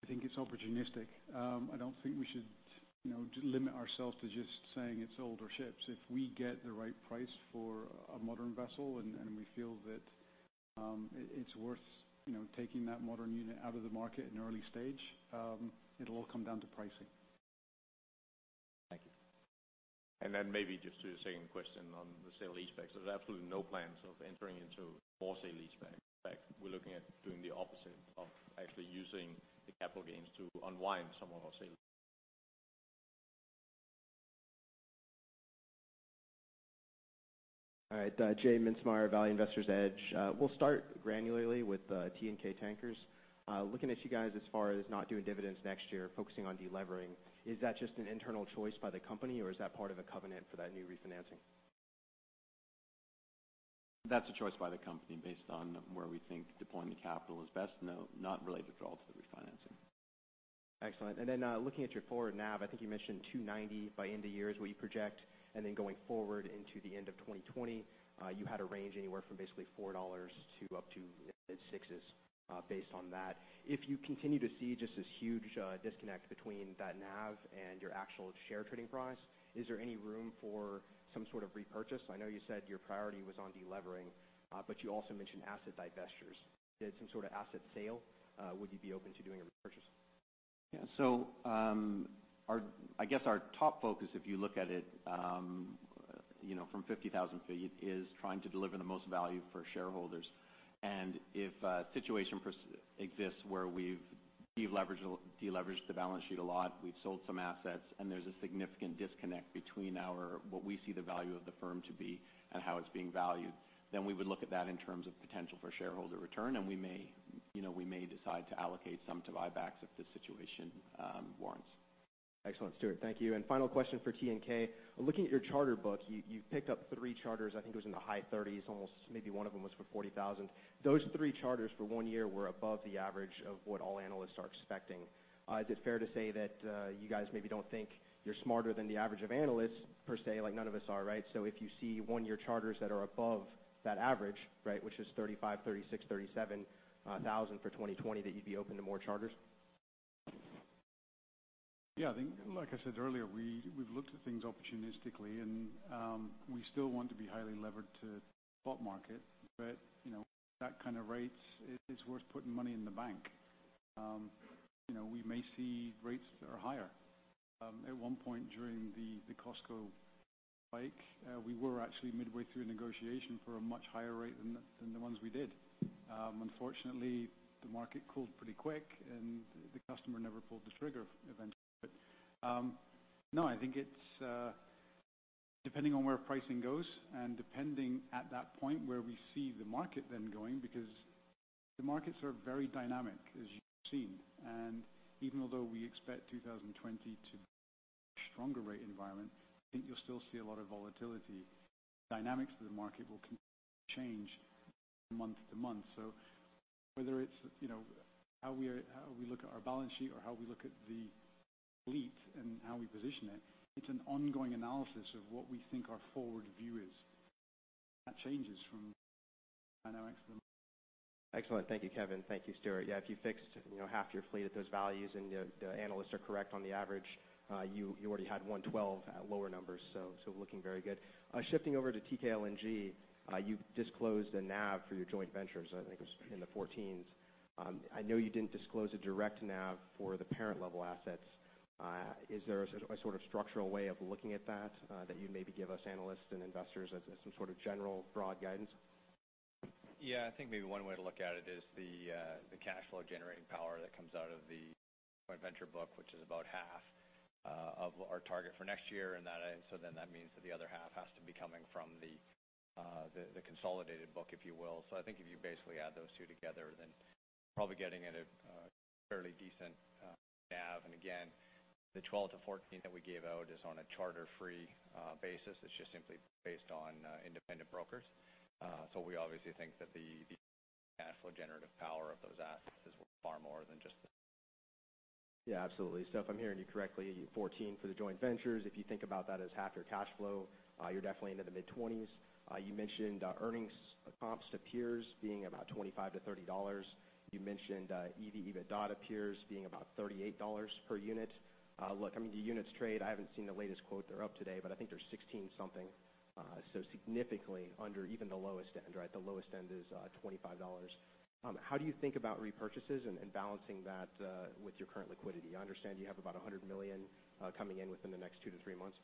I think it's opportunistic. I don't think we should limit ourselves to just saying it's older ships. If we get the right price for a modern vessel and we feel that it's worth taking that modern unit out of the market in early stage, it'll all come down to pricing. Thank you. Maybe just to the second question on the sale lease backs. There's absolutely no plans of entering into more sale lease backs. In fact, we're looking at doing the opposite of actually using the capital gains to unwind some of our sale lease backs. All right. J. Mintzmyer, Value Investor's Edge. We'll start granularly with TNK Tankers. Looking at you guys as far as not doing dividends next year, focusing on de-leveraging, is that just an internal choice by the company or is that part of a covenant for that new refinancing That's a choice by the company based on where we think deploying the capital is best. No, not related at all to the refinancing. Excellent. Looking at your forward NAV, I think you mentioned $2.90 by end of year is what you project. Going forward into the end of 2020, you had a range anywhere from basically $4 to up to mid-sixes based on that. If you continue to see just this huge disconnect between that NAV and your actual share trading price, is there any room for some sort of repurchase? I know you said your priority was on de-leveraging, but you also mentioned asset divestitures. If you did some sort of asset sale, would you be open to doing a repurchase? Yeah. I guess our top focus, if you look at it from 50,000 feet, is trying to deliver the most value for shareholders. If a situation exists where we've de-leveraged the balance sheet a lot, we've sold some assets, and there's a significant disconnect between what we see the value of the firm to be and how it's being valued, then we would look at that in terms of potential for shareholder return. We may decide to allocate some to buybacks if the situation warrants. Excellent, Stewart. Thank you. Final question for TNK. Looking at your charter book, you've picked up three charters. I think it was in the high 30s almost. Maybe one of them was for $40,000. Those three charters for one year were above the average of what all analysts are expecting. Is it fair to say that you guys maybe don't think you're smarter than the average of analysts, per se, like none of us are, right? If you see one-year charters that are above that average, which is $35,000, $36,000, $37,000 for 2020, that you'd be open to more charters? Yeah, I think, like I said earlier, we've looked at things opportunistically and we still want to be highly levered to spot market. That kind of rate, it's worth putting money in the bank. We may see rates that are higher. At one point during the COSCO spike, we were actually midway through negotiation for a much higher rate than the ones we did. Unfortunately, the market cooled pretty quick and the customer never pulled the trigger eventually. No, I think it's depending on where pricing goes and depending at that point, where we see the market then going, because the markets are very dynamic, as you've seen. Even although we expect 2020 to be a much stronger rate environment, I think you'll still see a lot of volatility. Dynamics of the market will change month to month. Whether it's how we look at our balance sheet or how we look at the fleet and how we position it's an ongoing analysis of what we think our forward view is. That changes from dynamic to the next. Excellent. Thank you, Kevin. Thank you, Stewart. Yeah. If you fixed half your fleet at those values and the analysts are correct on the average, you already had 112 at lower numbers, looking very good. Shifting over to Teekay LNG, you've disclosed a NAV for your joint ventures, I think it was in the $14. I know you didn't disclose a direct NAV for the parent-level assets. Is there a sort of structural way of looking at that you'd maybe give us analysts and investors as some sort of general broad guidance? Yeah. I think maybe one way to look at it is the cash flow generating power that comes out of the joint venture book, which is about half of our target for next year. That means that the other half has to be coming from the consolidated book, if you will. I think if you basically add those two together, then probably getting at a fairly decent NAV. Again, the $12-$14 that we gave out is on a charter-free basis. It's just simply based on independent brokers. We obviously think that the cash flow generative power of those assets is far more than just. If I'm hearing you correctly, $14 for the joint ventures. If you think about that as half your cash flow, you're definitely into the mid-20s. You mentioned earnings comps to peers being about $25 to $30. You mentioned EV/EBITDA peers being about $38 per unit. Look, I mean, the units trade, I haven't seen the latest quote. They're up today, I think they're 16-something. Significantly under even the lowest end. The lowest end is $25. How do you think about repurchases and balancing that with your current liquidity, I understand you have about $100 million coming in within the next two to three months.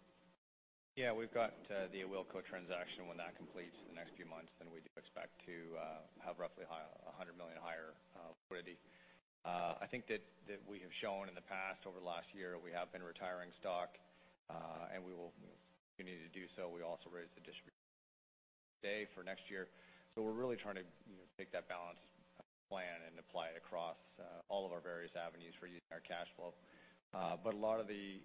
Yeah. We've got the Awilco transaction when that completes in the next few months, we do expect to have roughly $100 million higher liquidity. I think that we have shown in the past over the last year, we have been retiring stock, we will continue to do so. We also raised the distribution today for next year. We're really trying to take that balanced plan and apply it across all of our various avenues for using our cash flow. A lot of the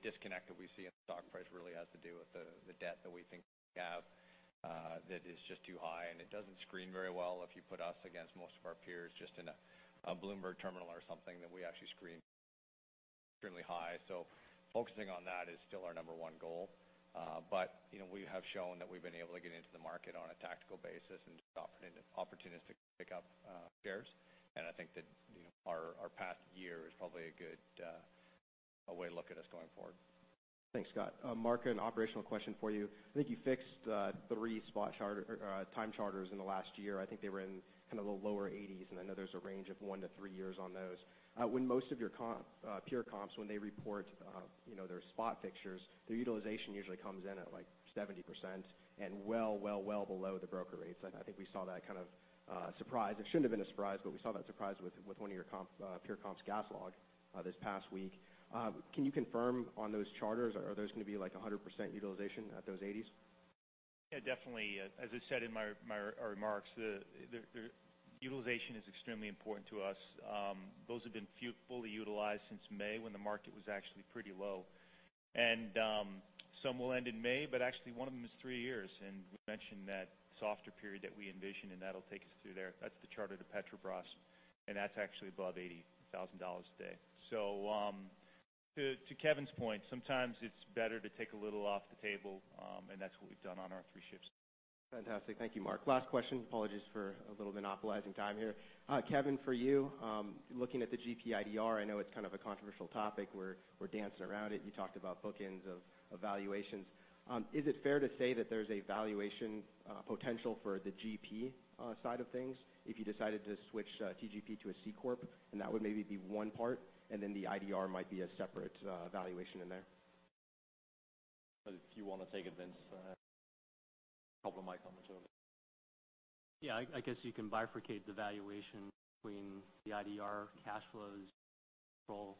disconnect that we see in the stock price really has to do with the debt that we think we have that is just too high, it doesn't screen very well if you put us against most of our peers just in a Bloomberg terminal or something, that we actually screen extremely high. Focusing on that is still our number 1 goal. We have shown that we've been able to get into the market on a tactical basis and opportunistic pick up shares. I think that our past year is probably a good way to look at us going forward. Thanks, Scott. Mark, an operational question for you. I think you fixed three time charters in the last year. I think they were in kind of the lower 80s, and I know there's a range of 1-3 years on those. Most of your peer comps, when they report their spot fixtures, their utilization usually comes in at, like, 70% and well below the broker rates. I think we saw that kind of surprise. It shouldn't have been a surprise, we saw that surprise with one of your peer comps, GasLog, this past week. Can you confirm on those charters? Are those going to be 100% utilization at those 80s? Yeah, definitely. As I said in our remarks, the utilization is extremely important to us. Those have been fully utilized since May when the market was actually pretty low. Some will end in May, but actually one of them is three years, and we mentioned that softer period that we envision, and that'll take us through there. That's the charter to Petrobras, and that's actually above $80,000 a day. To Kevin's point, sometimes it's better to take a little off the table, and that's what we've done on our three ships. Fantastic. Thank you, Mark. Last question. Apologies for a little monopolizing time here. Kevin, for you, looking at the GP IDR, I know it's kind of a controversial topic. We're dancing around it. You talked about bookends of evaluations. Is it fair to say that there's a valuation potential for the GP side of things if you decided to switch TGP to a C corp, and that would maybe be one part, and then the IDR might be a separate valuation in there? If you want to take it, Vince, I'll help make my comments over. Yeah, I guess you can bifurcate the valuation between the IDR cash flows, control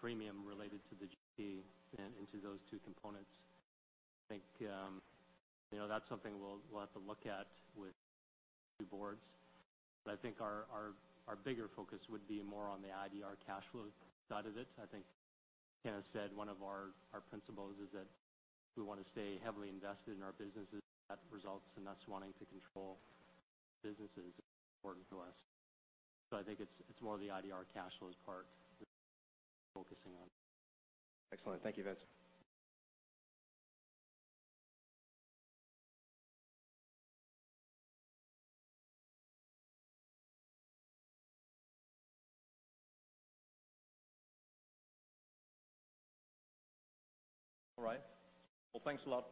premium related to the GP and into those two components. I think that's something we'll have to look at with two boards. I think our bigger focus would be more on the IDR cash flow side of it. I think Ken has said one of our principles is that we want to stay heavily invested in our businesses that results in us wanting to control businesses. It's important to us. I think it's more the IDR cash flows part we're focusing on. Excellent. Thank you, Vince. All right. Thanks a lot.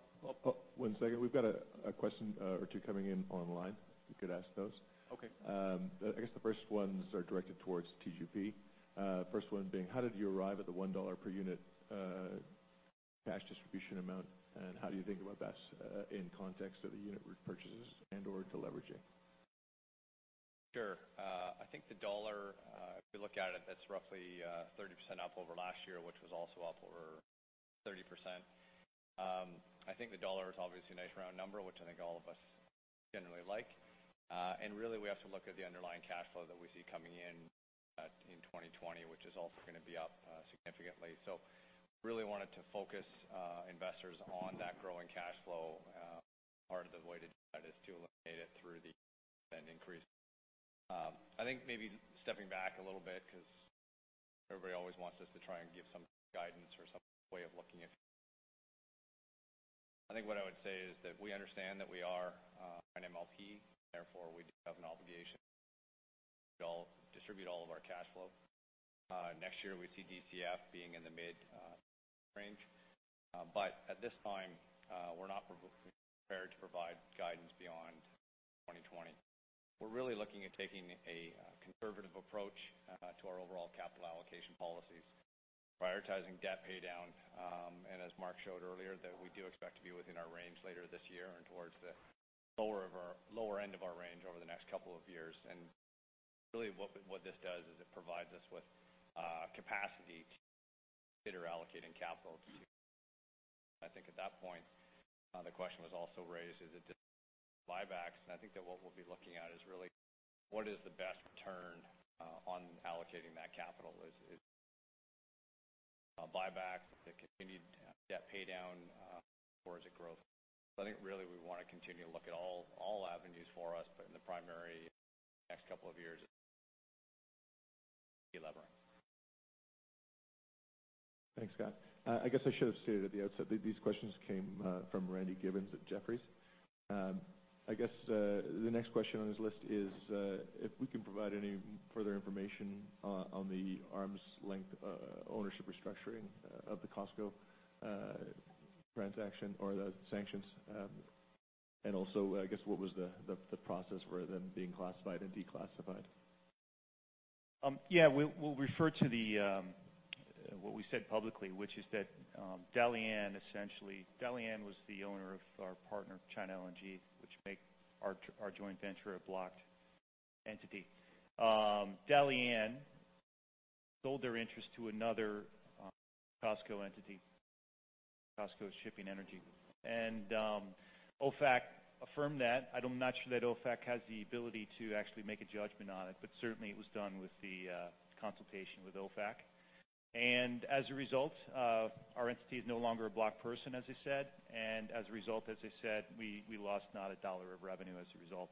One second. We've got a question or two coming in online. You could ask those. Okay. I guess the first ones are directed towards TGP. First one being, how did you arrive at the $1 per unit cash distribution amount, and how do you think about that in context of the unit repurchases and/or deleveraging? Sure. I think the dollar, if you look at it, that's roughly 30% up over last year, which was also up over 30%. I think the dollar is obviously a nice round number, which I think all of us generally like. Really, we have to look at the underlying cash flow that we see coming in 2020, which is also going to be up significantly. Really wanted to focus investors on that growing cash flow. Part of the way to do that is to eliminate it through the dividend increase. I think maybe stepping back a little bit, because everybody always wants us to try and give some guidance or some way of looking at I think what I would say is that we understand that we are an MLP, therefore we do have an obligation to distribute all of our cash flow. Next year, we see DCF being in the mid range. At this time, we're not prepared to provide guidance beyond 2020. We're really looking at taking a conservative approach to our overall capital allocation policies, prioritizing debt paydown. As Mark showed earlier, that we do expect to be within our range later this year and towards the lower end of our range over the next couple of years. Really what this does is it provides us with capacity to consider allocating capital to I think at that point, the question was also raised, is it just buybacks? I think that what we'll be looking at is really what is the best return on allocating that capital. Is it buyback, the continued debt paydown, or is it growth? I think really we want to continue to look at all avenues for us, but in the primary next couple of years, delevering. Thanks, Scott. I guess I should have stated at the outset, these questions came from Randy Giveans at Jefferies. I guess the next question on his list is if we can provide any further information on the arm's length ownership restructuring of the COSCO transaction or the sanctions. Also, I guess, what was the process for them being classified and declassified? Yeah. We'll refer to what we said publicly, which is that COSCO Dalian was the owner of our partner China LNG, which make our joint venture a blocked entity. COSCO Dalian sold their interest to another COSCO entity, COSCO SHIPPING Energy. OFAC affirmed that. I'm not sure that OFAC has the ability to actually make a judgment on it, but certainly it was done with the consultation with OFAC. As a result, our entity is no longer a blocked person, as I said. As a result, as I said, we lost not $1 of revenue as a result.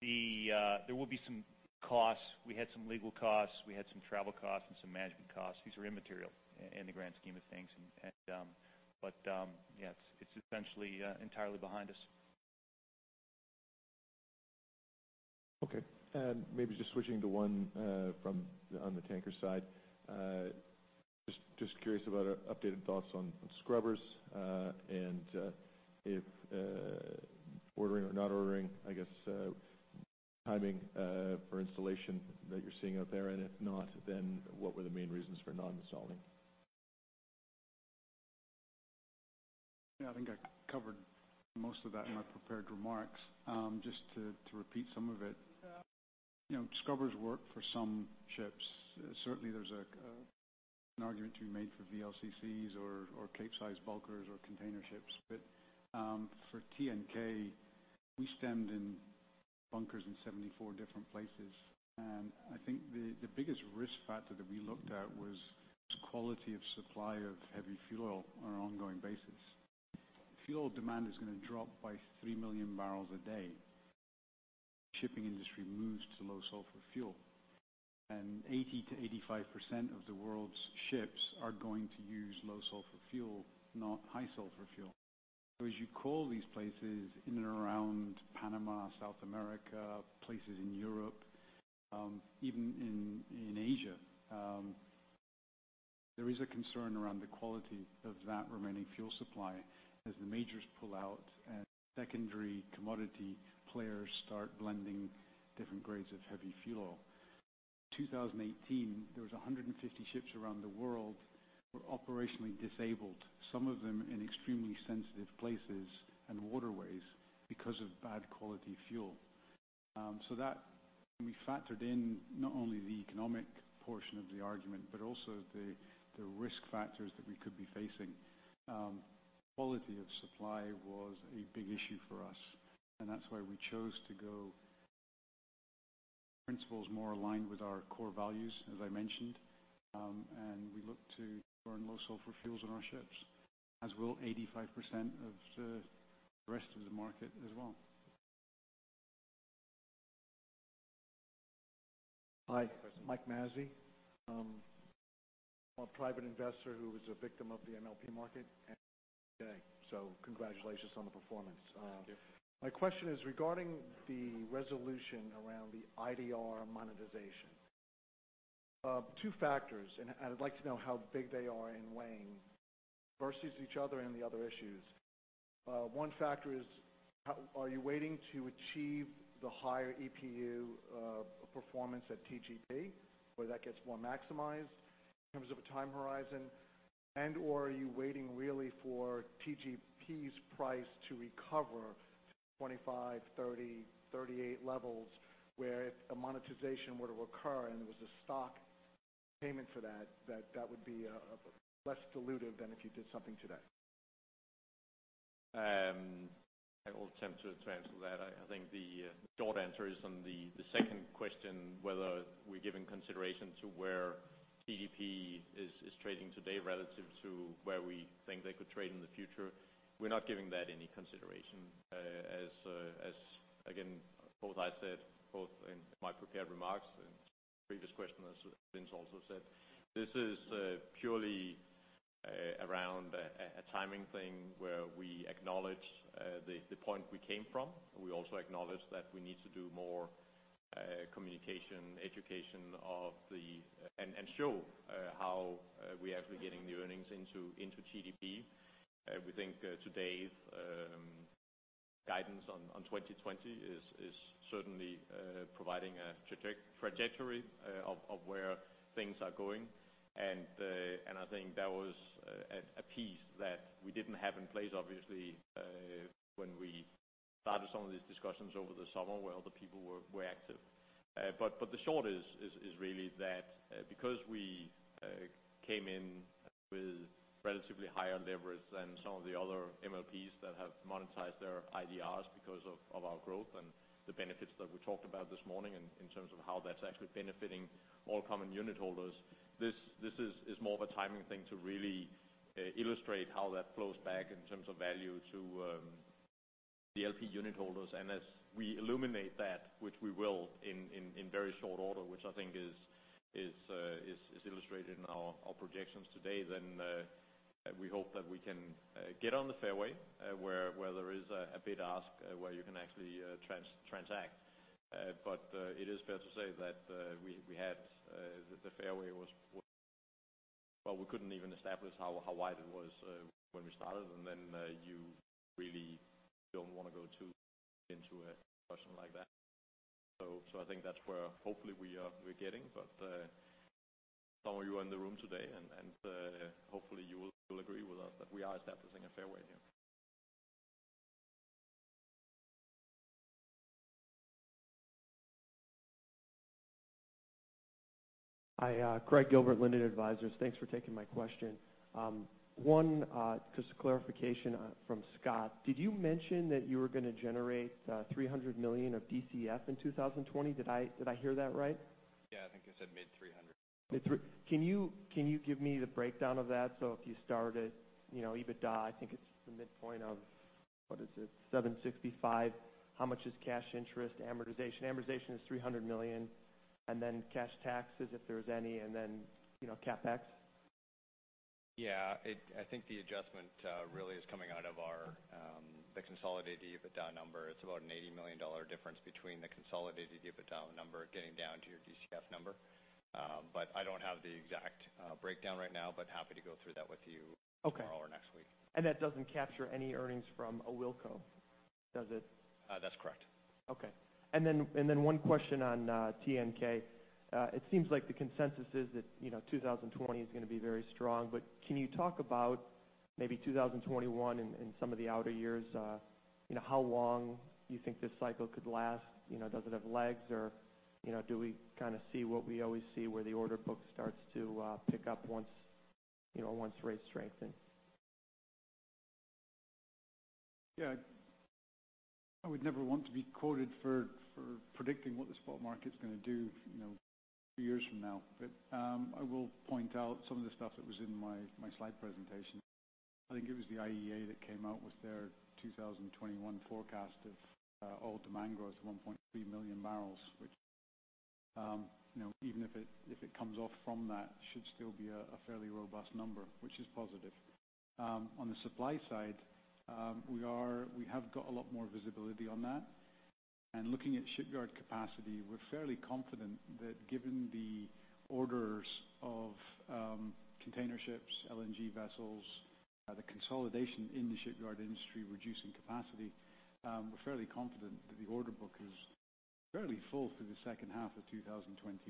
There will be some costs. We had some legal costs, we had some travel costs, and some management costs. These are immaterial in the grand scheme of things. Yeah, it's essentially entirely behind us. Okay. Maybe just switching to one from on the tanker side. Just curious about updated thoughts on scrubbers, and if ordering or not ordering, I guess, timing for installation that you're seeing out there. If not, what were the main reasons for not installing? I think I covered most of that in my prepared remarks. Just to repeat some of it. Scrubbers work for some ships. Certainly, there's an argument to be made for VLCCs or Capesize bulkers or container ships. For TNK, we stemmed in bunkers in 74 different places, and I think the biggest risk factor that we looked at was quality of supply of heavy fuel oil on an ongoing basis. Fuel demand is going to drop by three million barrels a day. Shipping industry moves to low sulfur fuel, 80%-85% of the world's ships are going to use low sulfur fuel, not high sulfur fuel. As you call these places in and around Panama, South America, places in Europe, even in Asia, there is a concern around the quality of that remaining fuel supply as the majors pull out and secondary commodity players start blending different grades of heavy fuel. 2018, there was 150 ships around the world were operationally disabled, some of them in extremely sensitive places and waterways because of bad quality fuel. When we factored in not only the economic portion of the argument, but also the risk factors that we could be facing, quality of supply was a big issue for us, and that's why we chose to go principles more aligned with our core values, as I mentioned. We look to burn low sulfur fuels on our ships, as will 85% of the rest of the market as well. Hi. Next question. Mike Massey, a private investor who was a victim of the MLP market and today. Congratulations on the performance. Thank you. My question is regarding the resolution around the IDR monetization. Two factors, I'd like to know how big they are in weighing versus each other and the other issues. One factor is, are you waiting to achieve the higher EPU performance at TGP where that gets more maximized in terms of a time horizon? Or are you waiting really for TGP's price to recover 25, 30, 38 levels, where if a monetization were to occur and there was a stock payment for that would be less dilutive than if you did something today? I will attempt to answer that. I think the short answer is on the second question, whether we're giving consideration to where TGP is trading today relative to where we think they could trade in the future. We're not giving that any consideration. As again, both I said both in my prepared remarks and previous question, as Vince also said. This is purely around a timing thing where we acknowledge the point we came from, and we also acknowledge that we need to do more communication, education and show how we actually getting the earnings into TGP. We think today's guidance on 2020 is certainly providing a trajectory of where things are going. I think that was a piece that we didn't have in place, obviously, when we started some of these discussions over the summer where other people were active. The short is really that because we came in with relatively higher leverage than some of the other MLPs that have monetized their IDRs because of our growth and the benefits that we talked about this morning in terms of how that's actually benefiting all common unit holders. This is more of a timing thing to really illustrate how that flows back in terms of value to the LP unit holders. As we illuminate that, which we will in very short order, which I think is illustrated in our projections today, we hope that we can get on the fairway where there is a bid-ask where you can actually transact. It is fair to say that we couldn't even establish how wide it was when we started, and then you really don't want to go too into a question like that. I think that's where hopefully we're getting, but some of you are in the room today, and hopefully you will agree with us that we are establishing a fairway here. Hi, Craig Gilbert, Linden Advisors. Thanks for taking my question. One just a clarification from Scott. Did you mention that you were going to generate $300 million of DCF in 2020? Did I hear that right? Yeah, I think I said mid-$300. Can you give me the breakdown of that? If you start at EBITDA, I think it's the midpoint of, what is it, $765. How much is cash interest amortization? Amortization is $300 million, cash taxes, if there's any, and then CapEx. Yeah. I think the adjustment really is coming out of the consolidated EBITDA number. It's about an $80 million difference between the consolidated EBITDA number getting down to your DCF number. I don't have the exact breakdown right now, but happy to go through that with you. Okay tomorrow or next week. That doesn't capture any earnings from Awilco, does it? That's correct. Okay. One question on TNK. It seems like the consensus is that 2020 is going to be very strong, but can you talk Maybe 2021 and some of the outer years, how long you think this cycle could last? Does it have legs or do we kind of see what we always see, where the order book starts to pick up once rates strengthen? Yeah. I would never want to be quoted for predicting what the spot market's going to do a few years from now. I will point out some of the stuff that was in my slide presentation. I think it was the IEA that came out with their 2021 forecast of oil demand growth, 1.3 million barrels, which even if it comes off from that, should still be a fairly robust number, which is positive. On the supply side, we have got a lot more visibility on that. Looking at shipyard capacity, we're fairly confident that given the orders of containerships, LNG vessels, the consolidation in the shipyard industry, reducing capacity, we're fairly confident that the order book is fairly full through the second half of 2021.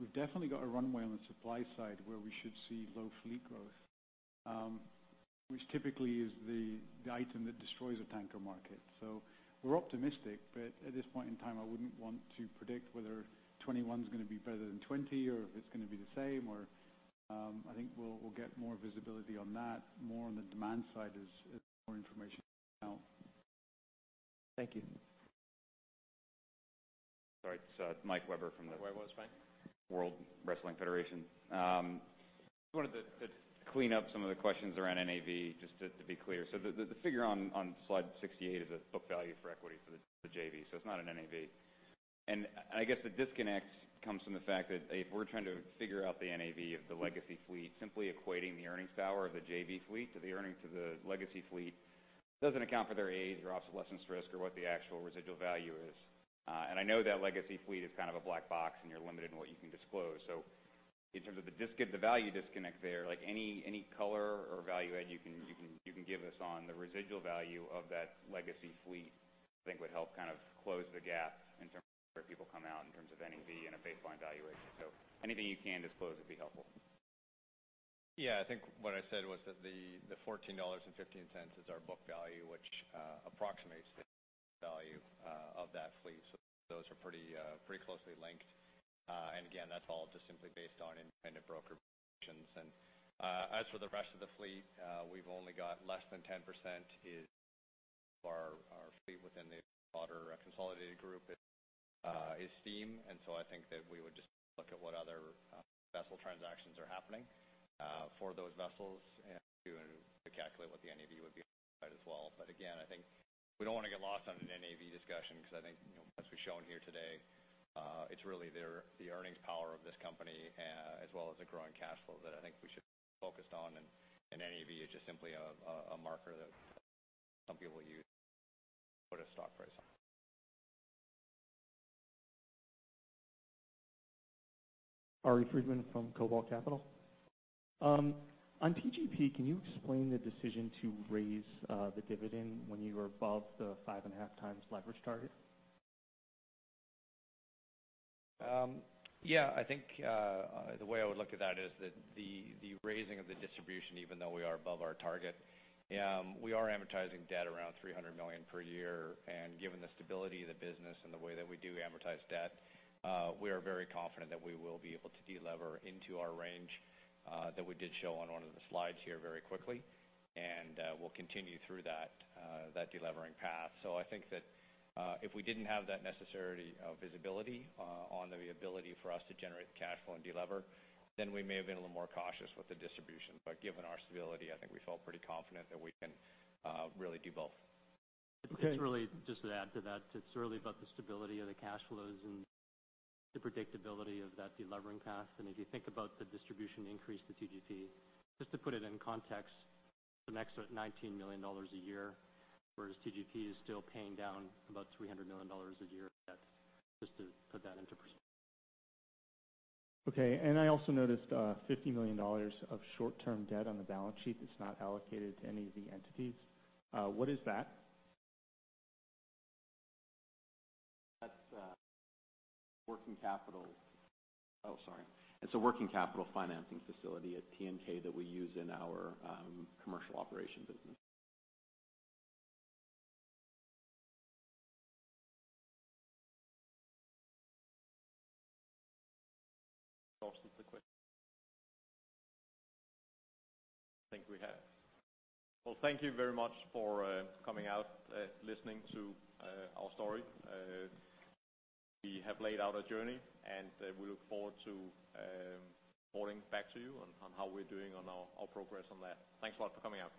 We've definitely got a runway on the supply side where we should see low fleet growth, which typically is the item that destroys a tanker market. We're optimistic, but at this point in time, I wouldn't want to predict whether 2021 is going to be better than 2020 or if it's going to be the same. I think we'll get more visibility on that, more on the demand side as more information comes out. Thank you. Sorry. It's Mike Webber. Webber's fine. World Wrestling Federation. Just wanted to clean up some of the questions around NAV, just to be clear. The figure on slide 68 is a book value for equity for the JV. It's not an NAV. I guess the disconnect comes from the fact that if we're trying to figure out the NAV of the legacy fleet, simply equating the earnings power of the JV fleet to the earnings of the legacy fleet doesn't account for their age or obsolescence risk or what the actual residual value is. I know that legacy fleet is kind of a black box, and you're limited in what you can disclose. In terms of the value disconnect there, any color or value add you can give us on the residual value of that legacy fleet, I think, would help close the gap in terms of where people come out in terms of NAV and a baseline valuation. Anything you can disclose would be helpful. Yeah, I think what I said was that the $14.15 is our book value, which approximates the value of that fleet. Those are pretty closely linked. Again, that's all just simply based on independent broker valuations. As for the rest of the fleet, we've only got less than 10% is our fleet within the broader consolidated group is steam. I think that we would just look at what other vessel transactions are happening for those vessels, and to calculate what the NAV would be on that side as well. Again, I think we don't want to get lost on an NAV discussion because I think as we've shown here today, it's really the earnings power of this company, as well as the growing cash flow that I think we should be focused on, and NAV is just simply a marker that some people use to put a stock price on. Ari Friedman from Cobalt Capital. On TGP, can you explain the decision to raise the dividend when you are above the five and a half times leverage target? Yeah, I think, the way I would look at that is that the raising of the distribution, even though we are above our target, we are amortizing debt around $300 million per year. Given the stability of the business and the way that we do amortize debt, we are very confident that we will be able to de-lever into our range that we did show on one of the slides here very quickly. We'll continue through that de-levering path. I think that, if we didn't have that necessary visibility on the ability for us to generate the cash flow and de-lever, then we may have been a little more cautious with the distribution. Given our stability, I think we felt pretty confident that we can really do both. Just to add to that, it's really about the stability of the cash flows and the predictability of that de-levering path. If you think about the distribution increase to TGP, just to put it in context, some extra $19 million a year, whereas TGP is still paying down about $300 million a year of debt. Just to put that into perspective. Okay. I also noticed $50 million of short-term debt on the balance sheet that's not allocated to any of the entities. What is that? That's working capital. Oh, sorry. It's a working capital financing facility at TNK that we use in our commercial operations business. exhausted the questions. I think we have. Well, thank you very much for coming out, listening to our story. We have laid out a journey. We look forward to reporting back to you on how we're doing on our progress on that. Thanks a lot for coming out.